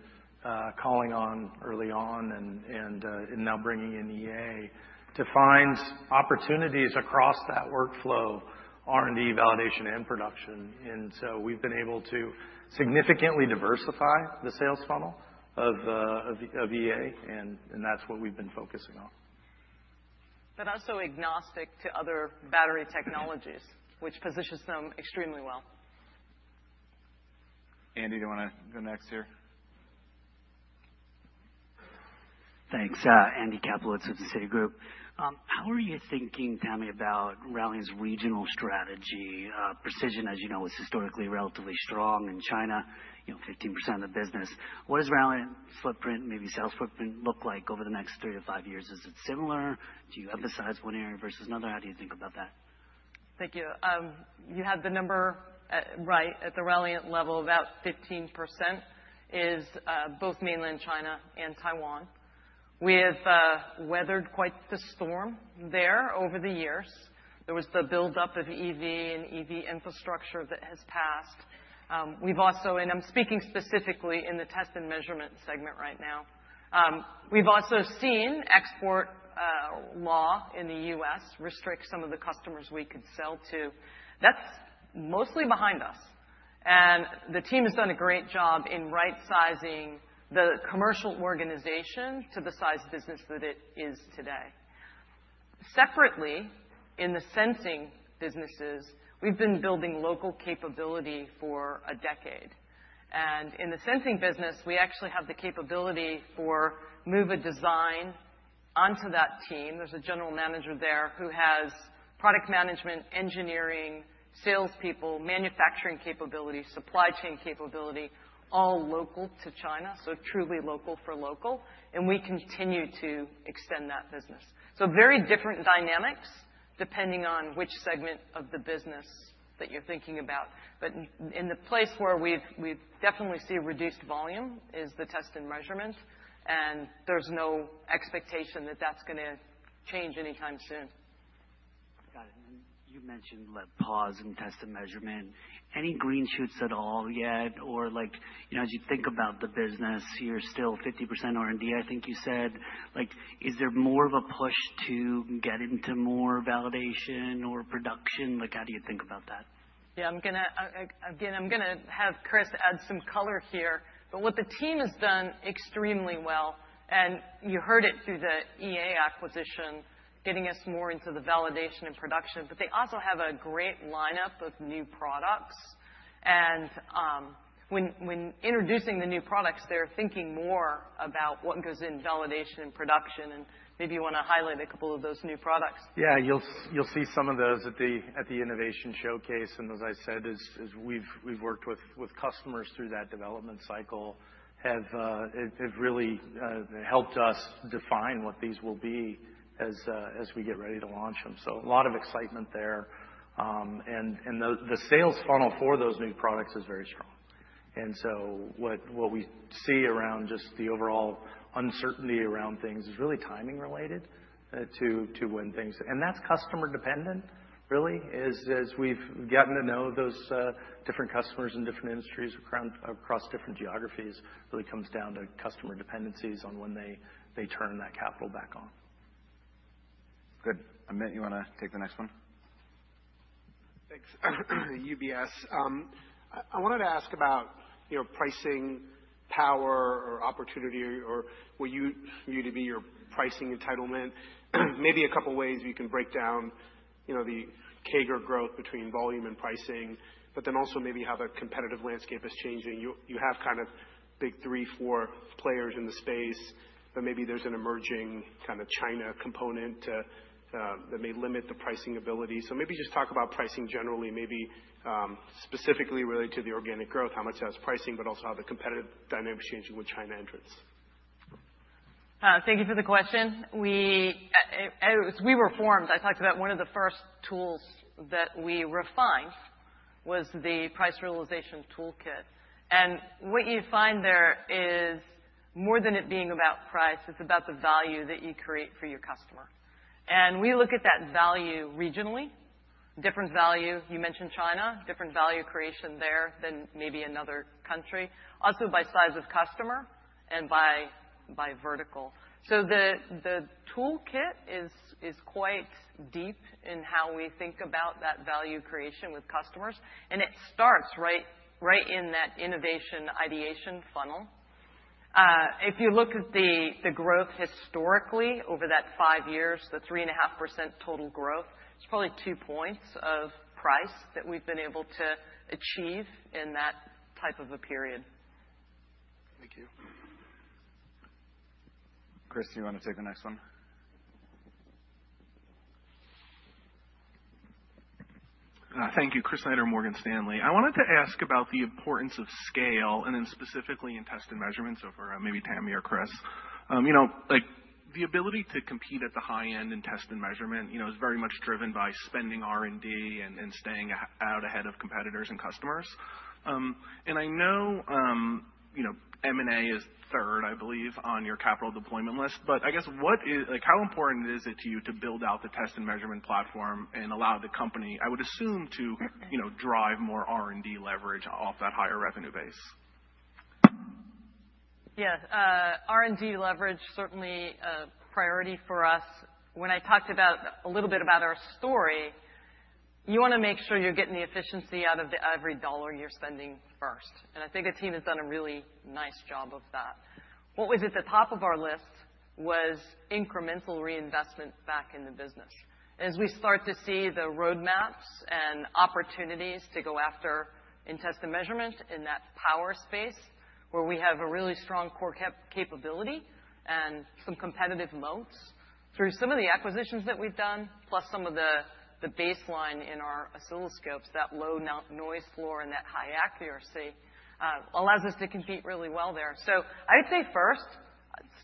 calling on early on and now bringing in EA to find opportunities across that workflow, R&D, validation, and production. We've been able to significantly diversify the sales funnel of EA, and that's what we've been focusing on. Also agnostic to other battery technologies, which positions them extremely well. Andy, do you want to go next here? Thanks. Andy Kaplowitz of Citigroup. How are you thinking, Tami, about Ralliant's regional strategy? Precision, as you know, is historically relatively strong in China, 15% of the business. What does Ralliant's footprint, maybe sales footprint, look like over the next three to five years? Is it similar? Do you emphasize one area versus another? How do you think about that? Thank you. You had the number right at the Ralliant level, about 15%, is both mainland China and Taiwan. We have weathered quite the storm there over the years. There was the buildup of EV and EV infrastructure that has passed. I am speaking specifically in the test and measurement segment right now. We have also seen export law in the U.S. restrict some of the customers we could sell to. That is mostly behind us. The team has done a great job in right-sizing the commercial organization to the size business that it is today. Separately, in the sensing businesses, we have been building local capability for a decade. In the sensing business, we actually have the capability for Muva Design onto that team. There's a general manager there who has product management, engineering, salespeople, manufacturing capability, supply chain capability, all local to China, so truly local for local. We continue to extend that business. Very different dynamics depending on which segment of the business that you're thinking about. In the place where we definitely see reduced volume is the test and measurement, and there's no expectation that that's going to change anytime soon. Got it. You mentioned pause in test and measurement. Any green shoots at all yet? Or as you think about the business, you're still 50% R&D, I think you said. Is there more of a push to get into more validation or production? How do you think about that? Yeah, again, I'm going to have Chris add some color here. What the team has done extremely well, and you heard it through the EA acquisition, getting us more into the validation and production, but they also have a great lineup of new products. When introducing the new products, they're thinking more about what goes in validation and production. Maybe you want to highlight a couple of those new products. Yeah, you'll see some of those at the innovation showcase. As I said, we've worked with customers through that development cycle. It really helped us define what these will be as we get ready to launch them. A lot of excitement there. The sales funnel for those new products is very strong. What we see around just the overall uncertainty around things is really timing related to when things—and that's customer dependent, really—is as we've gotten to know those different customers in different industries across different geographies, really comes down to customer dependencies on when they turn that capital back on. Good. Amit, you want to take the next one? Thanks. UBS. I wanted to ask about pricing power or opportunity or what you view to be your pricing entitlement. Maybe a couple of ways we can break down the CAGR growth between volume and pricing, but then also maybe how the competitive landscape is changing. You have kind of big three, four players in the space, but maybe there's an emerging kind of China component that may limit the pricing ability. Maybe just talk about pricing generally, maybe specifically related to the organic growth, how much that's pricing, but also how the competitive dynamics change with China entrance. Thank you for the question. We were formed. I talked about one of the first tools that we refined was the price realization toolkit. What you find there is more than it being about price. It's about the value that you create for your customer. We look at that value regionally. Different value, you mentioned China, different value creation there than maybe another country, also by size of customer and by vertical. The toolkit is quite deep in how we think about that value creation with customers. It starts right in that innovation ideation funnel. If you look at the growth historically over that five years, the 3.5% total growth, it's probably two points of price that we've been able to achieve in that type of a period. Thank you. Chris, you want to take the next one? Thank you. Chris Leiter, Morgan Stanley. I wanted to ask about the importance of scale, and then specifically in test and measurement, so for maybe Tami or Chris. The ability to compete at the high end in test and measurement is very much driven by spending R&D and staying out ahead of competitors and customers. I know M&A is third, I believe, on your capital deployment list, but I guess how important is it to you to build out the test and measurement platform and allow the company, I would assume, to drive more R&D leverage off that higher revenue base? Yeah. R&D leverage, certainly a priority for us. When I talked a little bit about our story, you want to make sure you're getting the efficiency out of every dollar you're spending first. I think the team has done a really nice job of that. What was at the top of our list was incremental reinvestment back in the business. As we start to see the roadmaps and opportunities to go after in test and measurement in that power space, where we have a really strong core capability and some competitive moats through some of the acquisitions that we've done, plus some of the baseline in our oscilloscopes, that low noise floor and that high accuracy allows us to compete really well there. I would say first,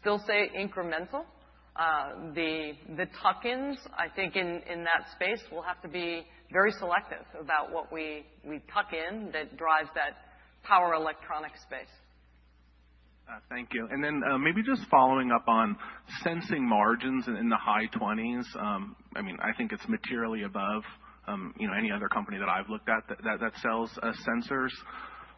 still say incremental. The tuck-ins, I think in that space, we'll have to be very selective about what we tuck in that drives that power electronic space. Thank you. Maybe just following up on sensing margins in the high 20s. I mean, I think it's materially above any other company that I've looked at that sells sensors.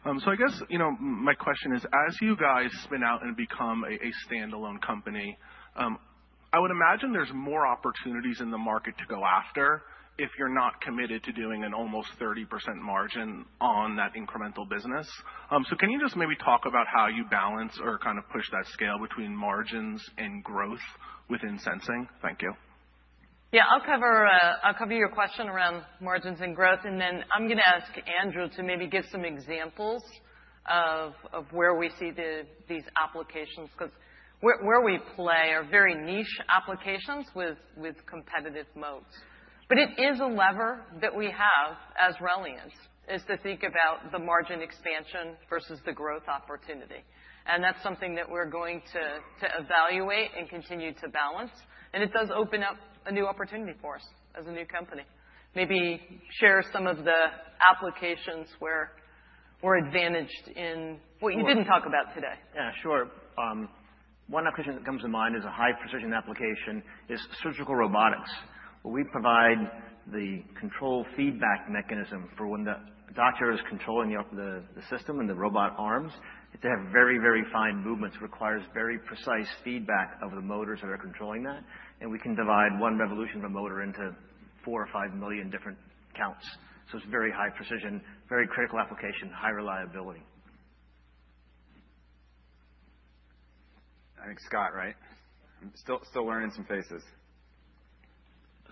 I guess my question is, as you guys spin out and become a standalone company, I would imagine there's more opportunities in the market to go after if you're not committed to doing an almost 30% margin on that incremental business. Can you just maybe talk about how you balance or kind of push that scale between margins and growth within sensing? Thank you. Yeah, I'll cover your question around margins and growth. I'm going to ask Andrew to maybe give some examples of where we see these applications because where we play are very niche applications with competitive moats. It is a lever that we have as Ralliant is to think about the margin expansion versus the growth opportunity. That's something that we're going to evaluate and continue to balance. It does open up a new opportunity for us as a new company. Maybe share some of the applications where we're advantaged in what you didn't talk about today. Yeah, sure. One application that comes to mind as a high precision application is surgical robotics. We provide the control feedback mechanism for when the doctor is controlling the system and the robot arms. It's to have very, very fine movements, requires very precise feedback of the motors that are controlling that. We can divide one revolution of a motor into four or five million different counts. It is very high precision, very critical application, high reliability. I think Scott, right? Still learning some faces.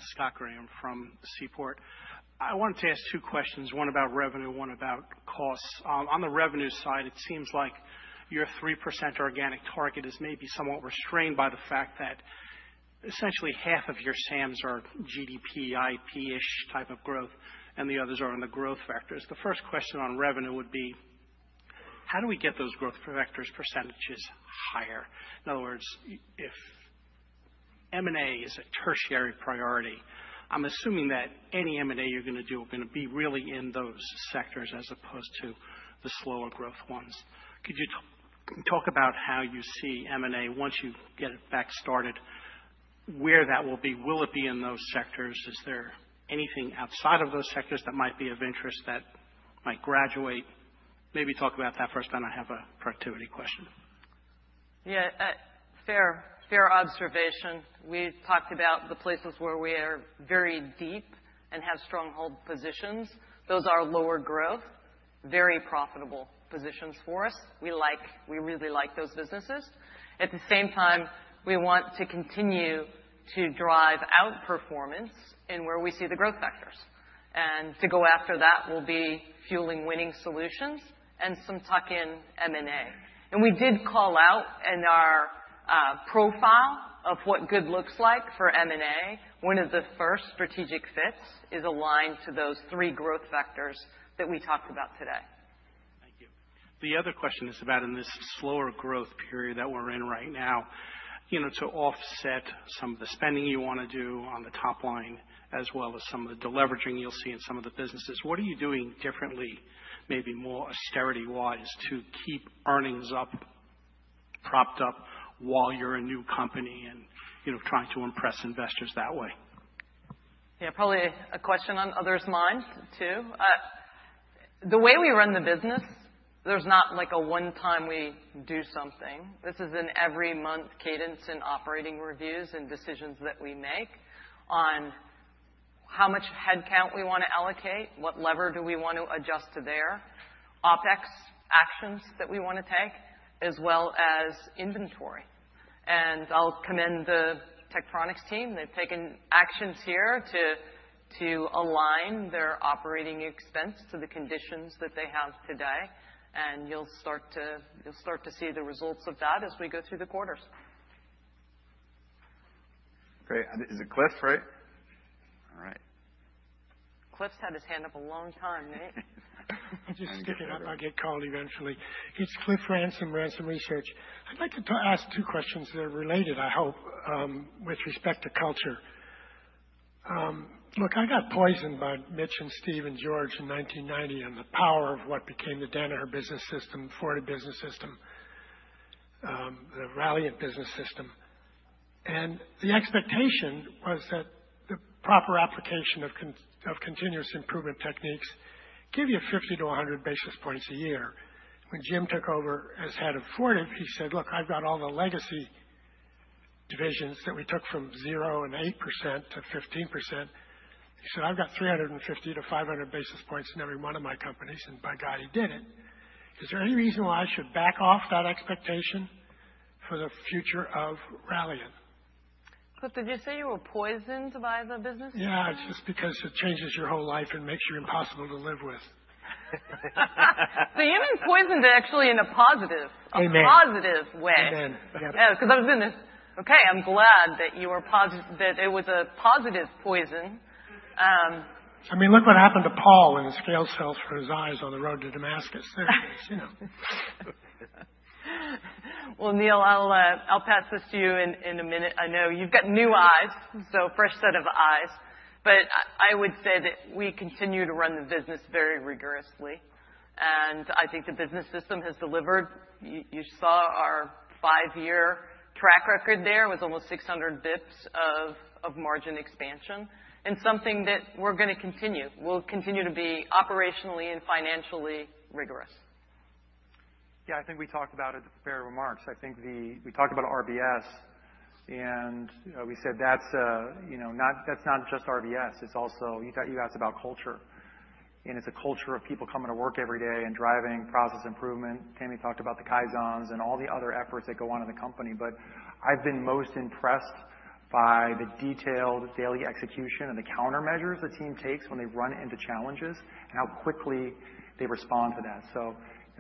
Scott Graham from Seaport. I wanted to ask two questions, one about revenue, one about costs. On the revenue side, it seems like your 3% organic target is maybe somewhat restrained by the fact that essentially half of your SAMs are GDP IP-ish type of growth, and the others are on the growth factors. The first question on revenue would be, how do we get those growth factors percentages higher? In other words, if M&A is a tertiary priority, I'm assuming that any M&A you're going to do are going to be really in those sectors as opposed to the slower growth ones. Could you talk about how you see M&A once you get it back started, where that will be? Will it be in those sectors? Is there anything outside of those sectors that might be of interest that might graduate? Maybe talk about that first, then I have a productivity question. Yeah, fair observation. We talked about the places where we are very deep and have stronghold positions. Those are lower growth, very profitable positions for us. We really like those businesses. At the same time, we want to continue to drive outperformance in where we see the growth factors. To go after that will be fueling winning solutions and some tuck-in M&A. We did call out in our profile of what good looks like for M&A, one of the first strategic fits is aligned to those three growth factors that we talked about today. Thank you. The other question is about in this slower growth period that we're in right now, to offset some of the spending you want to do on the top line as well as some of the leveraging you'll see in some of the businesses. What are you doing differently, maybe more austerity-wise, to keep earnings up, propped up while you're a new company and trying to impress investors that way? Yeah, probably a question on others' minds too. The way we run the business, there's not a one-time we do something. This is an every-month cadence in operating reviews and decisions that we make on how much headcount we want to allocate, what lever do we want to adjust to there, OpEx actions that we want to take, as well as inventory. I'll commend the Tektronix team. They've taken actions here to align their operating expense to the conditions that they have today. You'll start to see the results of that as we go through the quarters. Great. Is it Cliff, right? All right. Cliff's had his hand up a long time, Nath. I'm just kidding. I'll get called eventually. It's Cliff Ransom, Ransom Research. I'd like to ask two questions that are related, I hope, with respect to culture. Look, I got poisoned by Mitch and Steve and George in 1990 on the power of what became the Danaher business system, Fortive business system, the Ralliant business system. The expectation was that the proper application of continuous improvement techniques gave you 50 to 100 basis points a year. When Jim took over as head of Fortive, he said, "Look, I've got all the legacy divisions that we took from 0 and 8% to 15%." He said, "I've got 350 to 500 basis points in every one of my companies." And by God, he did it. Is there any reason why I should back off that expectation for the future of Ralliant? Cliff, did you say you were poisoned by the business? Yeah, just because it changes your whole life and makes you impossible to live with. You mean poisoned actually in a positive way. Amen. I was going to say, "Okay, I'm glad that it was a positive poison." I mean, look what happened to Paul when the scale fell for his eyes on the road to Damascus. Neil, I'll pass this to you in a minute. I know you've got new eyes, so fresh set of eyes. I would say that we continue to run the business very rigorously. I think the business system has delivered. You saw our five-year track record there. It was almost 600 basis points of margin expansion and something that we're going to continue. We'll continue to be operationally and financially rigorous. Yeah, I think we talked about it at the fair remarks. I think we talked about RBS. We said that's not just RBS. You asked about culture. It's a culture of people coming to work every day and driving process improvement. Tami talked about the kaizens and all the other efforts that go on in the company. I've been most impressed by the detailed daily execution and the countermeasures the team takes when they run into challenges and how quickly they respond to that.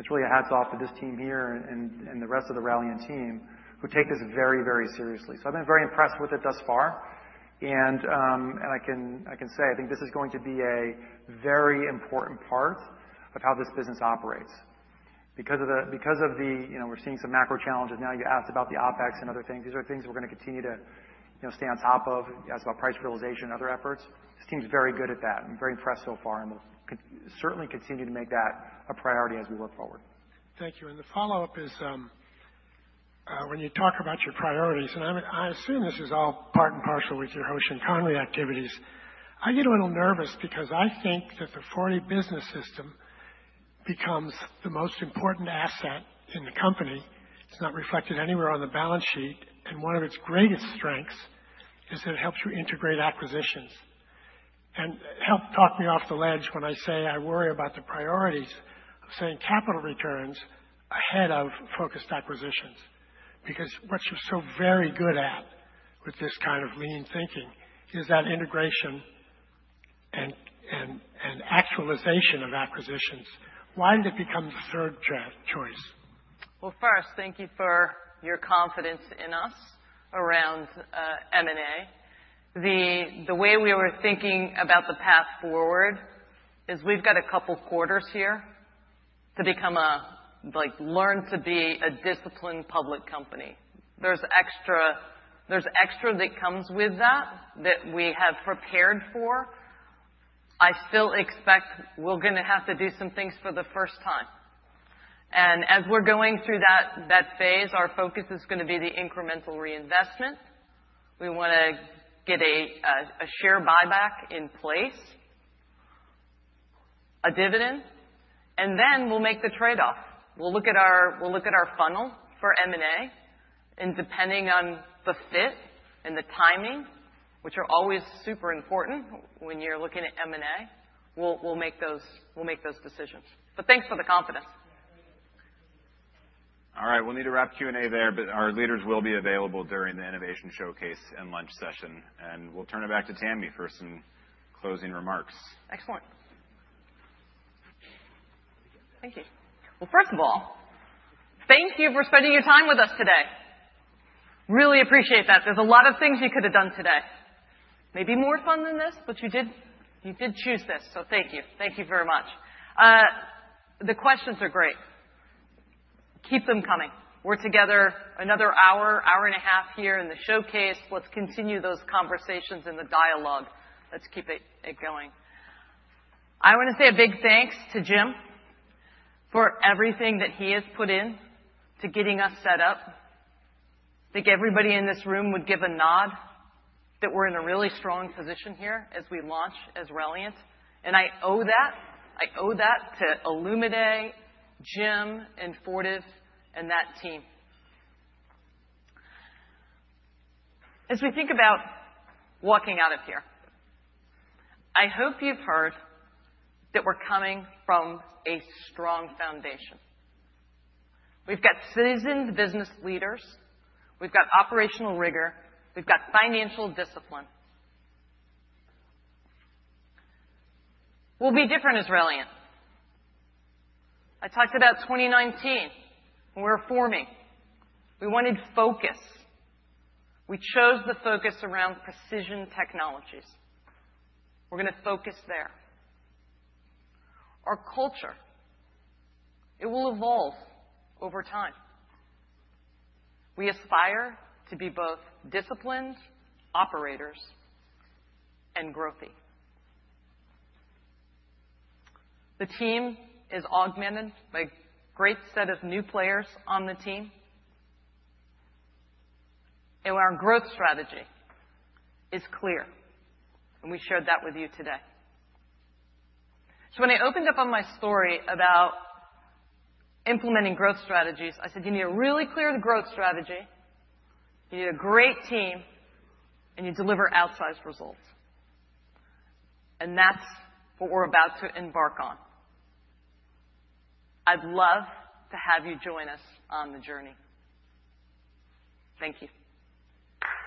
It's really a hats off to this team here and the rest of the Ralliant team who take this very, very seriously. I've been very impressed with it thus far. I can say I think this is going to be a very important part of how this business operates. Because we're seeing some macro challenges now. You asked about the OpEx and other things. These are things we're going to continue to stay on top of. You asked about price realization and other efforts. This team's very good at that. I'm very impressed so far. We'll certainly continue to make that a priority as we work forward. Thank you. The follow-up is, when you talk about your priorities, and I assume this is all part and parcel with your Hoshin Conway activities, I get a little nervous because I think that the Fortive Business System becomes the most important asset in the company. It's not reflected anywhere on the balance sheet. One of its greatest strengths is that it helps you integrate acquisitions. Help talk me off the ledge when I say I worry about the priorities of saying capital returns ahead of focused acquisitions. What you're so very good at with this kind of lean thinking is that integration and actualization of acquisitions. Why did it become the third choice? First, thank you for your confidence in us around M&A. The way we were thinking about the path forward is we've got a couple quarters here to learn to be a disciplined public company. There's extra that comes with that that we have prepared for. I still expect we're going to have to do some things for the first time. As we're going through that phase, our focus is going to be the incremental reinvestment. We want to get a share buyback in place, a dividend. Then we'll make the trade-off. We'll look at our funnel for M&A. Depending on the fit and the timing, which are always super important when you're looking at M&A, we'll make those decisions. Thanks for the confidence. All right. We'll need to wrap Q&A there, but our leaders will be available during the innovation showcase and lunch session. We'll turn it back to Tami for some closing remarks. Excellent. Thank you. First of all, thank you for spending your time with us today. Really appreciate that. There are a lot of things you could have done today. Maybe more fun than this, but you did choose this. So thank you. Thank you very much. The questions are great. Keep them coming. We are together another hour, hour and a half here in the showcase. Let's continue those conversations and the dialogue. Let's keep it going. I want to say a big thanks to Jim for everything that he has put in to getting us set up. I think everybody in this room would give a nod that we are in a really strong position here as we launch as Ralliant. I owe that to Ilan Dayan, Jim, and Fortive, and that team. As we think about walking out of here, I hope you have heard that we are coming from a strong foundation. We've got seasoned business leaders. We've got operational rigor. We've got financial discipline. We'll be different as Ralliant. I talked about 2019 when we were forming. We wanted focus. We chose the focus around precision technologies. We're going to focus there. Our culture, it will evolve over time. We aspire to be both disciplined operators and growthy. The team is augmented by a great set of new players on the team. Our growth strategy is clear. We shared that with you today. When I opened up on my story about implementing growth strategies, I said, "You need a really clear growth strategy. You need a great team, and you deliver outsized results." That's what we're about to embark on. I'd love to have you join us on the journey. Thank you.